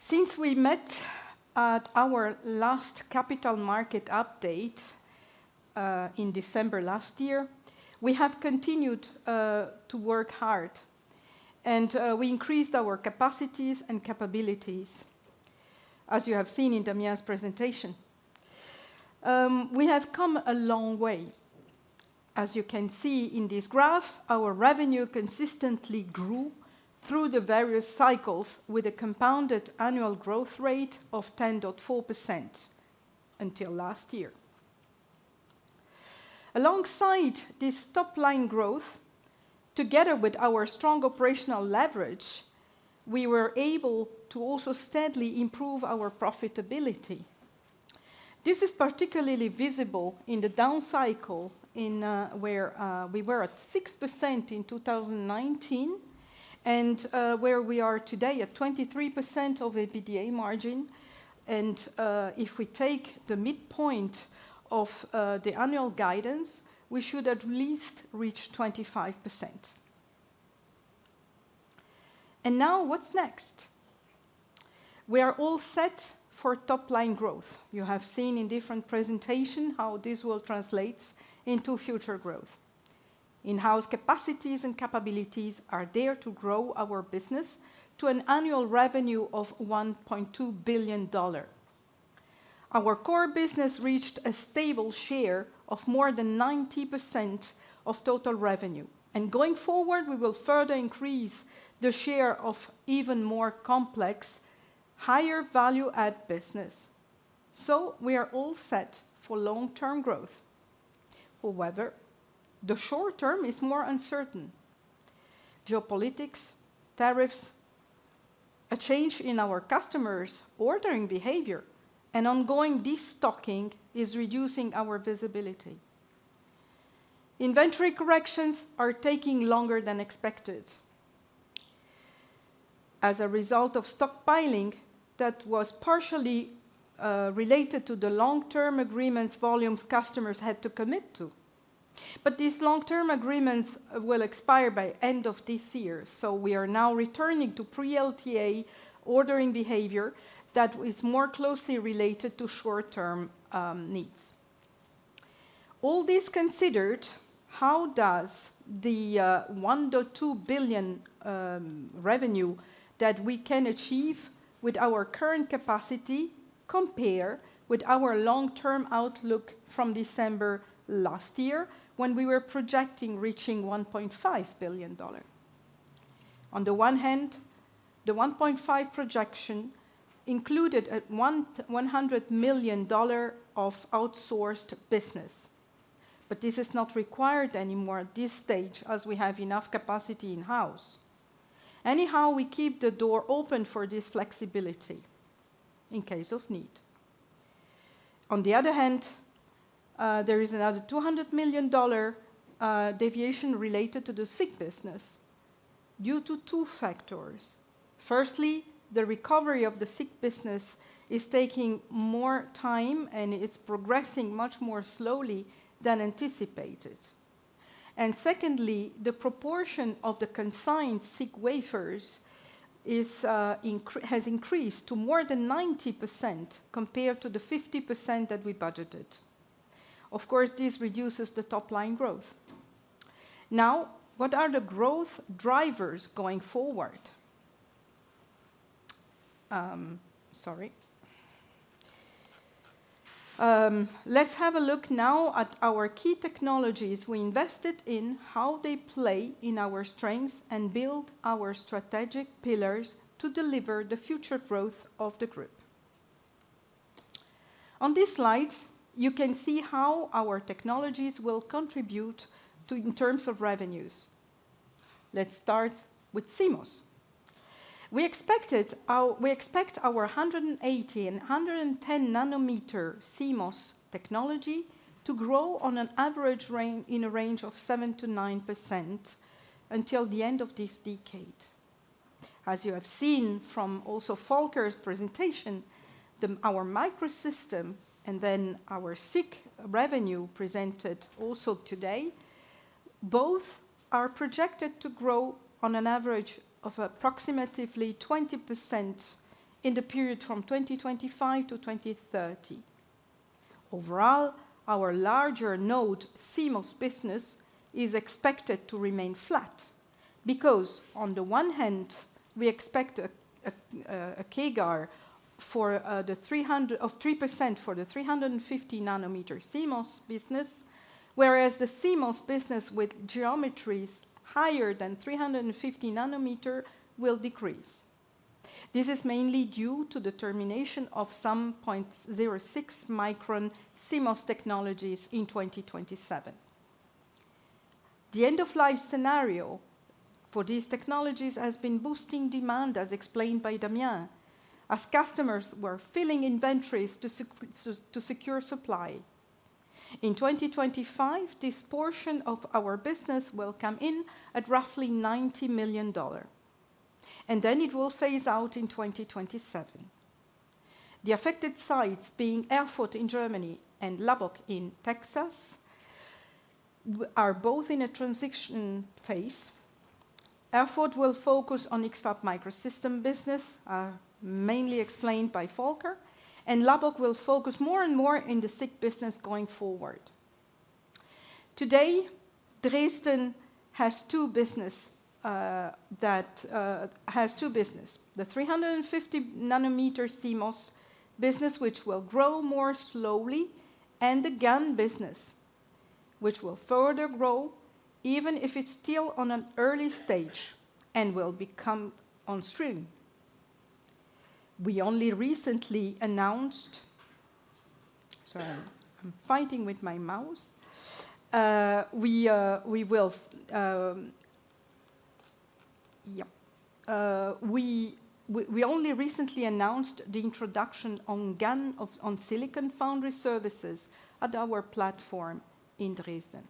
Since we met at our last capital market update in December last year, we have continued to work hard, and we increased our capacities and capabilities, as you have seen in Damien's presentation. We have come a long way. As you can see in this graph, our revenue consistently grew through the various cycles with a compounded annual growth rate of 10.4% until last year. Alongside this top-line growth, together with our strong operational leverage, we were able to also steadily improve our profitability. This is particularly visible in the down cycle, in where we were at 6% in 2019, and where we are today at 23% of EBITDA margin, and if we take the midpoint of the annual guidance, we should at least reach 25%. Now, what's next? We are all set for top-line growth. You have seen in different presentation how this will translates into future growth. In-house capacities and capabilities are there to grow our business to an annual revenue of $1.2 billion. Our core business reached a stable share of more than 90% of total revenue, and going forward, we will further increase the share of even more complex, higher value-add business. We are all set for long-term growth. However, the short term is more uncertain. Geopolitics, tariffs, a change in our customers' ordering behavior, and ongoing de-stocking is reducing our visibility. Inventory corrections are taking longer than expected as a result of stockpiling that was partially related to the long-term agreements volumes customers had to commit to. But these long-term agreements will expire by end of this year, so we are now returning to pre-LTA ordering behavior that is more closely related to short-term needs. All this considered, how does the $1.2 billion revenue that we can achieve with our current capacity compare with our long-term outlook from December last year, when we were projecting reaching $1.5 billion? On the one hand, the $1.5 projection included a $100 million of outsourced business, but this is not required anymore at this stage, as we have enough capacity in-house. Anyhow, we keep the door open for this flexibility in case of need. On the other hand, there is another $200 million deviation related to the SiC business due to two factors. Firstly, the recovery of the SiC business is taking more time, and it's progressing much more slowly than anticipated. And secondly, the proportion of the consigned SiC wafers has increased to more than 90%, compared to the 50% that we budgeted. Of course, this reduces the top-line growth. Now, what are the growth drivers going forward? Let's have a look now at our key technologies we invested in, how they play in our strengths, and build our strategic pillars to deliver the future growth of the group. On this slide, you can see how our technologies will contribute to in terms of revenues. Let's start with CMOS. We expected our— We expect our 180 and 110 nm CMOS technology to grow on an average in a range of 7%-9% until the end of this decade. As you have seen from also Volker's presentation, our microsystem, and then our SiC revenue presented also today, both are projected to grow on an average of approximately 20% in the period from 2025 to 2030. Overall, our larger node CMOS business is expected to remain flat, because on the one hand, we expect a CAGR of 3% for the 350 nm CMOS business, whereas the CMOS business with geometries higher than 350 nm will decrease. This is mainly due to the termination of some 0.6 micron CMOS technologies in 2027. The end-of-life scenario for these technologies has been boosting demand, as explained by Damien, as customers were filling inventories to secure supply. In 2025, this portion of our business will come in at roughly $90 million, and then it will phase out in 2027. The affected sites, being Erfurt in Germany and Lubbock in Texas, are both in a transition phase. Erfurt will focus on X-FAB Microsystems business, mainly explained by Volker, and Lubbock will focus more and more in the SiC business going forward. Today, Dresden has two businesses: the 350 nm CMOS business, which will grow more slowly, and the GaN business, which will further grow, even if it's still on an early stage, and will become on stream. We only recently announced. Sorry, I'm fighting with my mouse. We will. We only recently announced the introduction of GaN on-silicon foundry services at our platform in Dresden.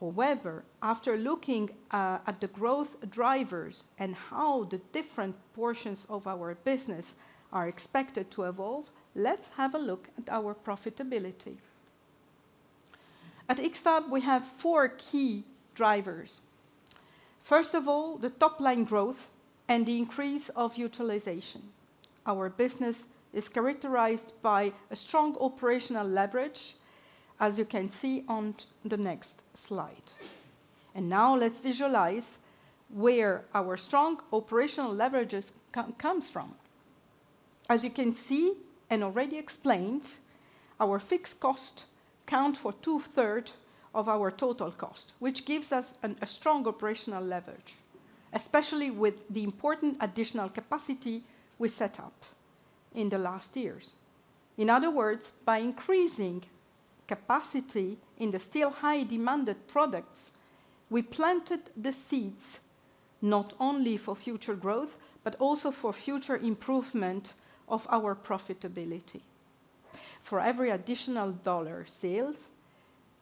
However, after looking at the growth drivers and how the different portions of our business are expected to evolve, let's have a look at our profitability. At X-FAB, we have four key drivers. First of all, the top-line growth and the increase of utilization. Our business is characterized by a strong operational leverage, as you can see on the next slide. And now let's visualize where our strong operational leverages come from. As you can see, and already explained, our fixed costs count for two-thirds of our total costs, which gives us a strong operational leverage, especially with the important additional capacity we set up in the last years. In other words, by increasing capacity in the still high demanded products, we planted the seeds not only for future growth, but also for future improvement of our profitability. For every additional dollar sales,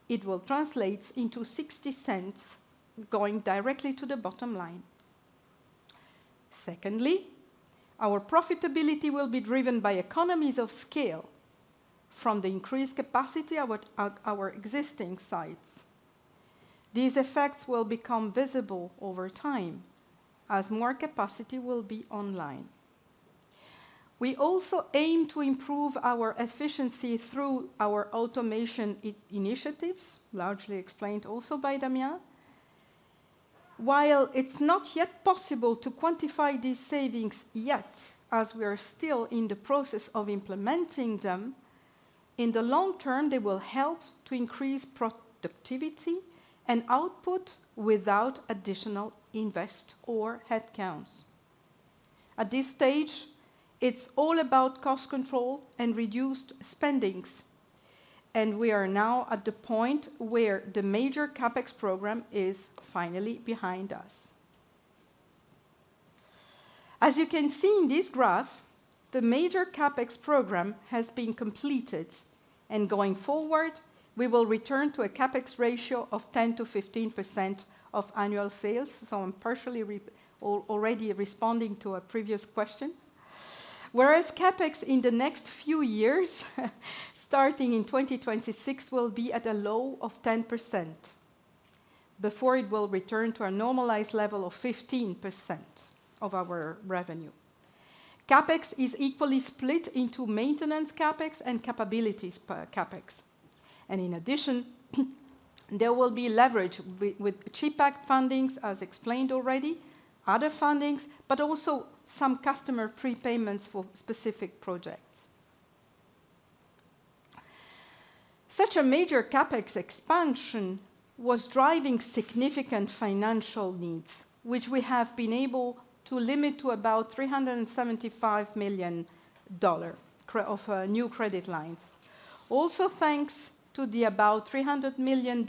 it will translates into $0.60 going directly to the bottom line. Secondly, our profitability will be driven by economies of scale from the increased capacity at our existing sites. These effects will become visible over time as more capacity will be online. We also aim to improve our efficiency through our automation initiatives, largely explained also by Damien. While it's not yet possible to quantify these savings, as we are still in the process of implementing them, in the long term, they will help to increase productivity and output without additional investment or headcounts. At this stage, it's all about cost control and reduced spendings, and we are now at the point where the major CapEx program is finally behind us. As you can see in this graph, the major CapEx program has been completed, and going forward, we will return to a CapEx ratio of 10%-15% of annual sales, so I'm partially already responding to a previous question. Whereas CapEx in the next few years, starting in 2026, will be at a low of 10% before it will return to a normalized level of 15% of our revenue. CapEx is equally split into maintenance CapEx and capacity CapEx, and in addition, there will be leverage with CHIPS Act fundings, as explained already, other fundings, but also some customer prepayments for specific projects. Such a major CapEx expansion was driving significant financial needs, which we have been able to limit to about $375 million of new credit lines. Also, thanks to the about $300 million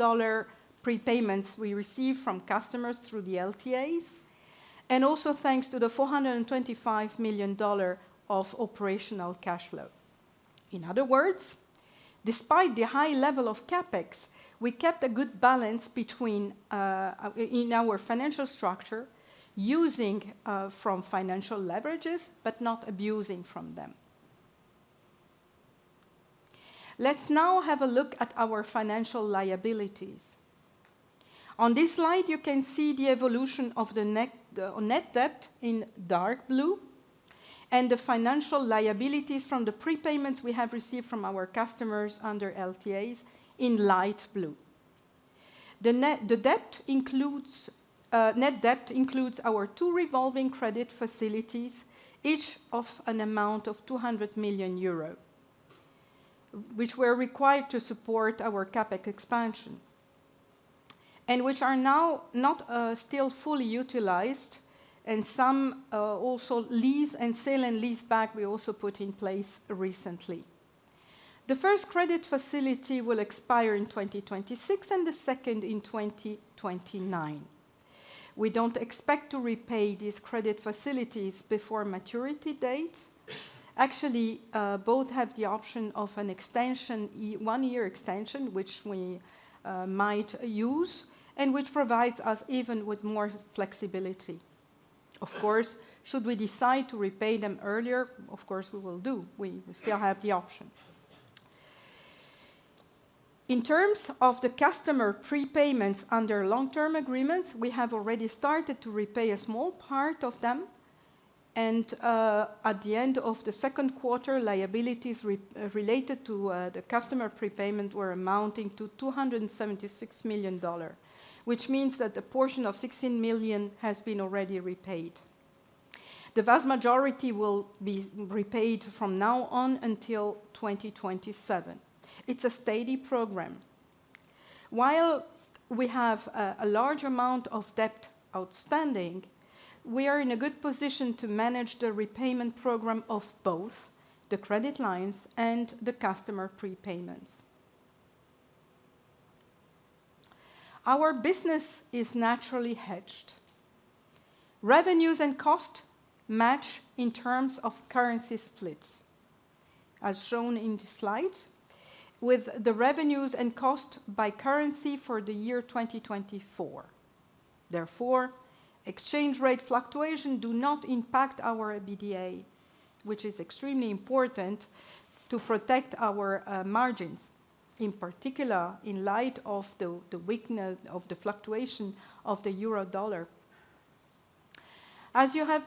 prepayments we received from customers through the LTAs, and also thanks to the $425 million of operational cash flow. In other words, despite the high level of CapEx, we kept a good balance between in our financial structure, using from financial leverages but not abusing from them. Let's now have a look at our financial liabilities. On this slide, you can see the evolution of the net debt in dark blue, and the financial liabilities from the prepayments we have received from our customers under LTAs in light blue. The net— The net debt includes our two revolving credit facilities, each of an amount of 200 million euro, which were required to support our CapEx expansion, and which are now not still fully utilized, and some also lease and sale and leaseback we also put in place recently. The first credit facility will expire in 2026, and the second in 2029. We don't expect to repay these credit facilities before maturity date. Actually, both have the option of a one-year extension, which we might use, and which provides us even with more flexibility. Of course, should we decide to repay them earlier, of course we will do. We still have the option. In terms of the customer prepayments under long-term agreements, we have already started to repay a small part of them, and, at the end of the second quarter, liabilities related to the customer prepayment were amounting to $276 million, which means that the portion of $16 million has been already repaid. The vast majority will be repaid from now on until 2027. It's a steady program. While we have a large amount of debt outstanding, we are in a good position to manage the repayment program of both the credit lines and the customer prepayments. Our business is naturally hedged. Revenues and cost match in terms of currency splits, as shown in this slide, with the revenues and cost by currency for the year 2024. Therefore, exchange rate fluctuation do not impact our EBITDA, which is extremely important to protect our margins, in particular, in light of the weakness of the fluctuation of the euro/dollar as you have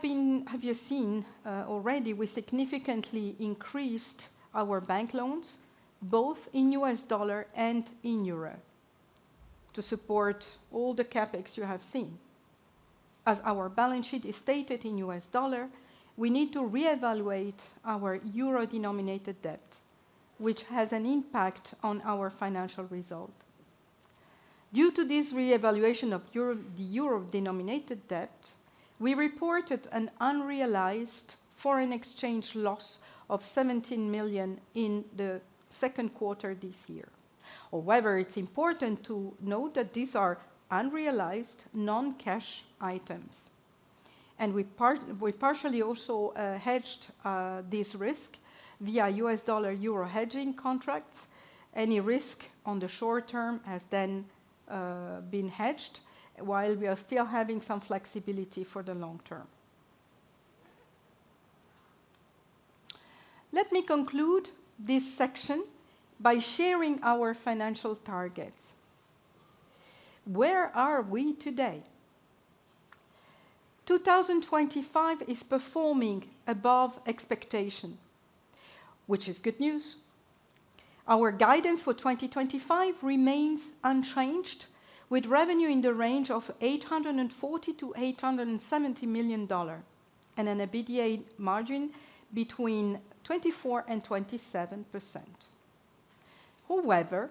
seen already, we significantly increased our bank loans, both in US dollar and in euro, to support all the CapEx you have seen. As our balance sheet is stated in US dollar, we need to reevaluate our euro-denominated debt, which has an impact on our financial result. Due to this reevaluation of euro, the euro-denominated debt, we reported an unrealized foreign exchange loss of 17 million in the second quarter this year. However, it's important to note that these are unrealized non-cash items, and we partially also hedged this risk via US dollar/euro hedging contracts. Any risk on the short term has then been hedged, while we are still having some flexibility for the long term. Let me conclude this section by sharing our financial targets. Where are we today? 2025 is performing above expectation, which is good news. Our guidance for 2025 remains unchanged, with revenue in the range of $840 million-$870 million, and an EBITDA margin between 24% and 27%. However,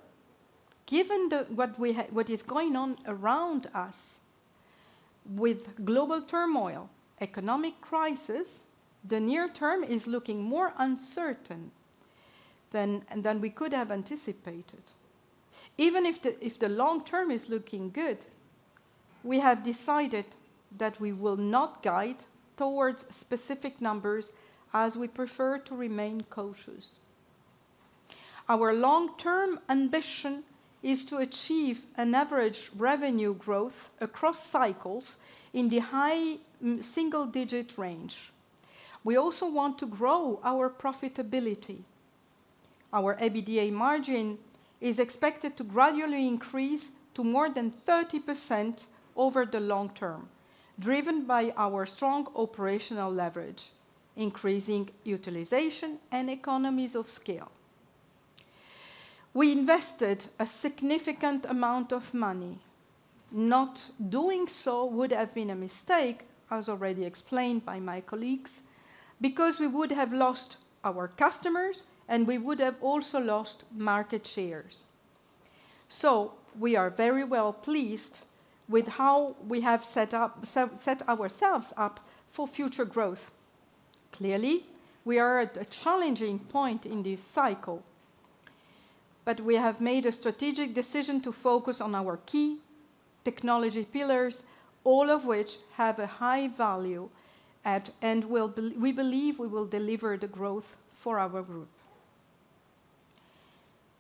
given the, what is going on around us, with global turmoil, economic crisis, the near term is looking more uncertain than we could have anticipated. Even if the long term is looking good, we have decided that we will not guide towards specific numbers, as we prefer to remain cautious. Our long-term ambition is to achieve an average revenue growth across cycles in the high single-digit range. We also want to grow our profitability. Our EBITDA margin is expected to gradually increase to more than 30% over the long term, driven by our strong operational leverage, increasing utilization, and economies of scale. We invested a significant amount of money. Not doing so would have been a mistake, as already explained by my colleagues, because we would have lost our customers, and we would have also lost market shares. So we are very well pleased with how we have set ourselves up for future growth. Clearly, we are at a challenging point in this cycle, but we have made a strategic decision to focus on our key technology pillars, all of which have a high value, and we believe we will deliver the growth for our group.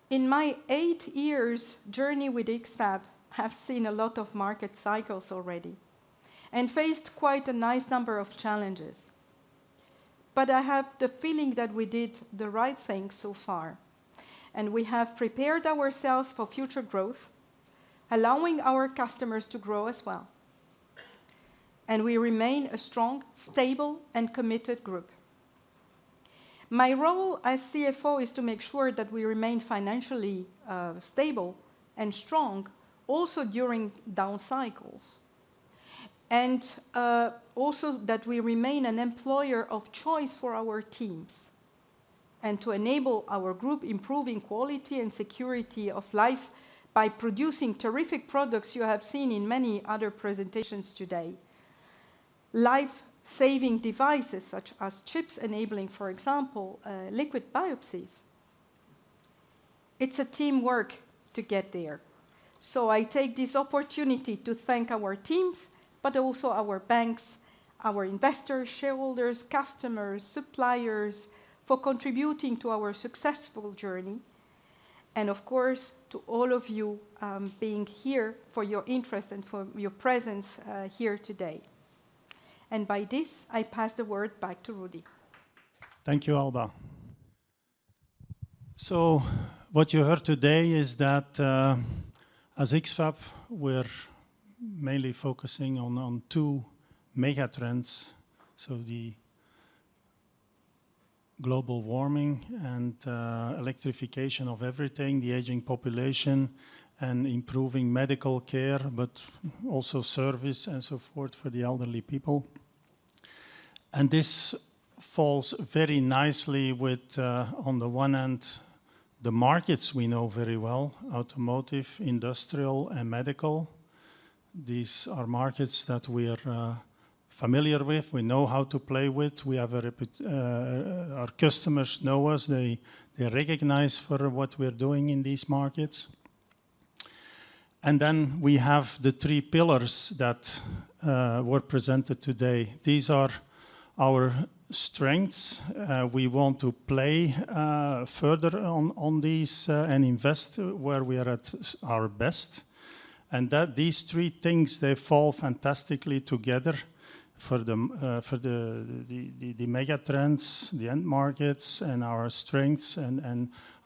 In my eight years journey with X-FAB, I have seen a lot of market cycles already and faced quite a nice number of challenges. But I have the feeling that we did the right thing so far, and we have prepared ourselves for future growth, allowing our customers to grow as well, and we remain a strong, stable, and committed group. My role as CFO is to make sure that we remain financially, stable and strong also during down cycles, and, also that we remain an employer of choice for our teams, and to enable our group improving quality and security of life by producing terrific products you have seen in many other presentations today, life-saving devices, such as chips, enabling, for example, liquid biopsies. It's teamwork to get there, so I take this opportunity to thank our teams, but also our banks, our investors, shareholders, customers, suppliers, for contributing to our successful journey, and of course, to all of you, being here, for your interest and for your presence, here today. And by this, I pass the word back to Rudi. Thank you, Alba. So what you heard today is that, as X-FAB, we're mainly focusing on two mega trends: the global warming and electrification of everything, the aging population, and improving medical care, but also service and so forth for the elderly people. And this falls very nicely with, on the one hand, the markets we know very well: automotive, industrial, and medical. These are markets that we are familiar with; we know how to play with. We have a reputation. Our customers know us. They recognize us for what we're doing in these markets. And then we have the three pillars that were presented today. These are our strengths. We want to play further on these and invest where we are at our best, and that these three things, they fall fantastically together for the mega trends, the end markets, and our strengths.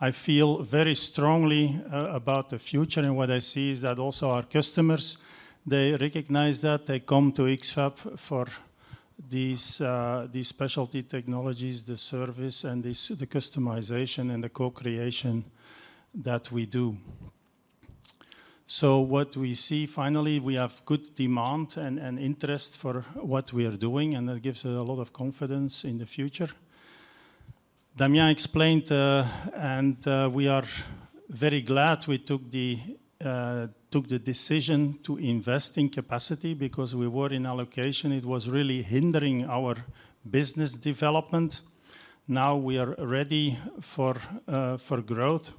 I feel very strongly about the future, and what I see is that also our customers, they recognize that. They come to X-FAB for these specialty technologies, the service, and the customization and the co-creation that we do. So what we see finally, we have good demand and interest for what we are doing, and that gives a lot of confidence in the future. Damien explained and we are very glad we took the decision to invest in capacity because we were in allocation. It was really hindering our business development. Now we are ready for growth,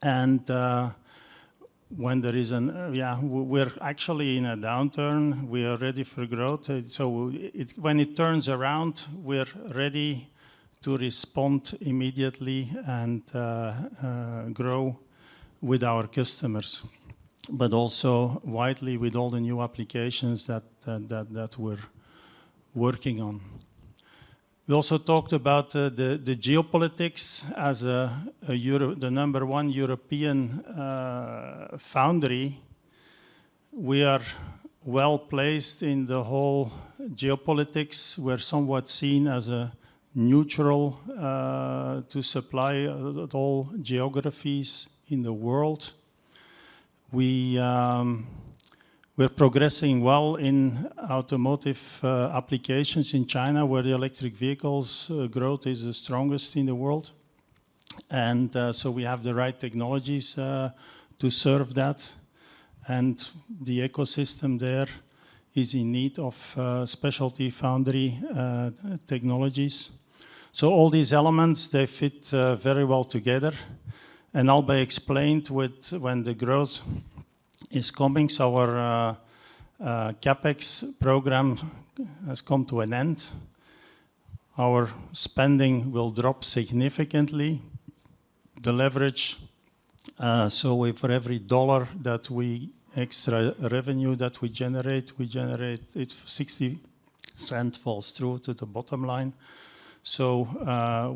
and when there is a downturn, we're actually in a downturn, we are ready for growth. So when it turns around, we're ready to respond immediately and grow with our customers, but also widely with all the new applications that we're working on. We also talked about the geopolitics as the number one European foundry. We are well-placed in the whole geopolitics. We're somewhat seen as a neutral to supply all geographies in the world. We're progressing well in automotive applications in China, where the electric vehicles growth is the strongest in the world, and so we have the right technologies to serve that. And the ecosystem there is in need of specialty foundry technologies. All these elements fit very well together, and Alba explained when the growth is coming. Our CapEx program has come to an end. Our spending will drop significantly. The leverage, so for every dollar of extra revenue that we generate, $0.60 falls through to the bottom line.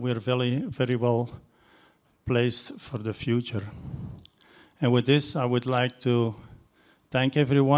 We're very well-placed for the future. And with this, I would like to thank everyone.